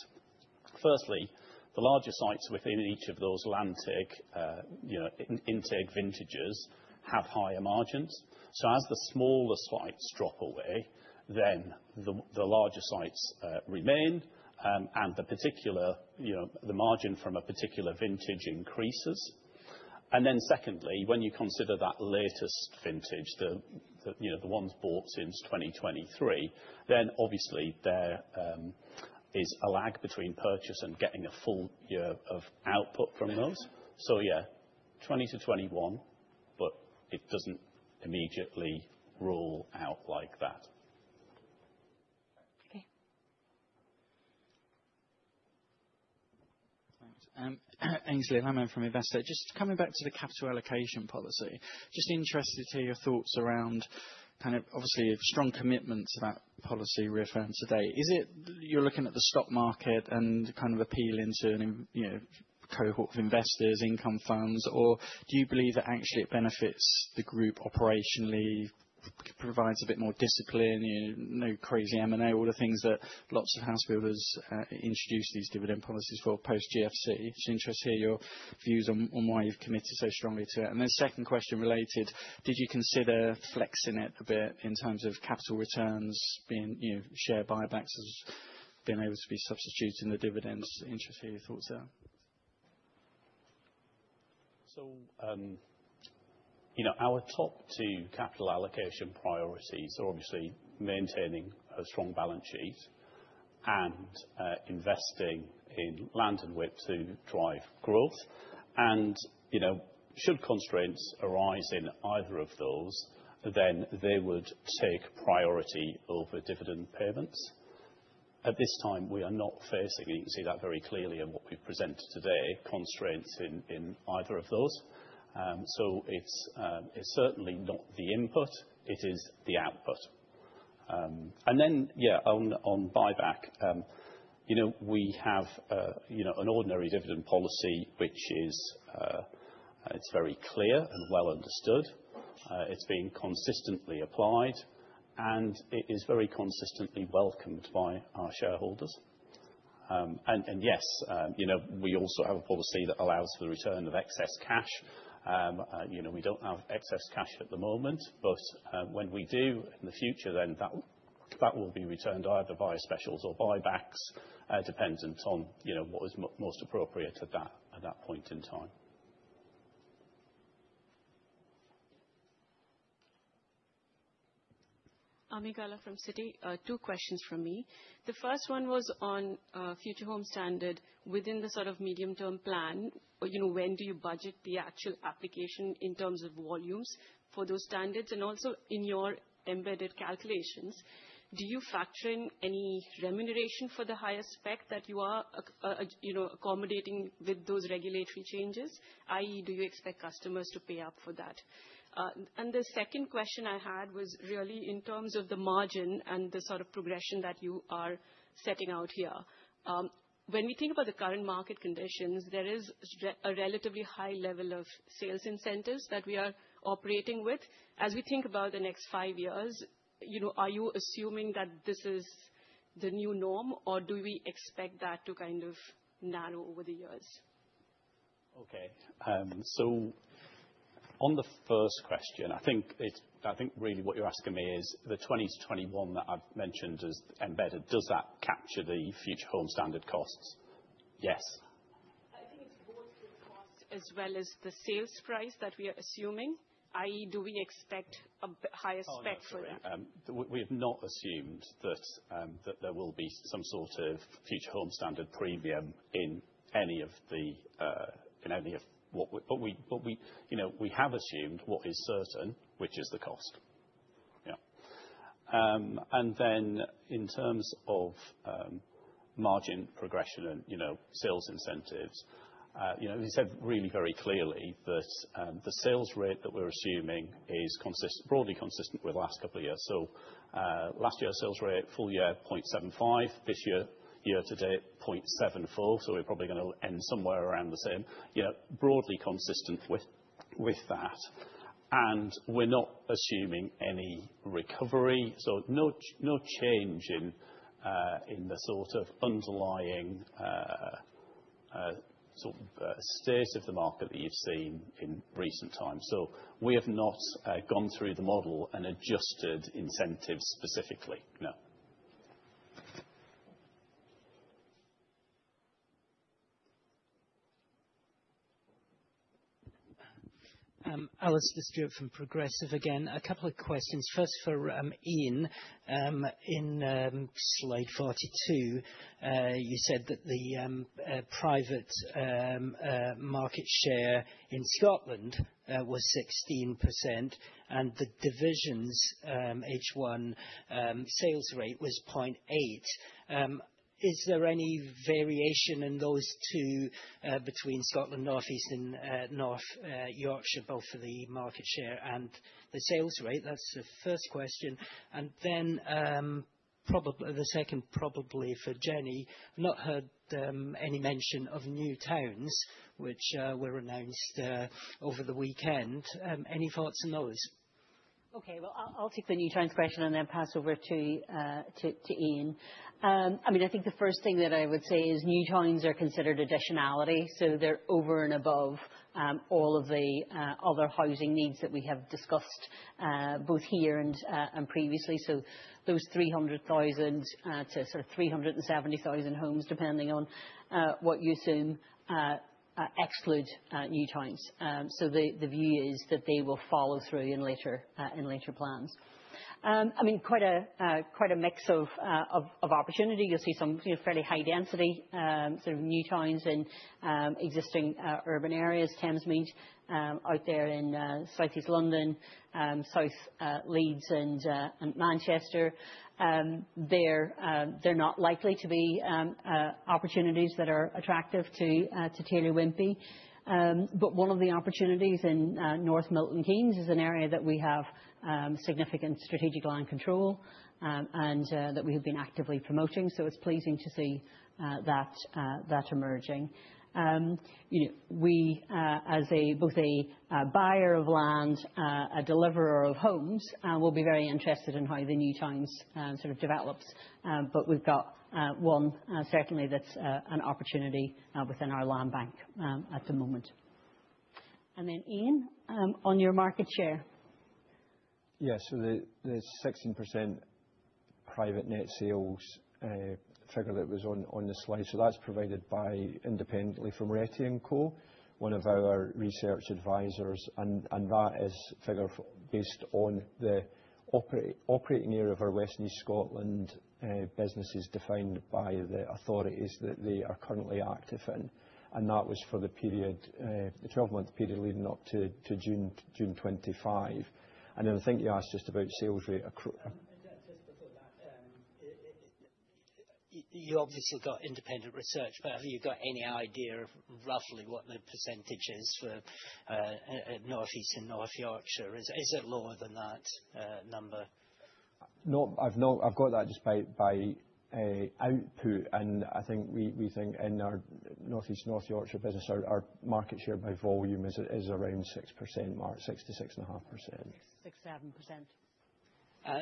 Firstly, the larger sites within each of those land intake vintages have higher margins. As the smaller sites drop away, then the larger sites remain, and the margin from a particular vintage increases. Secondly, when you consider that latest vintage, the ones bought since 2023, obviously there is a lag between purchase and getting a full year of output from those. Yeah, 2020 to 2021, but it doesn't immediately roll out like that. Okay. Thanks. Aynsley Lammin from Investec. Just coming back to the capital allocation policy, just interested to hear your thoughts around, obviously a strong commitment to that policy reaffirmed today. Is it you're looking at the stock market and appealing to a cohort of investors, income funds, or do you believe that actually it benefits the group operationally, provides a bit more discipline, no crazy M&A, all the things that lots of house builders introduced these dividend policies for post GFC. Just interested to hear your views on why you've committed so strongly to it. Second question related, did you consider flexing it a bit in terms of capital returns being share buybacks as being able to be substituted in the dividends? Interested to hear your thoughts there. Our top two capital allocation priorities are obviously maintaining a strong balance sheet and investing in land and WIP to drive growth. Should constraints arise in either of those, they would take priority over dividend payments. At this time, we are not facing, and you can see that very clearly in what we've presented today, constraints in either of those. It's certainly not the input; it is the output. Yeah, on buyback. We have an ordinary dividend policy, which is very clear and well understood. It's been consistently applied, and it is very consistently welcomed by our shareholders. Yes, we also have a policy that allows for the return of excess cash. We don't have excess cash at the moment, when we do in the future, that will be returned either via specials or buybacks, dependent on what is most appropriate at that point in time. Ami Galla from Citi. Two questions from me. The first one was on Future Homes Standard within the medium-term plan. When do you budget the actual application in terms of volumes for those standards? Also in your embedded calculations, do you factor in any remuneration for the higher spec that you are accommodating with those regulatory changes, i.e., do you expect customers to pay up for that? The second question I had was really in terms of the margin and the sort of progression that you are setting out here. When we think about the current market conditions, there is a relatively high level of sales incentives that we are operating with. As we think about the next 5 years, are you assuming that this is the new norm, or do we expect that to kind of narrow over the years? Okay. On the first question, I think really what you're asking me is the 2020 to 2021 that I've mentioned as embedded, does that capture the Future Homes Standard costs? Yes. I think it's both the cost as well as the sales price that we are assuming, i.e., do we expect a higher spec for that? Oh, no, sorry. We have not assumed that there will be some sort of Future Homes Standard premium in any of what we. We have assumed what is certain, which is the cost. Yeah. Then in terms of margin progression and sales incentives, we said really very clearly that the sales rate that we're assuming is broadly consistent with the last couple of years. Last year's sales rate, full year 0.75, this year to date, 0.74, we're probably going to end somewhere around the same. Broadly consistent with that. We're not assuming any recovery, no change in the underlying state of the market that you've seen in recent times. We have not gone through the model and adjusted incentives specifically, no. Alastair Stewart from Progressive again. A couple of questions. First for Ian. In slide 42, you said that the private market share in Scotland was 16%, and the division's H1 sales rate was 0.8. Is there any variation in those two between Scotland, North East and North Yorkshire, both for the market share and the sales rate? That's the first question. The second probably for Jennie. Not heard any mention of New Towns, which were announced over the weekend. Any thoughts on those? Well, I'll take the New Towns question and then pass over to Ian. The first thing that I would say is New Towns are considered additionality, so they're over and above all of the other housing needs that we have discussed, both here and previously. Those 300,000 to 370,000 homes, depending on what you assume, exclude New Towns. The view is that they will follow through in later plans. Quite a mix of opportunity. You'll see some fairly high density New Towns in existing urban areas. Thamesmead out there in southeast London, South Leeds and Manchester. They're not likely to be opportunities that are attractive to Taylor Wimpey. One of the opportunities in North Milton Keynes is an area that we have significant strategic land control and that we have been actively promoting. It's pleasing to see that emerging. We, as both a buyer of land, a deliverer of homes, will be very interested in how the New Towns develops. We've got one certainly that's an opportunity within our land bank at the moment. Ian, on your market share. The 16% private net sales figure that was on the slide. That's provided by independently from Rettie & Co, one of our research advisors, and that is a figure based on the operating area of our West and East Scotland businesses defined by the authorities that they are currently active in, and that was for the 12-month period leading up to June 2025. I think you asked just about sales rate. Just before that. You obviously got independent research, but have you got any idea of roughly what the percentage is for North East and North Yorkshire? Is it lower than that number? No, I've got that just by output. I think we think in our North East, North Yorkshire business, our market share by volume is around 6%, Mark, 6%-6.5%.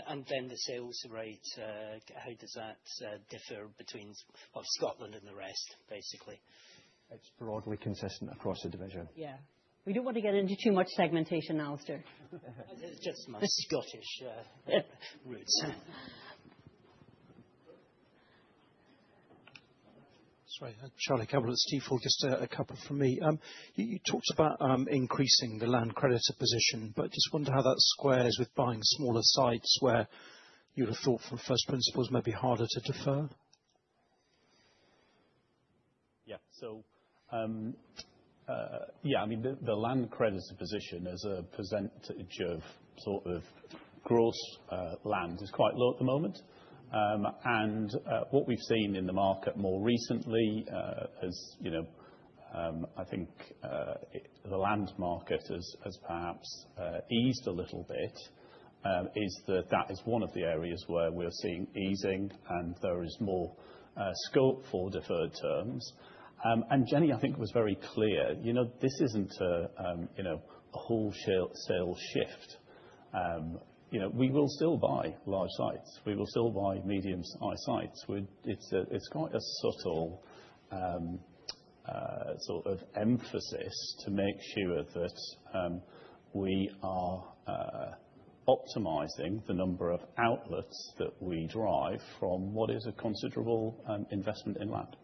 67%. The sales rate, how does that differ between Scotland and the rest, basically? It's broadly consistent across the division. Yeah. We don't want to get into too much segmentation, Alastair. It's just my Scottish roots. Sorry. Charlie Campbell at Stifel. Just a couple from me. Just wonder how that squares with buying smaller sites where you would have thought from first principles may be harder to defer. Yeah. The land creditor position as a percentage of gross land is quite low at the moment. What we've seen in the market more recently, as you know, I think, the land market has perhaps eased a little bit, is that is one of the areas where we're seeing easing and there is more scope for deferred terms. Jennie, I think, was very clear. This isn't a wholesale shift. We will still buy large sites. We will still buy medium to high sites. It's quite a subtle emphasis to make sure that we are optimizing the number of outlets that we drive from what is a considerable investment in land.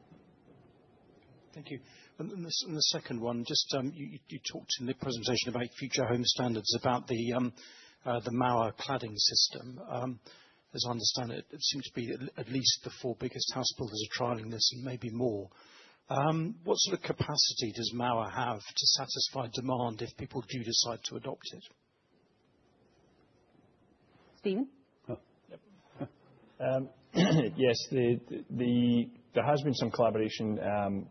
Thank you. The second one, you talked in the presentation about Future Homes Standard, about the Mauer cladding system. As I understand, it seems to be at least the four biggest house builders are trialing this and maybe more. What sort of capacity does Mauer have to satisfy demand if people do decide to adopt it? Stephen? Yep. Yes, there has been some collaboration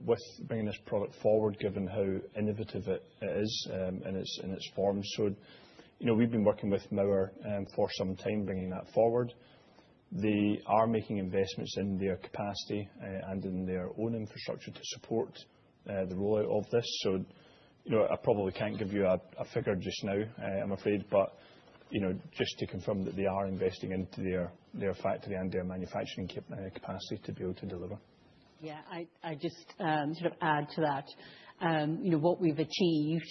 with bringing this product forward, given how innovative it is in its form. We've been working with Mauer for some time, bringing that forward. They are making investments in their capacity and in their own infrastructure to support the rollout of this. I probably can't give you a figure just now, I'm afraid, but just to confirm that they are investing into their factory and their manufacturing capacity to be able to deliver. I just add to that. What we've achieved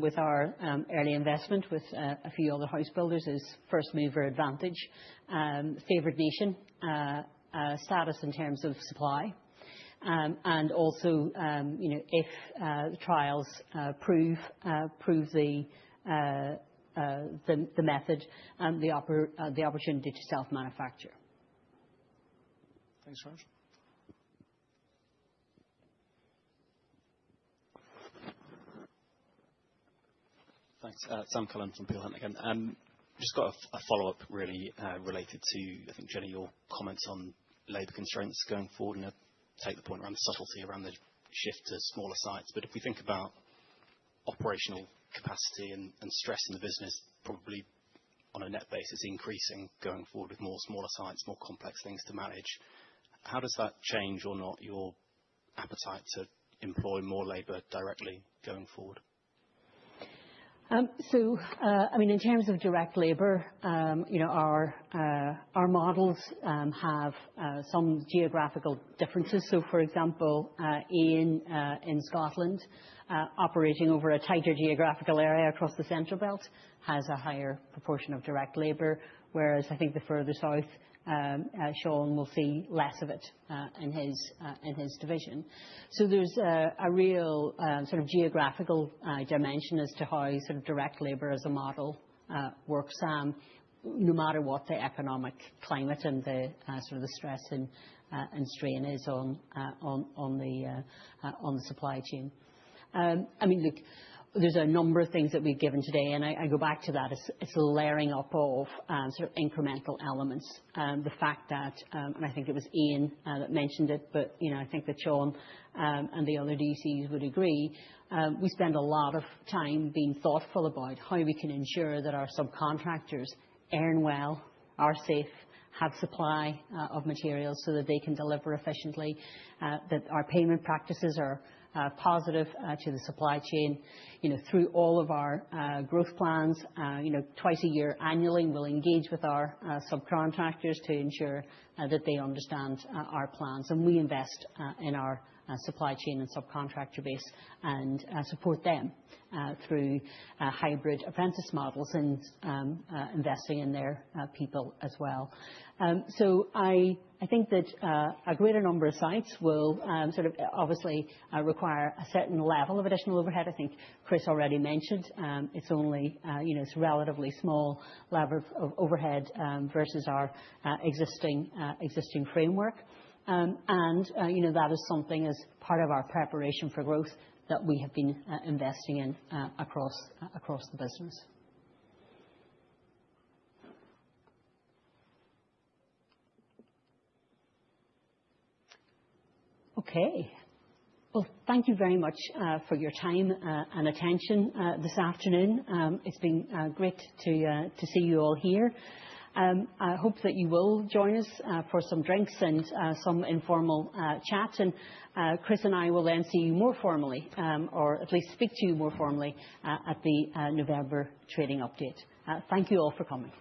with our early investment with a few other house builders is first mover advantage, favored nation status in terms of supply. Also, if the trials prove the method and the opportunity to self-manufacture. Thanks very much. Thanks. Sam Cullen from Peel Hunt again. Just got a follow-up, really, related to, I think, Jennie, your comments on labor constraints going forward. I take the point around the subtlety around the shift to smaller sites. If we think about operational capacity and stress in the business, probably on a net base, it's increasing going forward with more smaller sites, more complex things to manage. How does that change or not appetite to employ more labor directly going forward? In terms of direct labor, our models have some geographical differences. For example, Ian, in Scotland, operating over a tighter geographical area across the central belt, has a higher proportion of direct labor, whereas I think the further south, Shaun will see less of it in his division. There is a real geographical dimension as to how direct labor as a model works, no matter what the economic climate and the stress and strain is on the supply chain. There's a number of things that we've given today. I go back to that. It's a layering up of incremental elements. The fact that, I think it was Ian that mentioned it, I think that Shaun and the other DCs would agree, we spend a lot of time being thoughtful about how we can ensure that our subcontractors earn well, are safe, have supply of materials so that they can deliver efficiently, that our payment practices are positive to the supply chain. Through all of our growth plans, twice a year annually, we'll engage with our subcontractors to ensure that they understand our plans. We invest in our supply chain and subcontractor base and support them through hybrid apprentice models and investing in their people as well. I think that a greater number of sites will obviously require a certain level of additional overhead. I think Chris already mentioned. It's a relatively small level of overhead versus our existing framework. That is something as part of our preparation for growth that we have been investing in across the business. Okay. Well, thank you very much for your time and attention this afternoon. It's been great to see you all here. I hope that you will join us for some drinks and some informal chat. Chris and I will then see you more formally, or at least speak to you more formally, at the November trading update. Thank you all for coming.